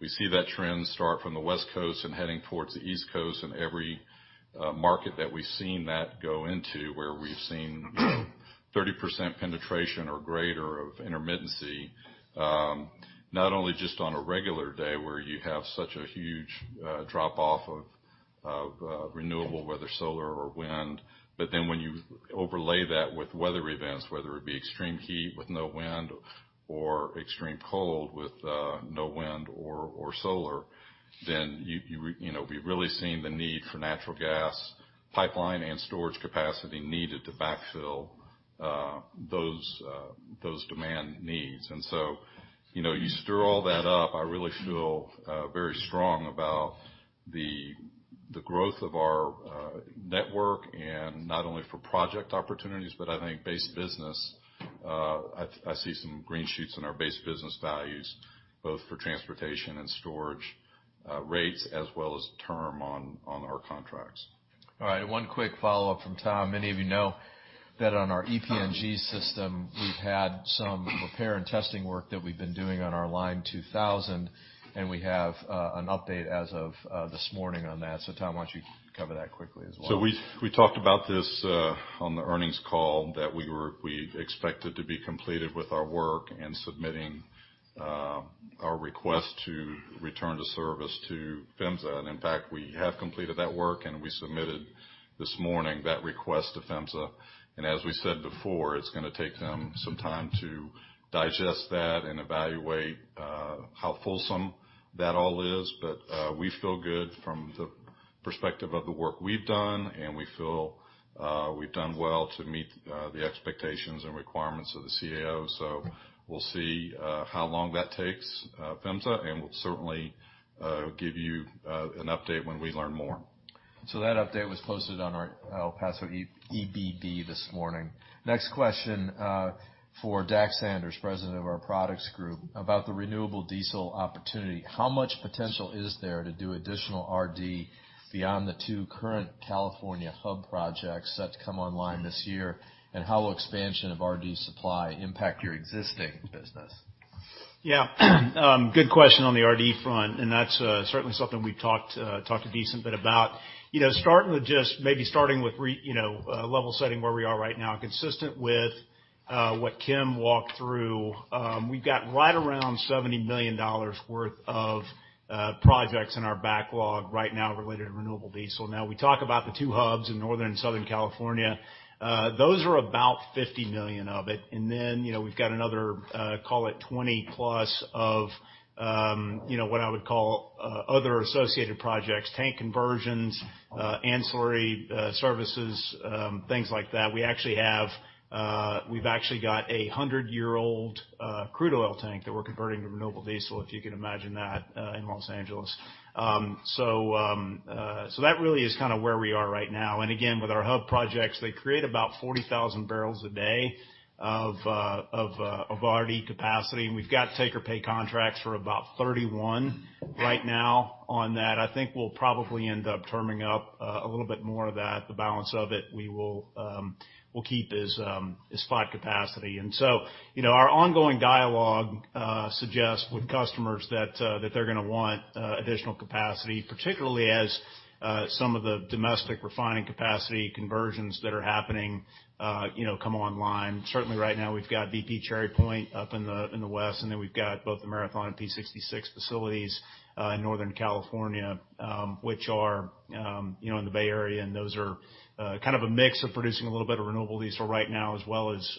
We see that trend start from the West Coast and heading towards the East Coast. Every market that we've seen that go into, where we've seen 30% penetration or greater of intermittency, not only just on a regular day where you have such a huge drop-off of renewable, whether solar or wind, but then when you overlay that with weather events, whether it be extreme heat with no wind or extreme cold with no wind or solar, then you know, we've really seen the need for natural gas pipeline and storage capacity needed to backfill those demand needs. You know, you stir all that up, I really feel very strong about the growth of our network, and not only for project opportunities, but I think base business, I see some green shoots in our base business values, both for transportation and storage, rates as well as term on our contracts. All right. One quick follow-up from Thomas. Many of you know that on our EPNG system, we've had some repair and testing work that we've been doing on our Line 2000, and we have an update as of this morning on that. Thomas, why don't you cover that quickly as well? We talked about this on the earnings call that we expected to be completed with our work and submitting our request to return to service to PHMSA. In fact, we have completed that work, and we submitted this morning that request to PHMSA. As we said before, it's gonna take them some time to digest that and evaluate how fulsome that all is. We feel good from the perspective of the work we've done, and we feel we've done well to meet the expectations and requirements of the CAO. We'll see how long that takes PHMSA, and we'll certainly give you an update when we learn more. That update was posted on our El Paso E-EBB this morning. Next question for Dax Sanders, president of our products group, about the renewable diesel opportunity. How much potential is there to do additional RD beyond the two current California hub projects set to come online this year? How will expansion of RD supply impact your existing business? Yeah. Good question on the RD front, and that's certainly something we've talked a decent bit about. You know, maybe starting with you know, level setting where we are right now, consistent with what Kim walked through, we've got right around $70 million worth of projects in our backlog right now related to renewable diesel. Now we talk about the two hubs in Northern and Southern California. Those are about $50 million of it. You know, we've got another, call it 20+ of, you know, what I would call other associated projects, tank conversions, ancillary services, things like that. We actually have, we've actually got a 100-year-old crude oil tank that we're converting to renewable diesel, if you can imagine that, in Los Angeles. So that really is kinda where we are right now. Again, with our hub projects, they create about 40,000 barrels a day of RD capacity, and we've got take-or-pay contracts for about 31 right now on that. I think we'll probably end up terming up a little bit more of that. The balance of it, we will, we'll keep as spot capacity. You know, our ongoing dialogue suggests with customers that they're gonna want additional capacity, particularly as some of the domestic refining capacity conversions that are happening, you know, come online. Certainly right now we've got bp Cherry Point up in the west, and then we've got both the Marathon and P 66 facilities in Northern California, which are, you know, in the Bay Area. Those are kind of a mix of producing a little bit of renewable diesel right now, as well as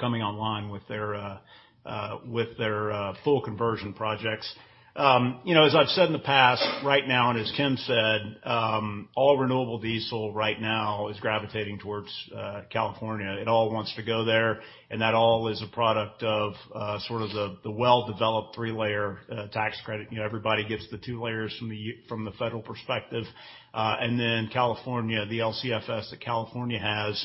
coming online with their full conversion projects. You know, as I've said in the past, right now, and as Kim said, all renewable diesel right now is gravitating towards California. It all wants to go there, and that all is a product of sort of the well-developed three-layer tax credit. You know, everybody gets the two layers from the federal perspective. Then California, the LCFS that California has,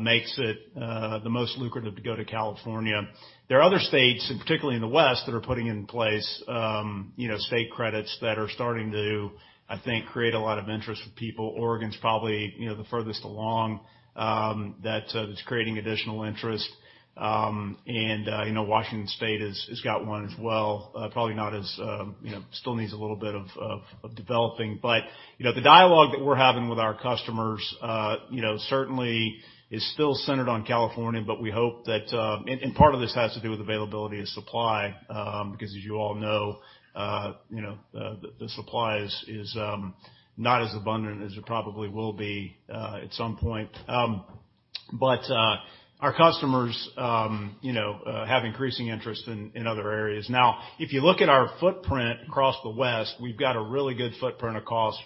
makes it the most lucrative to go to California. There are other states, and particularly in the West, that are putting in place, you know, state credits that are starting to, I think, create a lot of interest for people. Oregon's probably, you know, the furthest along, that's creating additional interest. You know, Washington State has got one as well, probably not as, you know, still needs a little bit of developing. But, you know, the dialogue that we're having with our customers, you know, certainly is still centered on California, but we hope that... Part of this has to do with availability of supply, because as you all know, you know, the supply is not as abundant as it probably will be at some point. Our customers, you know, have increasing interest in other areas. If you look at our footprint across the West, we've got a really good footprint across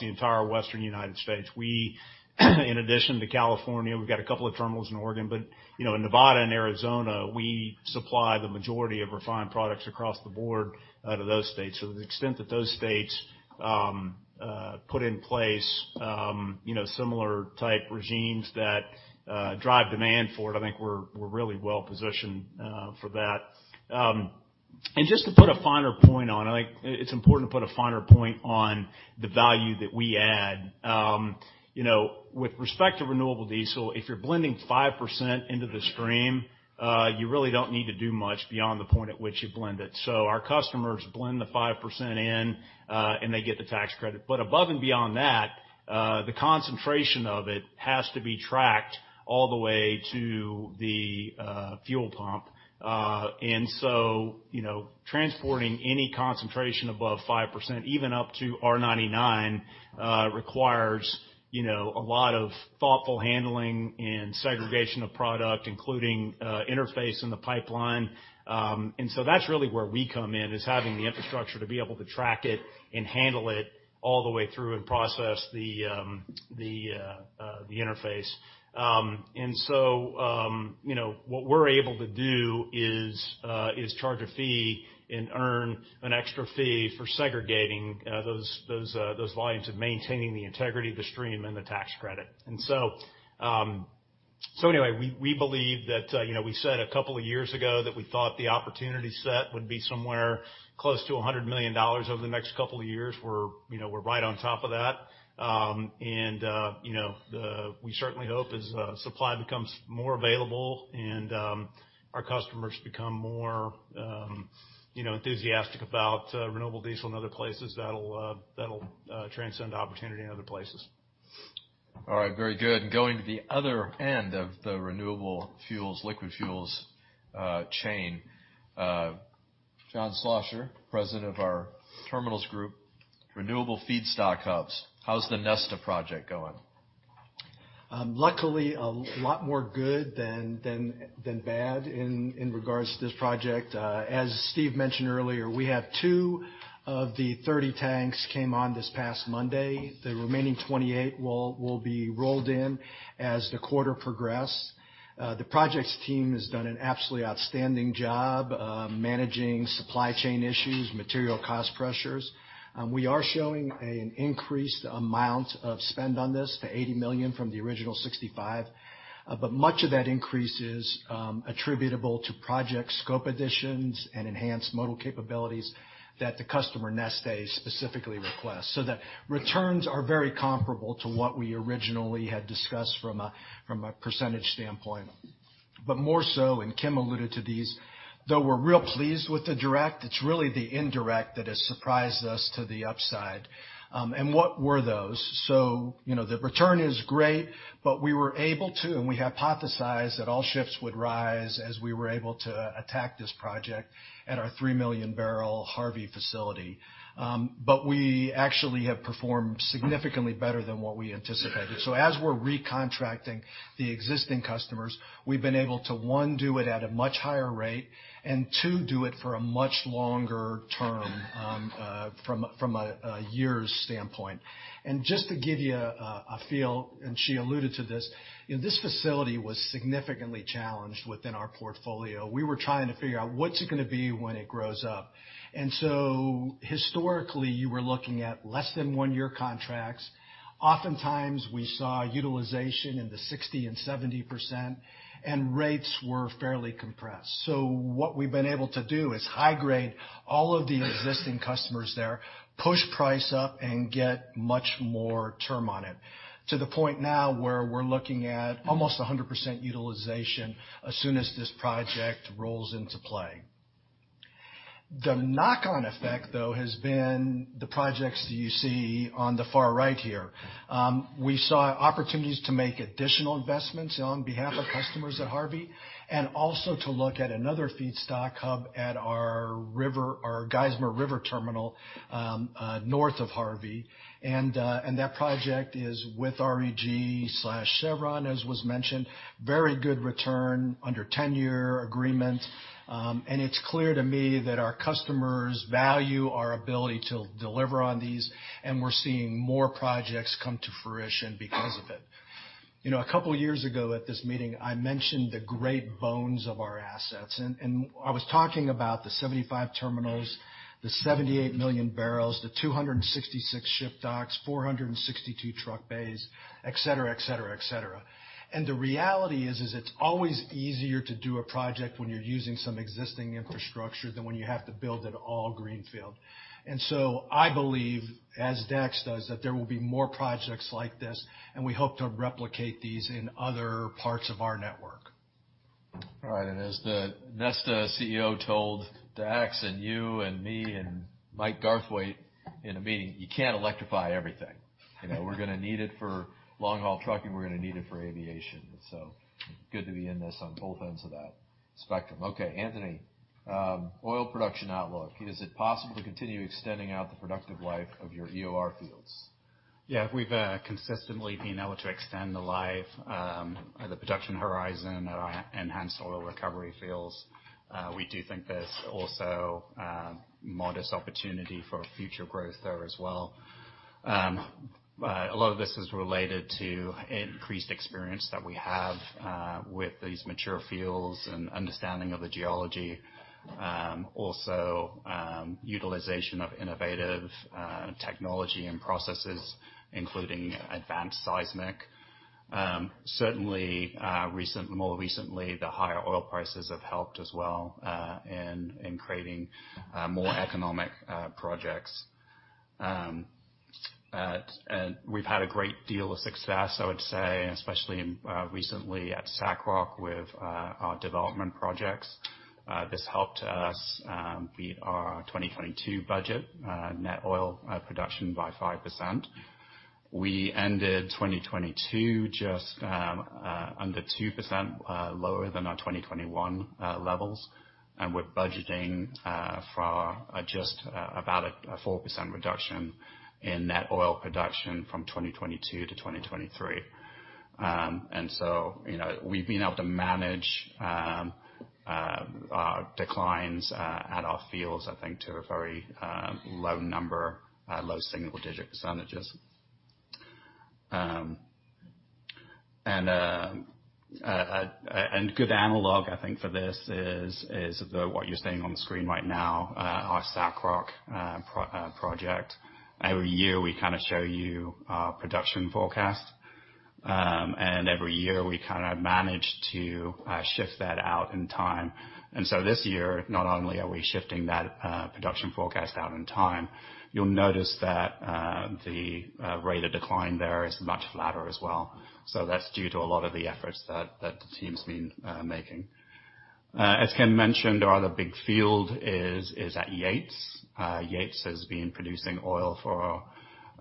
the entire Western United States. We, in addition to California, we've got a couple of terminals in Oregon, but, you know, in Nevada and Arizona, we supply the majority of refined products across the board to those states. To the extent that those states put in place, you know, similar type regimes that drive demand for it, I think we're really well positioned for that. Just to put a finer point on, I think it's important to put a finer point on the value that we add. You know, with respect to renewable diesel, if you're blending 5% into the stream, you really don't need to do much beyond the point at which you blend it. Our customers blend the 5% in, and they get the tax credit. Above and beyond that, the concentration of it has to be tracked all the way to the fuel pump. You know, transporting any concentration above 5%, even up to R99, requires, you know, a lot of thoughtful handling and segregation of product, including interface in the pipeline. That's really where we come in, is having the infrastructure to be able to track it and handle it all the way through and process the interface. You know, what we're able to do is charge a fee and earn an extra fee for segregating those volumes of maintaining the integrity of the stream and the tax credit. So anyway, we believe that, you know, we said a couple of years ago that we thought the opportunity set would be somewhere close to $100 million over the next couple of years. We're, you know, we're right on top of that. You know, we certainly hope as supply becomes more available and our customers become more, you know, enthusiastic about renewable diesel in other places, that'll transcend to opportunity in other places. All right. Very good. Going to the other end of the renewable fuels, liquid fuels, chain. John Schlosser, President of our Terminals Group, renewable feedstock hubs. How's the Neste project going? Luckily a lot more good than bad in regards to this project. As Steve mentioned earlier, we have two of the 30 tanks came on this past Monday. The remaining 28 will be rolled in as the quarter progressed. The projects team has done an absolutely outstanding job managing supply chain issues, material cost pressures. We are showing an increased amount of spend on this, to $80 million from the original $65 million. Much of that increase is attributable to project scope additions and enhanced modal capabilities that the customer, Neste, specifically requests. The returns are very comparable to what we originally had discussed from a percentage standpoint. More so, and Kim alluded to these, though we're real pleased with the direct, it's really the indirect that has surprised us to the upside. What were those? You know, the return is great, but we were able to, and we hypothesized that all ships would rise as we were able to attack this project at our 3 million barrel Harvey facility. We actually have performed significantly better than what we anticipated. As we're recontracting the existing customers, we've been able to, one, do it at a much higher rate, and two, do it for a much longer term from a year's standpoint. Just to give you a feel, and she alluded to this, you know, this facility was significantly challenged within our portfolio. We were trying to figure out what's it gonna be when it grows up. Historically, you were looking at less than one-year contracts. Oftentimes, we saw utilization in the 60% and 70%, and rates were fairly compressed. What we've been able to do is high grade all of the existing customers there, push price up and get much more term on it, to the point now where we're looking at almost 100% utilization as soon as this project rolls into play. The knock-on effect, though, has been the projects that you see on the far right here. We saw opportunities to make additional investments on behalf of customers at Harvey and also to look at another feedstock hub at our Geismar River terminal north of Harvey. That project is with REG/Chevron, as was mentioned. Very good return under 10-year agreement. It's clear to me that our customers value our ability to deliver on these, and we're seeing more projects come to fruition because of it. You know, a couple years ago at this meeting, I mentioned the great bones of our assets. I was talking about the 75 terminals, the 78 million barrels, the 266 ship docks, 462 truck bays, et cetera, et cetera, et cetera. The reality is it's always easier to do a project when you're using some existing infrastructure than when you have to build it all greenfield. I believe, as Dax does, that there will be more projects like this, and we hope to replicate these in other parts of our network. All right. As the Neste CEO told Dax and you and me and Mike Gwartney in a meeting, you can't electrify everything. You know, we're gonna need it for long-haul trucking, we're gonna need it for aviation. Good to be in this on both ends of that spectrum. Okay, Anthony, oil production outlook. Is it possible to continue extending out the productive life of your EOR fields? Yeah. We've consistently been able to extend the life, the production horizon at our enhanced oil recovery fields. We do think there's also modest opportunity for future growth there as well. A lot of this is related to increased experience that we have with these mature fields and understanding of the geology. Also, utilization of innovative technology and processes, including advanced seismic. Certainly, more recently, the higher oil prices have helped as well, in creating more economic projects. We've had a great deal of success, I would say, especially in recently at SACROC with our development projects. This helped us beat our 2022 budget, net oil production by 5%. We ended 2022 just under 2% lower than our 2021 levels, and we're budgeting for just about a 4% reduction in net oil production from 2022-2023. So, you know, we've been able to manage declines at our fields, I think, to a very low number, low single-digit percentages. Good analog, I think, for this is what you're seeing on the screen right now, our SACROC project. Every year, we kinda show you our production forecast. Every year, we kinda manage to shift that out in time. This year, not only are we shifting that production forecast out in time, you'll notice that the rate of decline there is much flatter as well. That's due to a lot of the efforts that the team's been making. As Kim mentioned, our other big field is at Yates. Yates has been producing oil for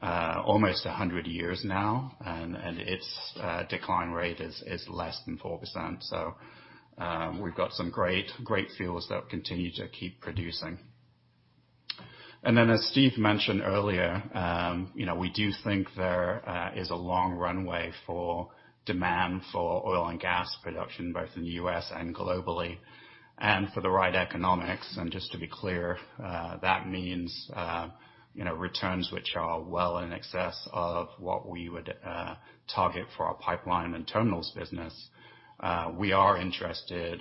almost 100 years now, and its decline rate is less than 4%. We've got some great fields that continue to keep producing. As Steve mentioned earlier, you know, we do think there is a long runway for demand for oil and gas production, both in the U.S. and globally. For the right economics, and just to be clear, that means, you know, returns which are well in excess of what we would target for our pipeline and terminals business, we are interested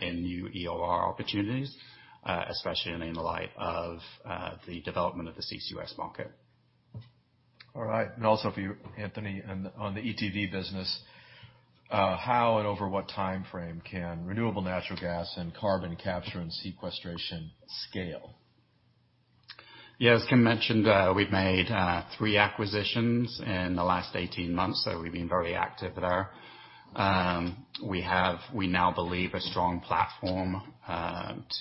in new EOR opportunities, especially in light of the development of the CCUS market. Also for you, Anthony, on the ETV business, how and over what timeframe can renewable natural gas and carbon capture and sequestration scale? As Ken mentioned, we've made three acquisitions in the last 18 months, so we've been very active there. We have, we now believe a strong platform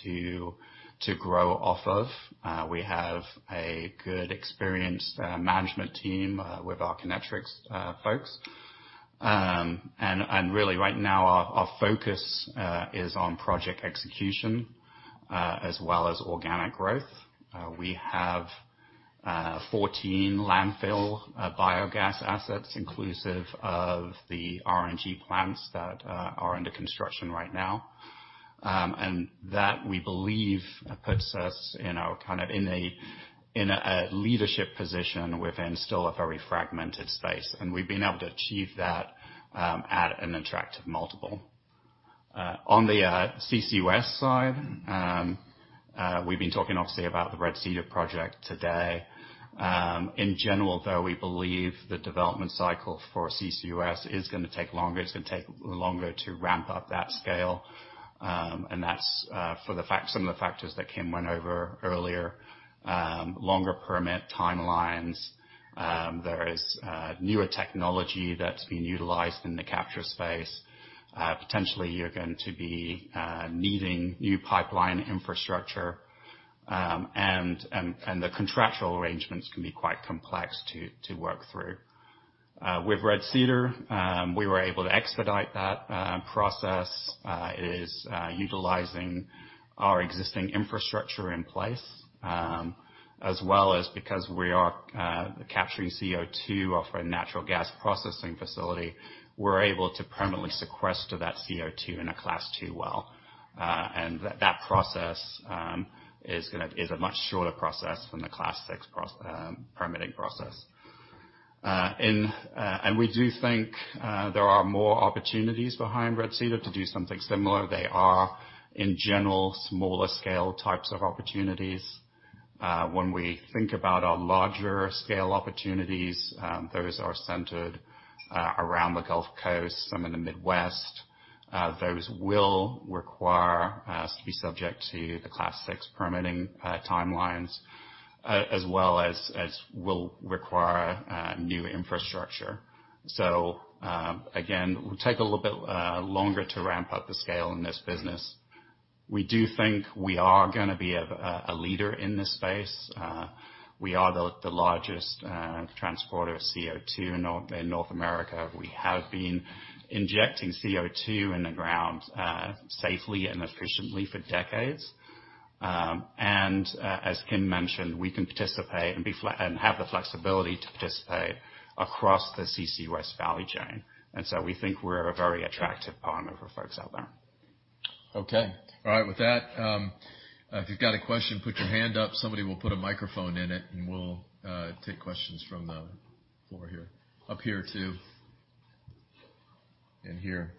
to grow off of. We have a good experienced management team with our Kinetrex folks. And really right now, our focus is on project execution as well as organic growth. We have 14 landfill biogas assets inclusive of the RNG plants that are under construction right now. That, we believe, puts us in a kind of, in a leadership position within still a very fragmented space. We've been able to achieve that at an attractive multiple. On the CCUS side, we've been talking obviously about the Red Cedar project today. In general, though, we believe the development cycle for CCUS is gonna take longer. It's gonna take longer to ramp up that scale. That's some of the factors that Kim went over earlier. Longer permit timelines. There is newer technology that's being utilized in the capture space. Potentially you're going to be needing new pipeline infrastructure. The contractual arrangements can be quite complex to work through. With Red Cedar, we were able to expedite that process. It is utilizing our existing infrastructure in place, as well as because we are capturing CO2 off our natural gas processing facility, we're able to permanently sequester that CO2 in a Class II well. That process is a much shorter process than the Class VI permitting process. We do think there are more opportunities behind Red Cedar to do something similar. They are, in general, smaller scale types of opportunities. When we think about our larger scale opportunities, those are centered around the Gulf Coast, some in the Midwest. Those will require us to be subject to the Class VI permitting timelines, as well as will require new infrastructure. Again, it will take a little bit longer to ramp up the scale in this business. We do think we are gonna be a leader in this space. We are the largest transporter of CO2 in North America. We have been injecting CO2 in the ground, safely and efficiently for decades. As Kim mentioned, we can participate and have the flexibility to participate across the CC West Valley chain. We think we're a very attractive partner for folks out there. Okay. All right. With that, if you've got a question, put your hand up, somebody will put a microphone in it, and we'll take questions from the floor here. Up here too. Here.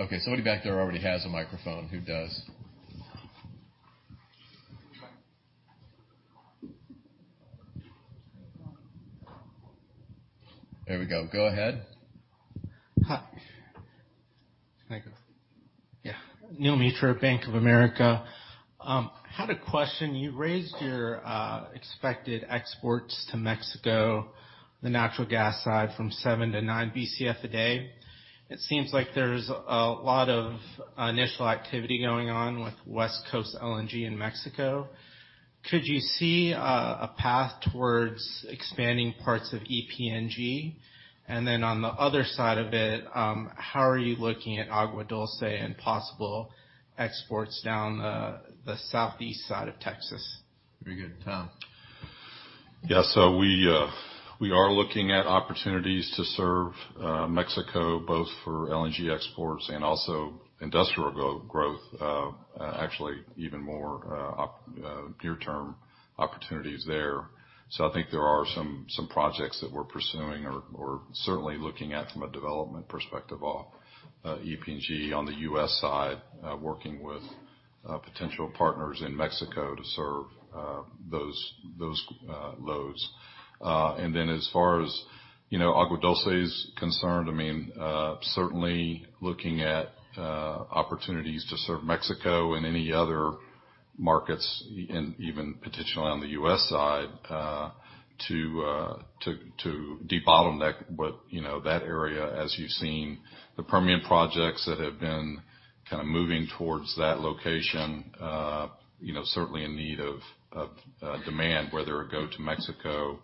Okay, somebody back there already has a microphone. Who does? There we go. Go ahead. Hi. Can I go? Yeah. Neel Mitra, Bank of America. Had a question. You raised your expected exports to Mexico, the natural gas side from 7 BCF-9 BCF a day. It seems like there's a lot of initial activity going on with West Coast LNG in Mexico. Could you see a path towards expanding parts of EPNG? On the other side of it, how are you looking at Agua Dulce and possible exports down the southeast side of Texas? Very good. Thomas? We, we are looking at opportunities to serve Mexico both for LNG exports and also industrial go-growth, actually even more near term opportunities there. I think there are some projects that we're pursuing or certainly looking at from a development perspective of EPNG on the U.S. side, working with potential partners in Mexico to serve those loads. Then as far as, you know, Agua Dulce is concerned, I mean, certainly looking at opportunities to serve Mexico and any other markets, and even potentially on the U.S. side, to debottleneck what, you know, that area, as you've seen, the Permian projects that have been kind of moving towards that location, you know, certainly in need of demand, whether it go to Mexico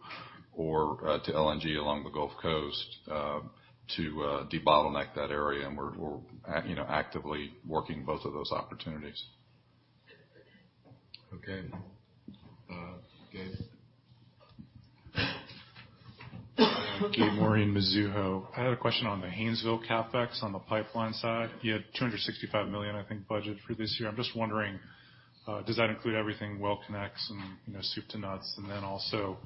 or to LNG along the Gulf Coast, to debottleneck that area. We're, you know, actively working both of those opportunities. Okay. Gabe? Gabe Morin, Mizuho. I had a question on the Haynesville CapEx on the pipeline side. You had $265 million, I think, budget for this year. I'm just wondering, does that include everything, well connects and, you know, soup to nuts? Also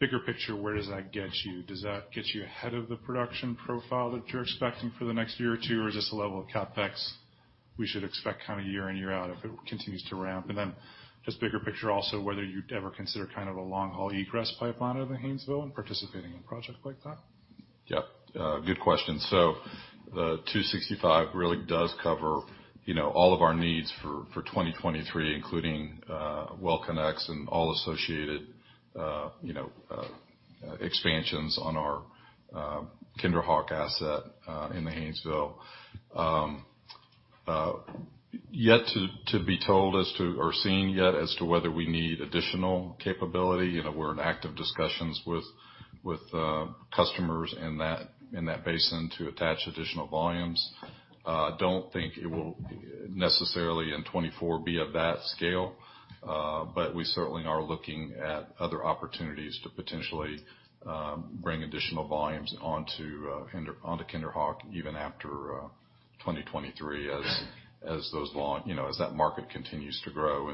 bigger picture, where does that get you? Does that get you ahead of the production profile that you're expecting for the next year or two years, or is this the level of CapEx we should expect kind of year in, year out if it continues to ramp? Just bigger picture also, whether you'd ever consider kind of a long-haul egress pipeline over Haynesville and participating in a project like that? Yeah. Good question. The $265 really does cover, you know, all of our needs for 2023, including well connects and all associated, you know, expansions on our KinderHawk asset in the Haynesville. Yet to be told as to, or seen yet as to whether we need additional capability. You know, we're in active discussions with customers in that basin to attach additional volumes. Don't think it will necessarily in 2024 be of that scale, but we certainly are looking at other opportunities to potentially bring additional volumes onto KinderHawk even after 2023 as those long, you know, as that market continues to grow.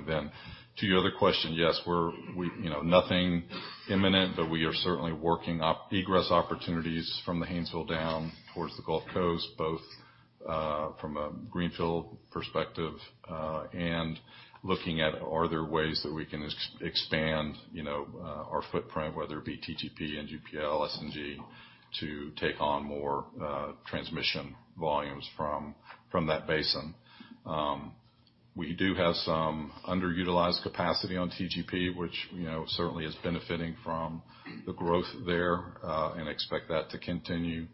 To your other question, yes, we're, you know, nothing imminent, but we are certainly working up egress opportunities from the Haynesville down towards the Gulf Coast, both from a greenfield perspective and looking at are there ways that we can expand, you know, our footprint, whether it be TGP, NGPL, SNG, to take on more transmission volumes from that basin. We do have some underutilized capacity on TGP, which, you know, certainly is benefiting from the growth there and expect that to continue.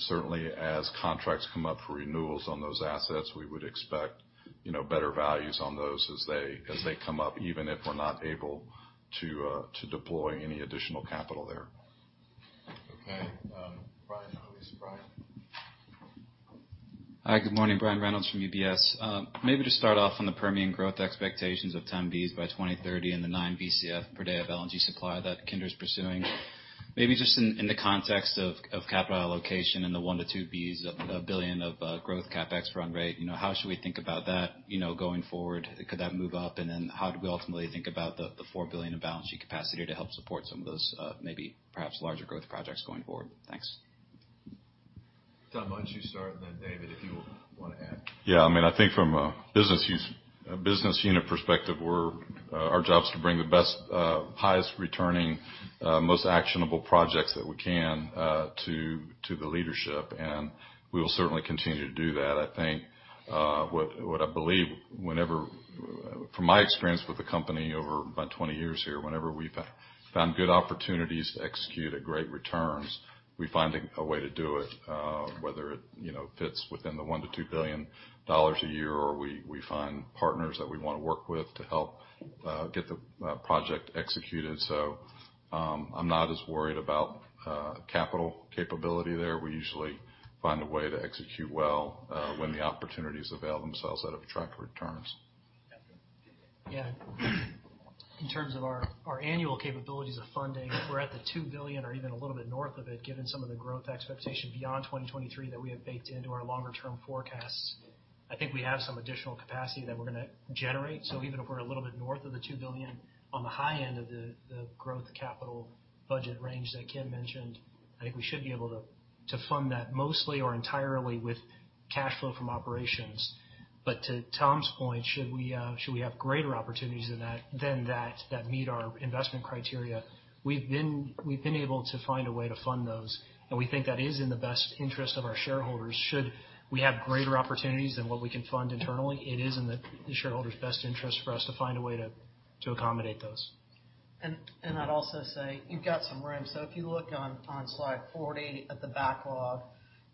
Certainly as contracts come up for renewals on those assets, we would expect, you know, better values on those as they come up, even if we're not able to deploy any additional capital there. Okay. Brian, always Brian. Hi, good morning, Brian Reynolds from UBS. Maybe just start off on the Permian growth expectations of 10 Bcf by 2030 and the 9 Bcf per day of LNG supply that Kinder is pursuing. Maybe just in the context of capital allocation and the $1 billion-$2 billion of growth CapEx run rate, you know, how should we think about that, you know, going forward? Could that move up? How do we ultimately think about the $4 billion in balance sheet capacity to help support some of those maybe perhaps larger growth projects going forward? Thanks. Thomas, why don't you start, and then David, if you want to add. Yeah, I mean, I think from a business unit perspective, we're, our job is to bring the best, highest returning, most actionable projects that we can to the leadership, and we will certainly continue to do that. I think, what I believe whenever... From my experience with the company over about 20 years here, whenever we found good opportunities to execute at great returns, we find a way to do it, whether it, you know, fits within the $1 billion-$2 billion a year, or we find partners that we wanna work with to help get the project executed. I'm not as worried about capital capability there. We usually find a way to execute well when the opportunities avail themselves that have attractive returns. Yeah. In terms of our annual capabilities of funding, we're at the $2 billion or even a little bit north of it, given some of the growth expectation beyond 2023 that we have baked into our longer term forecasts. I think we have some additional capacity that we're gonna generate. Even if we're a little bit north of the $2 billion on the high end of the growth capital budget range that Kim mentioned, I think we should be able to fund that mostly or entirely with cash flow from operations. To Thomas's point, should we have greater opportunities than that that meet our investment criteria? We've been able to find a way to fund those, and we think that is in the best interest of our shareholders. Should we have greater opportunities than what we can fund internally, it is in the shareholders' best interest for us to find a way to accommodate those. I'd also say you've got some room. If you look on slide 40 at the backlog,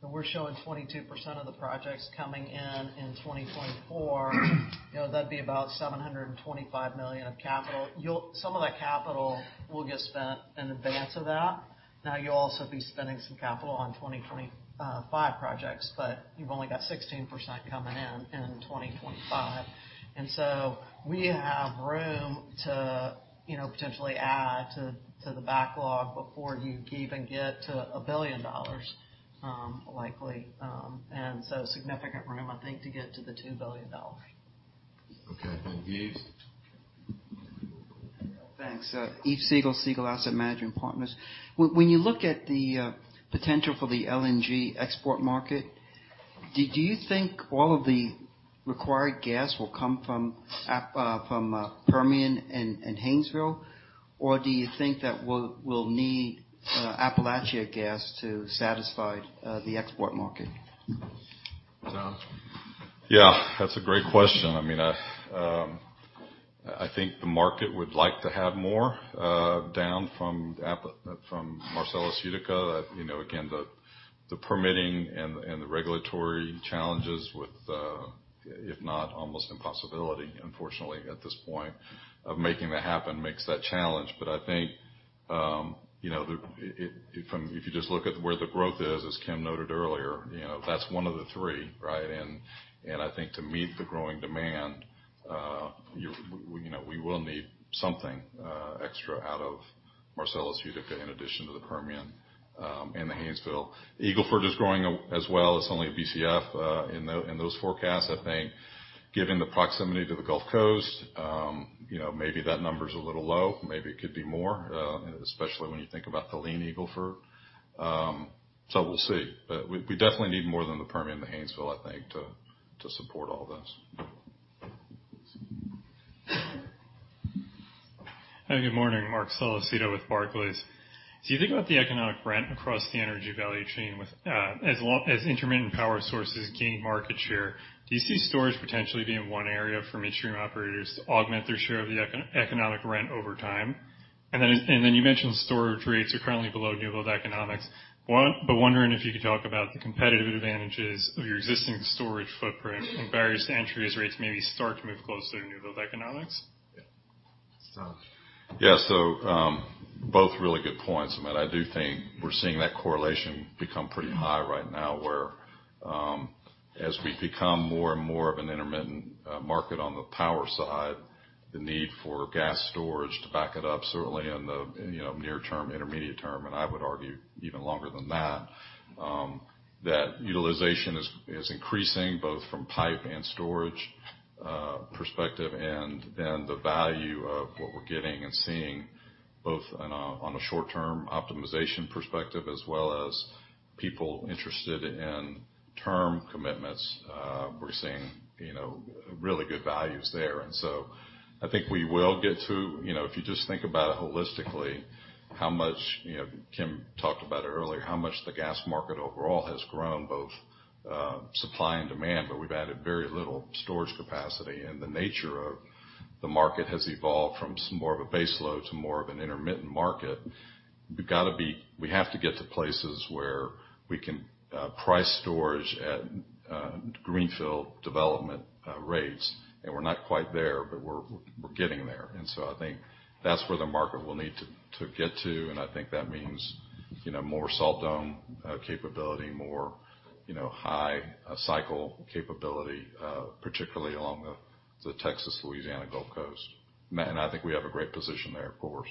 and we're showing 22% of the projects coming in in 2024, you know, that'd be about $725 million of capital. Some of that capital will get spent in advance of that. You'll also be spending some capital on 2025 projects, but you've only got 16% coming in in 2025. We have room to, you know, potentially add to the backlog before you even get to $1 billion, likely. Significant room, I think, to get to the $2 billion. Okay. Yves? Thanks. Yves Siegel Asset Management Partners. When you look at the potential for the LNG export market, do you think all of the required gas will come from Permian and Haynesville? Or do you think that we'll need Appalachia gas to satisfy the export market? John? Yeah, that's a great question. I mean, I think the market would like to have more down from Marcellus Utica. You know, again, the permitting and the regulatory challenges with if not almost impossibility, unfortunately, at this point, of making that happen makes that challenge. I think, you know, if you just look at where the growth is, as Kim noted earlier, you know, that's one of the three, right? I think to meet the growing demand, you know, we will need something extra out of Marcellus Utica in addition to the Permian and the Haynesville. Eagle Ford is growing as well. It's only a BCF in those forecasts. I think given the proximity to the Gulf Coast, you know, maybe that number's a little low, maybe it could be more, especially when you think about the Lean Eagle Ford. We'll see. We, we definitely need more than the Permian, the Haynesville, I think, to support all this. Hi, good morning, Marc Solecitto with Barclays. As you think about the economic rent across the energy value chain with as intermittent power sources gain market share, do you see storage potentially being one area for midstream operators to augment their share of the economic rent over time? You mentioned storage rates are currently below new build economics. Wondering if you could talk about the competitive advantages of your existing storage footprint and various entries rates maybe start to move closer to new build economics? Yeah. Yeah. Both really good points. I mean, I do think we're seeing that correlation become pretty high right now, where, as we become more and more of an intermittent market on the power side, the need for gas storage to back it up, certainly in the, you know, near term, intermediate term, and I would argue even longer than that utilization is increasing both from pipe and storage perspective and the value of what we're getting and seeing both on a short-term optimization perspective as well as people interested in term commitments. We're seeing, you know, really good values there. I think we will get to, you know, if you just think about it holistically, how much, you know, Kim talked about it earlier, how much the gas market overall has grown, both supply and demand, but we've added very little storage capacity, and the nature of the market has evolved from more of a base load to more of an intermittent market. We have to get to places where we can price storage at greenfield development rates. We're not quite there, but we're getting there. I think that's where the market will need to get to. I think that means, you know, more salt dome capability, more, you know, high cycle capability, particularly along the Texas, Louisiana Gulf Coast. I think we have a great position there for us.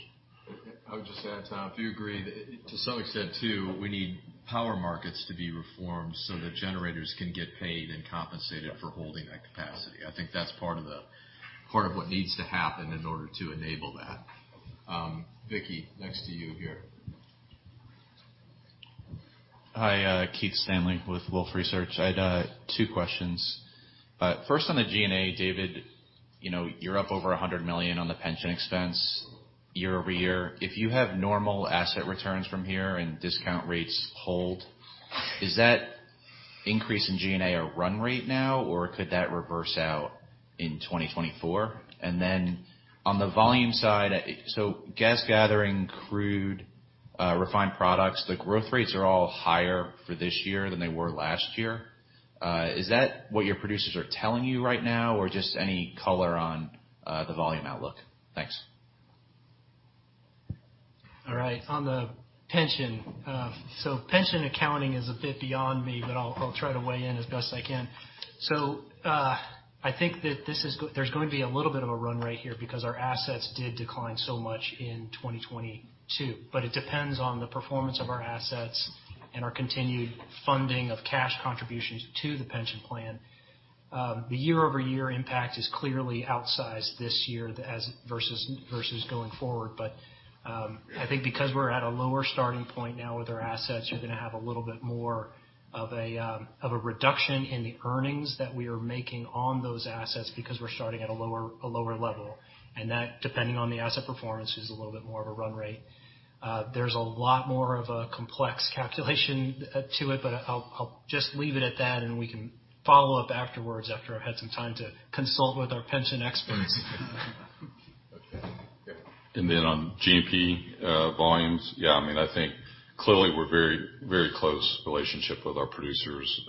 I would just add, Thomas, do you agree that to some extent too, we need power markets to be reformed so that generators can get paid and compensated for holding that capacity? I think that's part of what needs to happen in order to enable that. Vicki, next to you here. Hi, Keith Stanley with Wolfe Research. I had two questions. First on the G&A, David, you know, you're up over $100 million on the pension expense year-over-year. If you have normal asset returns from here and discount rates hold, is that increase in G&A a run rate now, or could that reverse out in 2024? On the volume side, so gas gathering, crude, refined products, the growth rates are all higher for this year than they were last year. Is that what your producers are telling you right now, or just any color on the volume outlook? Thanks. All right. On the pension accounting is a bit beyond me, but I'll try to weigh in as best I can. I think that there's going to be a little bit of a run rate here because our assets did decline so much in 2022. It depends on the performance of our assets and our continued funding of cash contributions to the pension plan. The year-over-year impact is clearly outsized this year as versus going forward. I think because we're at a lower starting point now with our assets, you're gonna have a little bit more of a reduction in the earnings that we are making on those assets because we're starting at a lower level. That, depending on the asset performance, is a little bit more of a run rate. There's a lot more of a complex calculation to it, but I'll just leave it at that, and we can follow up afterwards after I've had some time to consult with our pension experts. Okay. Yeah. On GP volumes, yeah, I mean, I think clearly we're very, very close relationship with our producers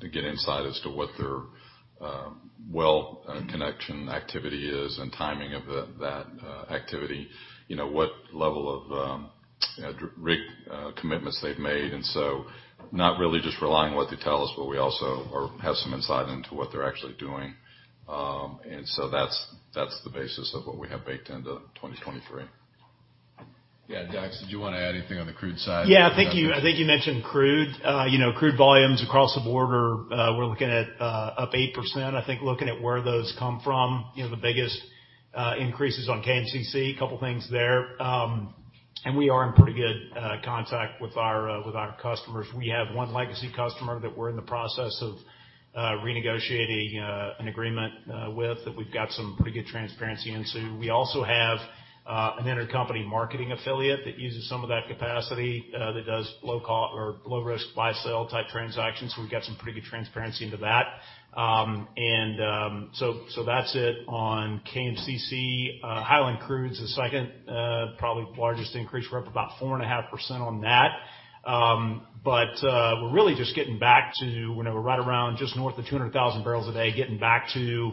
to get insight as to what their well connection activity is and timing of that activity. You know, what level of, you know, rig commitments they've made. Not really just relying on what they tell us, but we also have some insight into what they're actually doing. That's the basis of what we have baked into 2023. Yeah. Dax, did you wanna add anything on the crude side? Yeah. I think you mentioned crude. You know, crude volumes across the board are, we're looking at, up 8%. I think looking at where those come from, you know, the biggest increase is on KMCC, couple things there. We are in pretty good contact with our customers. We have one legacy customer that we're in the process of renegotiating an agreement with, that we've got some pretty good transparency into. We also have an intercompany marketing affiliate that uses some of that capacity that does low risk buy-sell type transactions. We've got some pretty good transparency into that. That's it on KMCC. Highland Crude is the second, probably largest increase. We're up about 4.5% on that. We're really just getting back to, you know, we're right around just north of 200,000 barrels a day, getting back to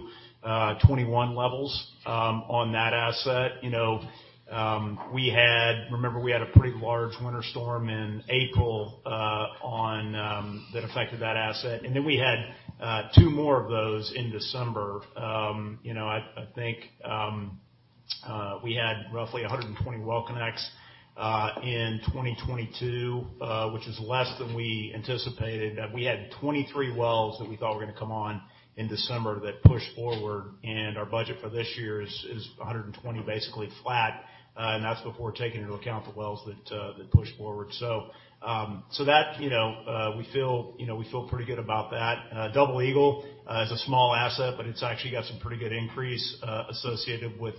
21 levels on that asset. You know, remember we had a pretty large winter storm in April that affected that asset. We had two more of those in December. You know, I think we had roughly 120 well connects in 2022, which is less than we anticipated. We had 23 wells that we thought were gonna come on in December that pushed forward, and our budget for this year is 120, basically flat. That's before taking into account the wells that pushed forward. That, you know, we feel, you know, we feel pretty good about that. Double Eagle is a small asset, but it's actually got some pretty good increase associated with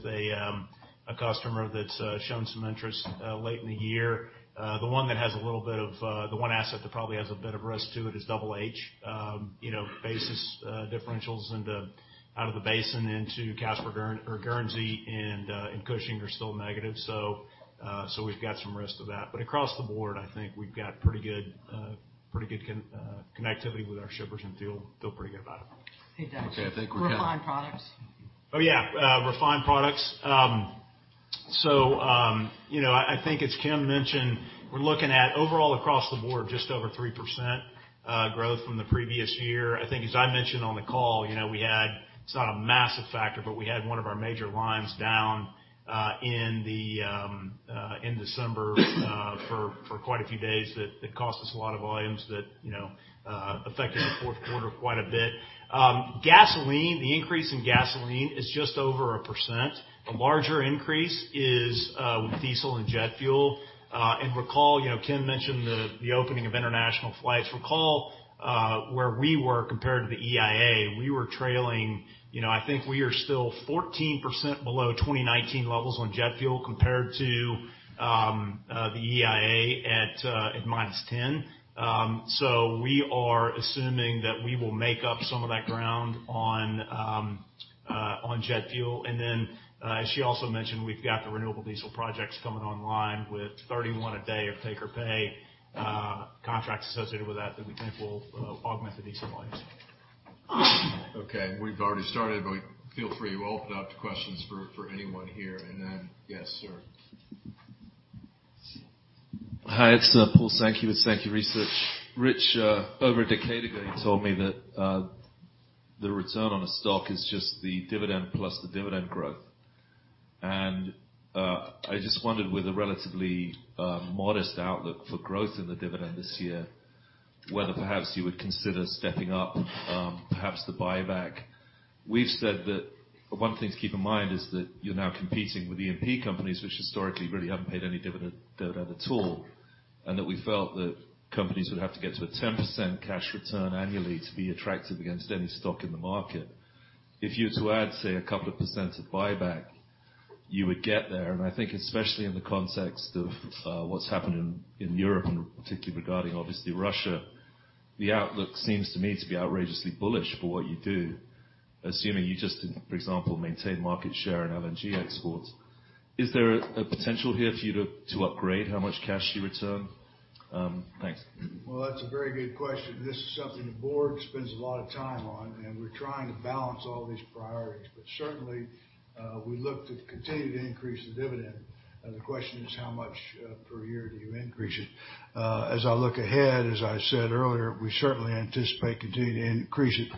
a customer that's shown some interest late in the year. The one that has a little bit of the one asset that probably has a bit of risk to it is Double H. You know, basis differentials out of the basin into Casper or Guernsey and in Cushing are still negative. We've got some risk of that. Across the board, I think we've got pretty good connectivity with our shippers and feel pretty good about it. Okay. I think. Refined products. Yeah. Refined products. You know, I think as Kim mentioned, we're looking at overall across the board just over 3% growth from the previous year. I think as I mentioned on the call, you know, it's not a massive factor, but we had one of our major lines down in December for quite a few days that cost us a lot of volumes that, you know, affected the Q4 quite a bit. Gasoline, the increase in gasoline is just over 1%. A larger increase is with diesel and jet fuel. Recall, you know, Kim mentioned the opening of international flights. Recall where we were compared to the EIA, we were trailing. You know, I think we are still 14% below 2019 levels on jet fuel compared to the EIA at -10. We are assuming that we will make up some of that ground on jet fuel. As she also mentioned, we've got the renewable diesel projects coming online with 31 a day of take or pay contracts associated with that we think will augment the diesel volumes. Okay. We've already started, but feel free. We'll open it up to questions for anyone here. Yes, sir. Hi, it's Paul Sankey with Sankey Research. Richard, over a decade ago, you told me that the return on a stock is just the dividend plus the dividend growth. I just wondered, with a relatively modest outlook for growth in the dividend this year, whether perhaps you would consider stepping up perhaps the buyback. We've said that one thing to keep in mind is that you're now competing with E&P companies, which historically really haven't paid any dividend at all, and that we felt that companies would have to get to a 10% cash return annually to be attractive against any stock in the market. If you were to add, say, a couple of percent of buyback, you would get there. I think especially in the context of what's happening in Europe, and particularly regarding obviously Russia, the outlook seems to me to be outrageously bullish for what you do, assuming you just, for example, maintain market share in LNG exports. Is there a potential here for you to upgrade how much cash you return? Thanks. Well, that's a very good question. This is something the board spends a lot of time on, and we're trying to balance all these priorities. But certainly, we look to continue to increase the dividend. The question is how much per year do you increase it? As I look ahead, as I said earlier, we certainly anticipate continuing to increase it,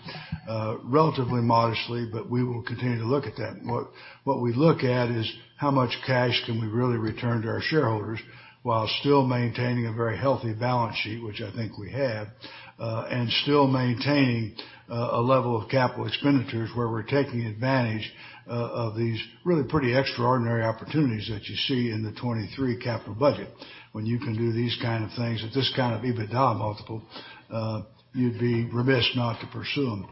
relatively modestly, but we will continue to look at that. What we look at is how much cash can we really return to our shareholders while still maintaining a very healthy balance sheet, which I think we have, and still maintaining a level of capital expenditures where we're taking advantage of these really pretty extraordinary opportunities that you see in the 23 capital budget. When you can do these kind of things at this kind of EBITDA multiple, you'd be remiss not to pursue them.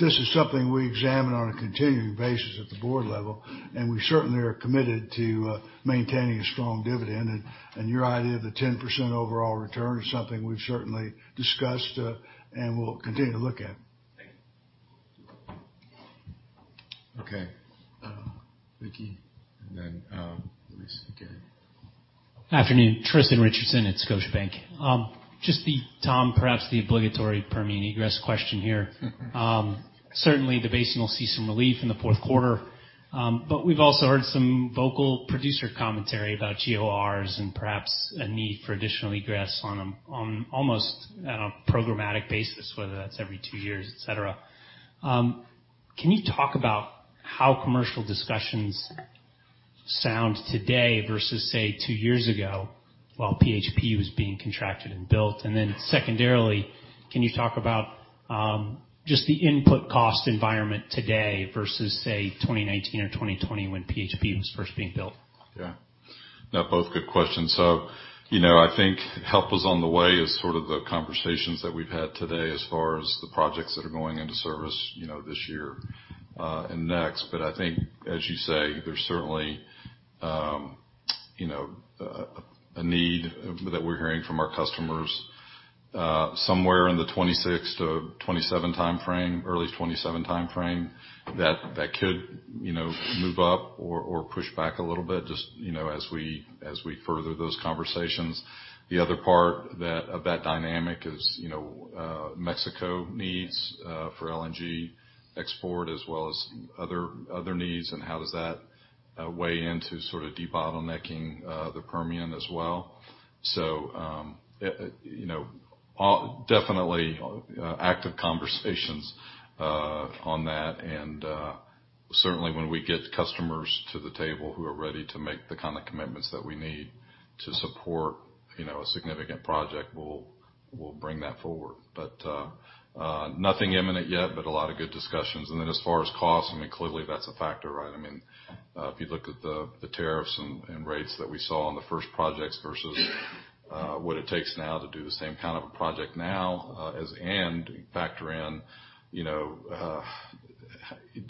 This is something we examine on a continuing basis at the board level, and we certainly are committed to maintaining a strong dividend. Your idea of the 10% overall return is something we've certainly discussed, and we'll continue to look at. Thank you. Okay. Richardson, then Lisa again. Afternoon. Tristan Richardson at Scotiabank. Just Tom, perhaps the obligatory Permian egress question here. Certainly the basin will see some relief in the fourth quarter. But we've also heard some vocal producer commentary about GORs and perhaps a need for additional egress on almost on a programmatic basis, whether that's every two years, et cetera. Can you talk about how commercial discussions sound today versus, say, two years ago while PHP was being contracted and built? Secondarily, can you talk about just the input cost environment today versus, say, 2019 or 2020 when PHP was first being built? Yeah. No, both good questions. You know, I think help is on the way is sort of the conversations that we've had today as far as the projects that are going into service, you know, this year and next. I think, as you say, there's certainly, you know, a need that we're hearing from our customers somewhere in the 2026-2027 timeframe, early 2027 timeframe that could, you know, move up or push back a little bit just, you know, as we further those conversations. The other part of that dynamic is, you know, Mexico needs for LNG export as well as other needs and how does that weigh into sort of debottlenecking the Permian as well. You know, definitely active conversations on that. Certainly when we get customers to the table who are ready to make the kind of commitments that we need to support, you know, a significant project, we'll bring that forward. Nothing imminent yet, but a lot of good discussions. As far as costs, I mean, clearly that's a factor, right? I mean, if you looked at the tariffs and rates that we saw on the first projects versus what it takes now to do the same kind of a project now, as and factor in, you know,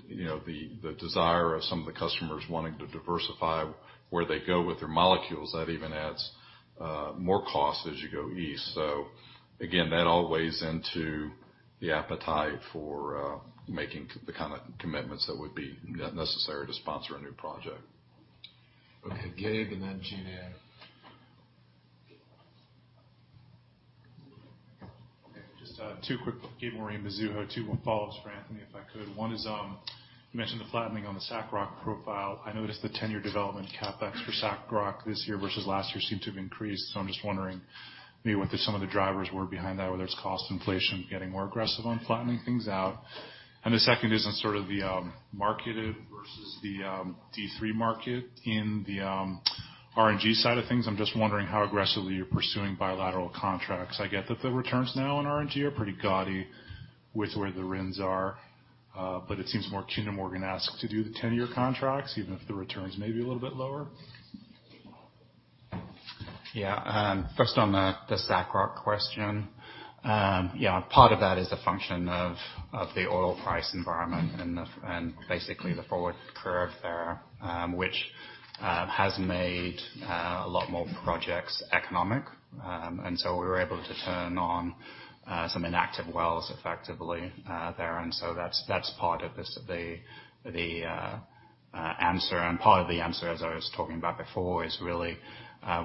the desire of some of the customers wanting to diversify where they go with their molecules, that even adds more costs as you go east. Again, that all weighs into the appetite for making the kind of commitments that would be necessary to sponsor a new project. Okay, Gabe and then Gina. Okay. Gabe Moreen, Mizuho. Two follow-ups for Anthony, if I could. One is, you mentioned the flattening on the SACROC profile. I noticed the 10-year development CapEx for SACROC this year versus last year seemed to have increased. I'm just wondering maybe what the some of the drivers were behind that, whether it's cost inflation, getting more aggressive on flattening things out. The second is on sort of the marketed versus the D3 market in the RNG side of things. I'm just wondering how aggressively you're pursuing bilateral contracts. I get that the returns now on RNG are pretty gaudy with where the RINs are, it seems more prudent, Kinder Morgan, ask to do the 10-year contracts, even if the returns may be a little bit lower. Yeah. First on the SACROC question. Yeah, part of that is a function of the oil price environment and basically the forward curve there, which has made a lot more projects economic. So we were able to turn on some inactive wells effectively there. So that's part of this, the answer. Part of the answer, as I was talking about before, is really,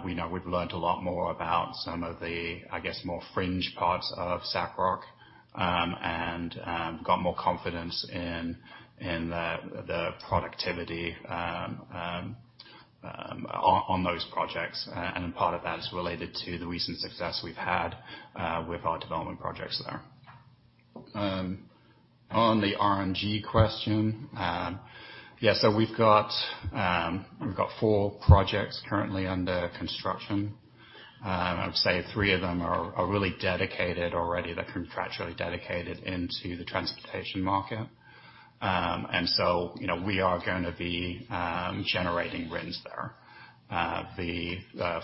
we know we've learnt a lot more about some of the, I guess, more fringe parts of SACROC, and got more confidence in the productivity on those projects. Part of that is related to the recent success we've had with our development projects there. On the RNG question. We've got four projects currently under construction. I would say three of them are really dedicated already. They're contractually dedicated into the transportation market. We are going to be generating rents there. The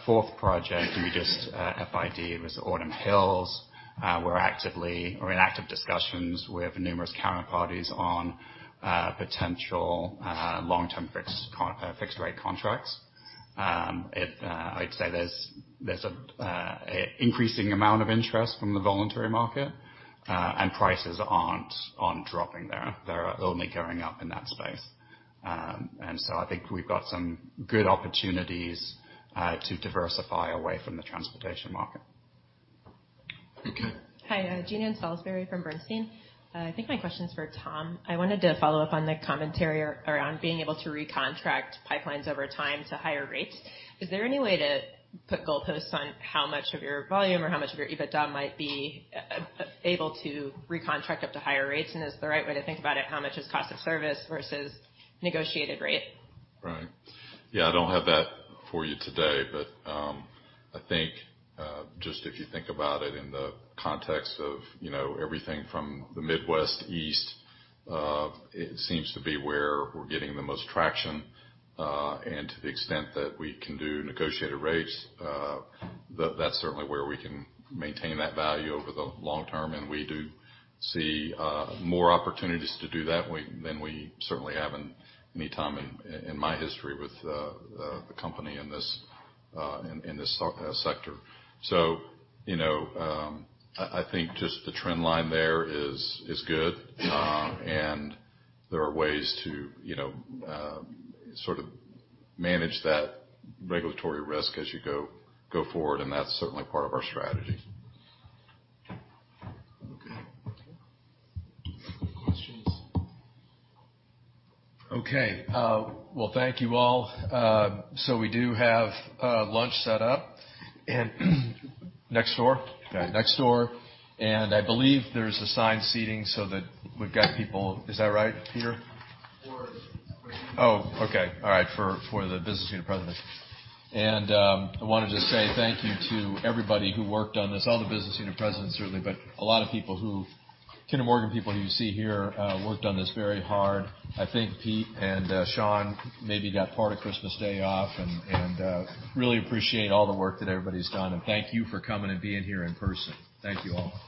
fourth project we just FID was Autumn Hills. We're in active discussions with numerous counterparties on potential long-term fixed rate contracts. It, I'd say there's a increasing amount of interest from the voluntary market, and prices aren't on dropping there. They're only going up in that space. I think we've got some good opportunities to diversify away from the transportation market. Okay. Hi, Jean Ann Salisbury from Bernstein. I think my question's for Thomas. I wanted to follow up on the commentary around being able to recontract pipelines over time to higher rates. Is there any way to put goalposts on how much of your volume or how much of your EBITDA might be able to recontract up to higher rates? Is the right way to think about it, how much is cost of service versus negotiated rate? Yeah, I don't have that for you today, but I think just if you think about it in the context of, you know, everything from the Midwest east, it seems to be where we're getting the most traction. To the extent that we can do negotiated rates, that's certainly where we can maintain that value over the long term. We do see more opportunities to do that than we certainly have in any time in my history with the company in this sector. You know, I think just the trend line there is good. There are ways to, you know, sort of manage that regulatory risk as you go forward, and that's certainly part of our strategy. Okay. Any more questions? Okay. Well, thank you all. We do have lunch set up and next door? Yeah, next door. I believe there's assigned seating so that we've got people... Is that right, Peter? For. Okay. All right. For the business unit presidents. I wanted to say thank you to everybody who worked on this. All the business unit presidents, certainly, but a lot of people who Kinder Morgan people who you see here worked on this very hard. I think Pete and Sean maybe got part of Christmas Day off. Really appreciate all the work that everybody's done. Thank you for coming and being here in person. Thank you all.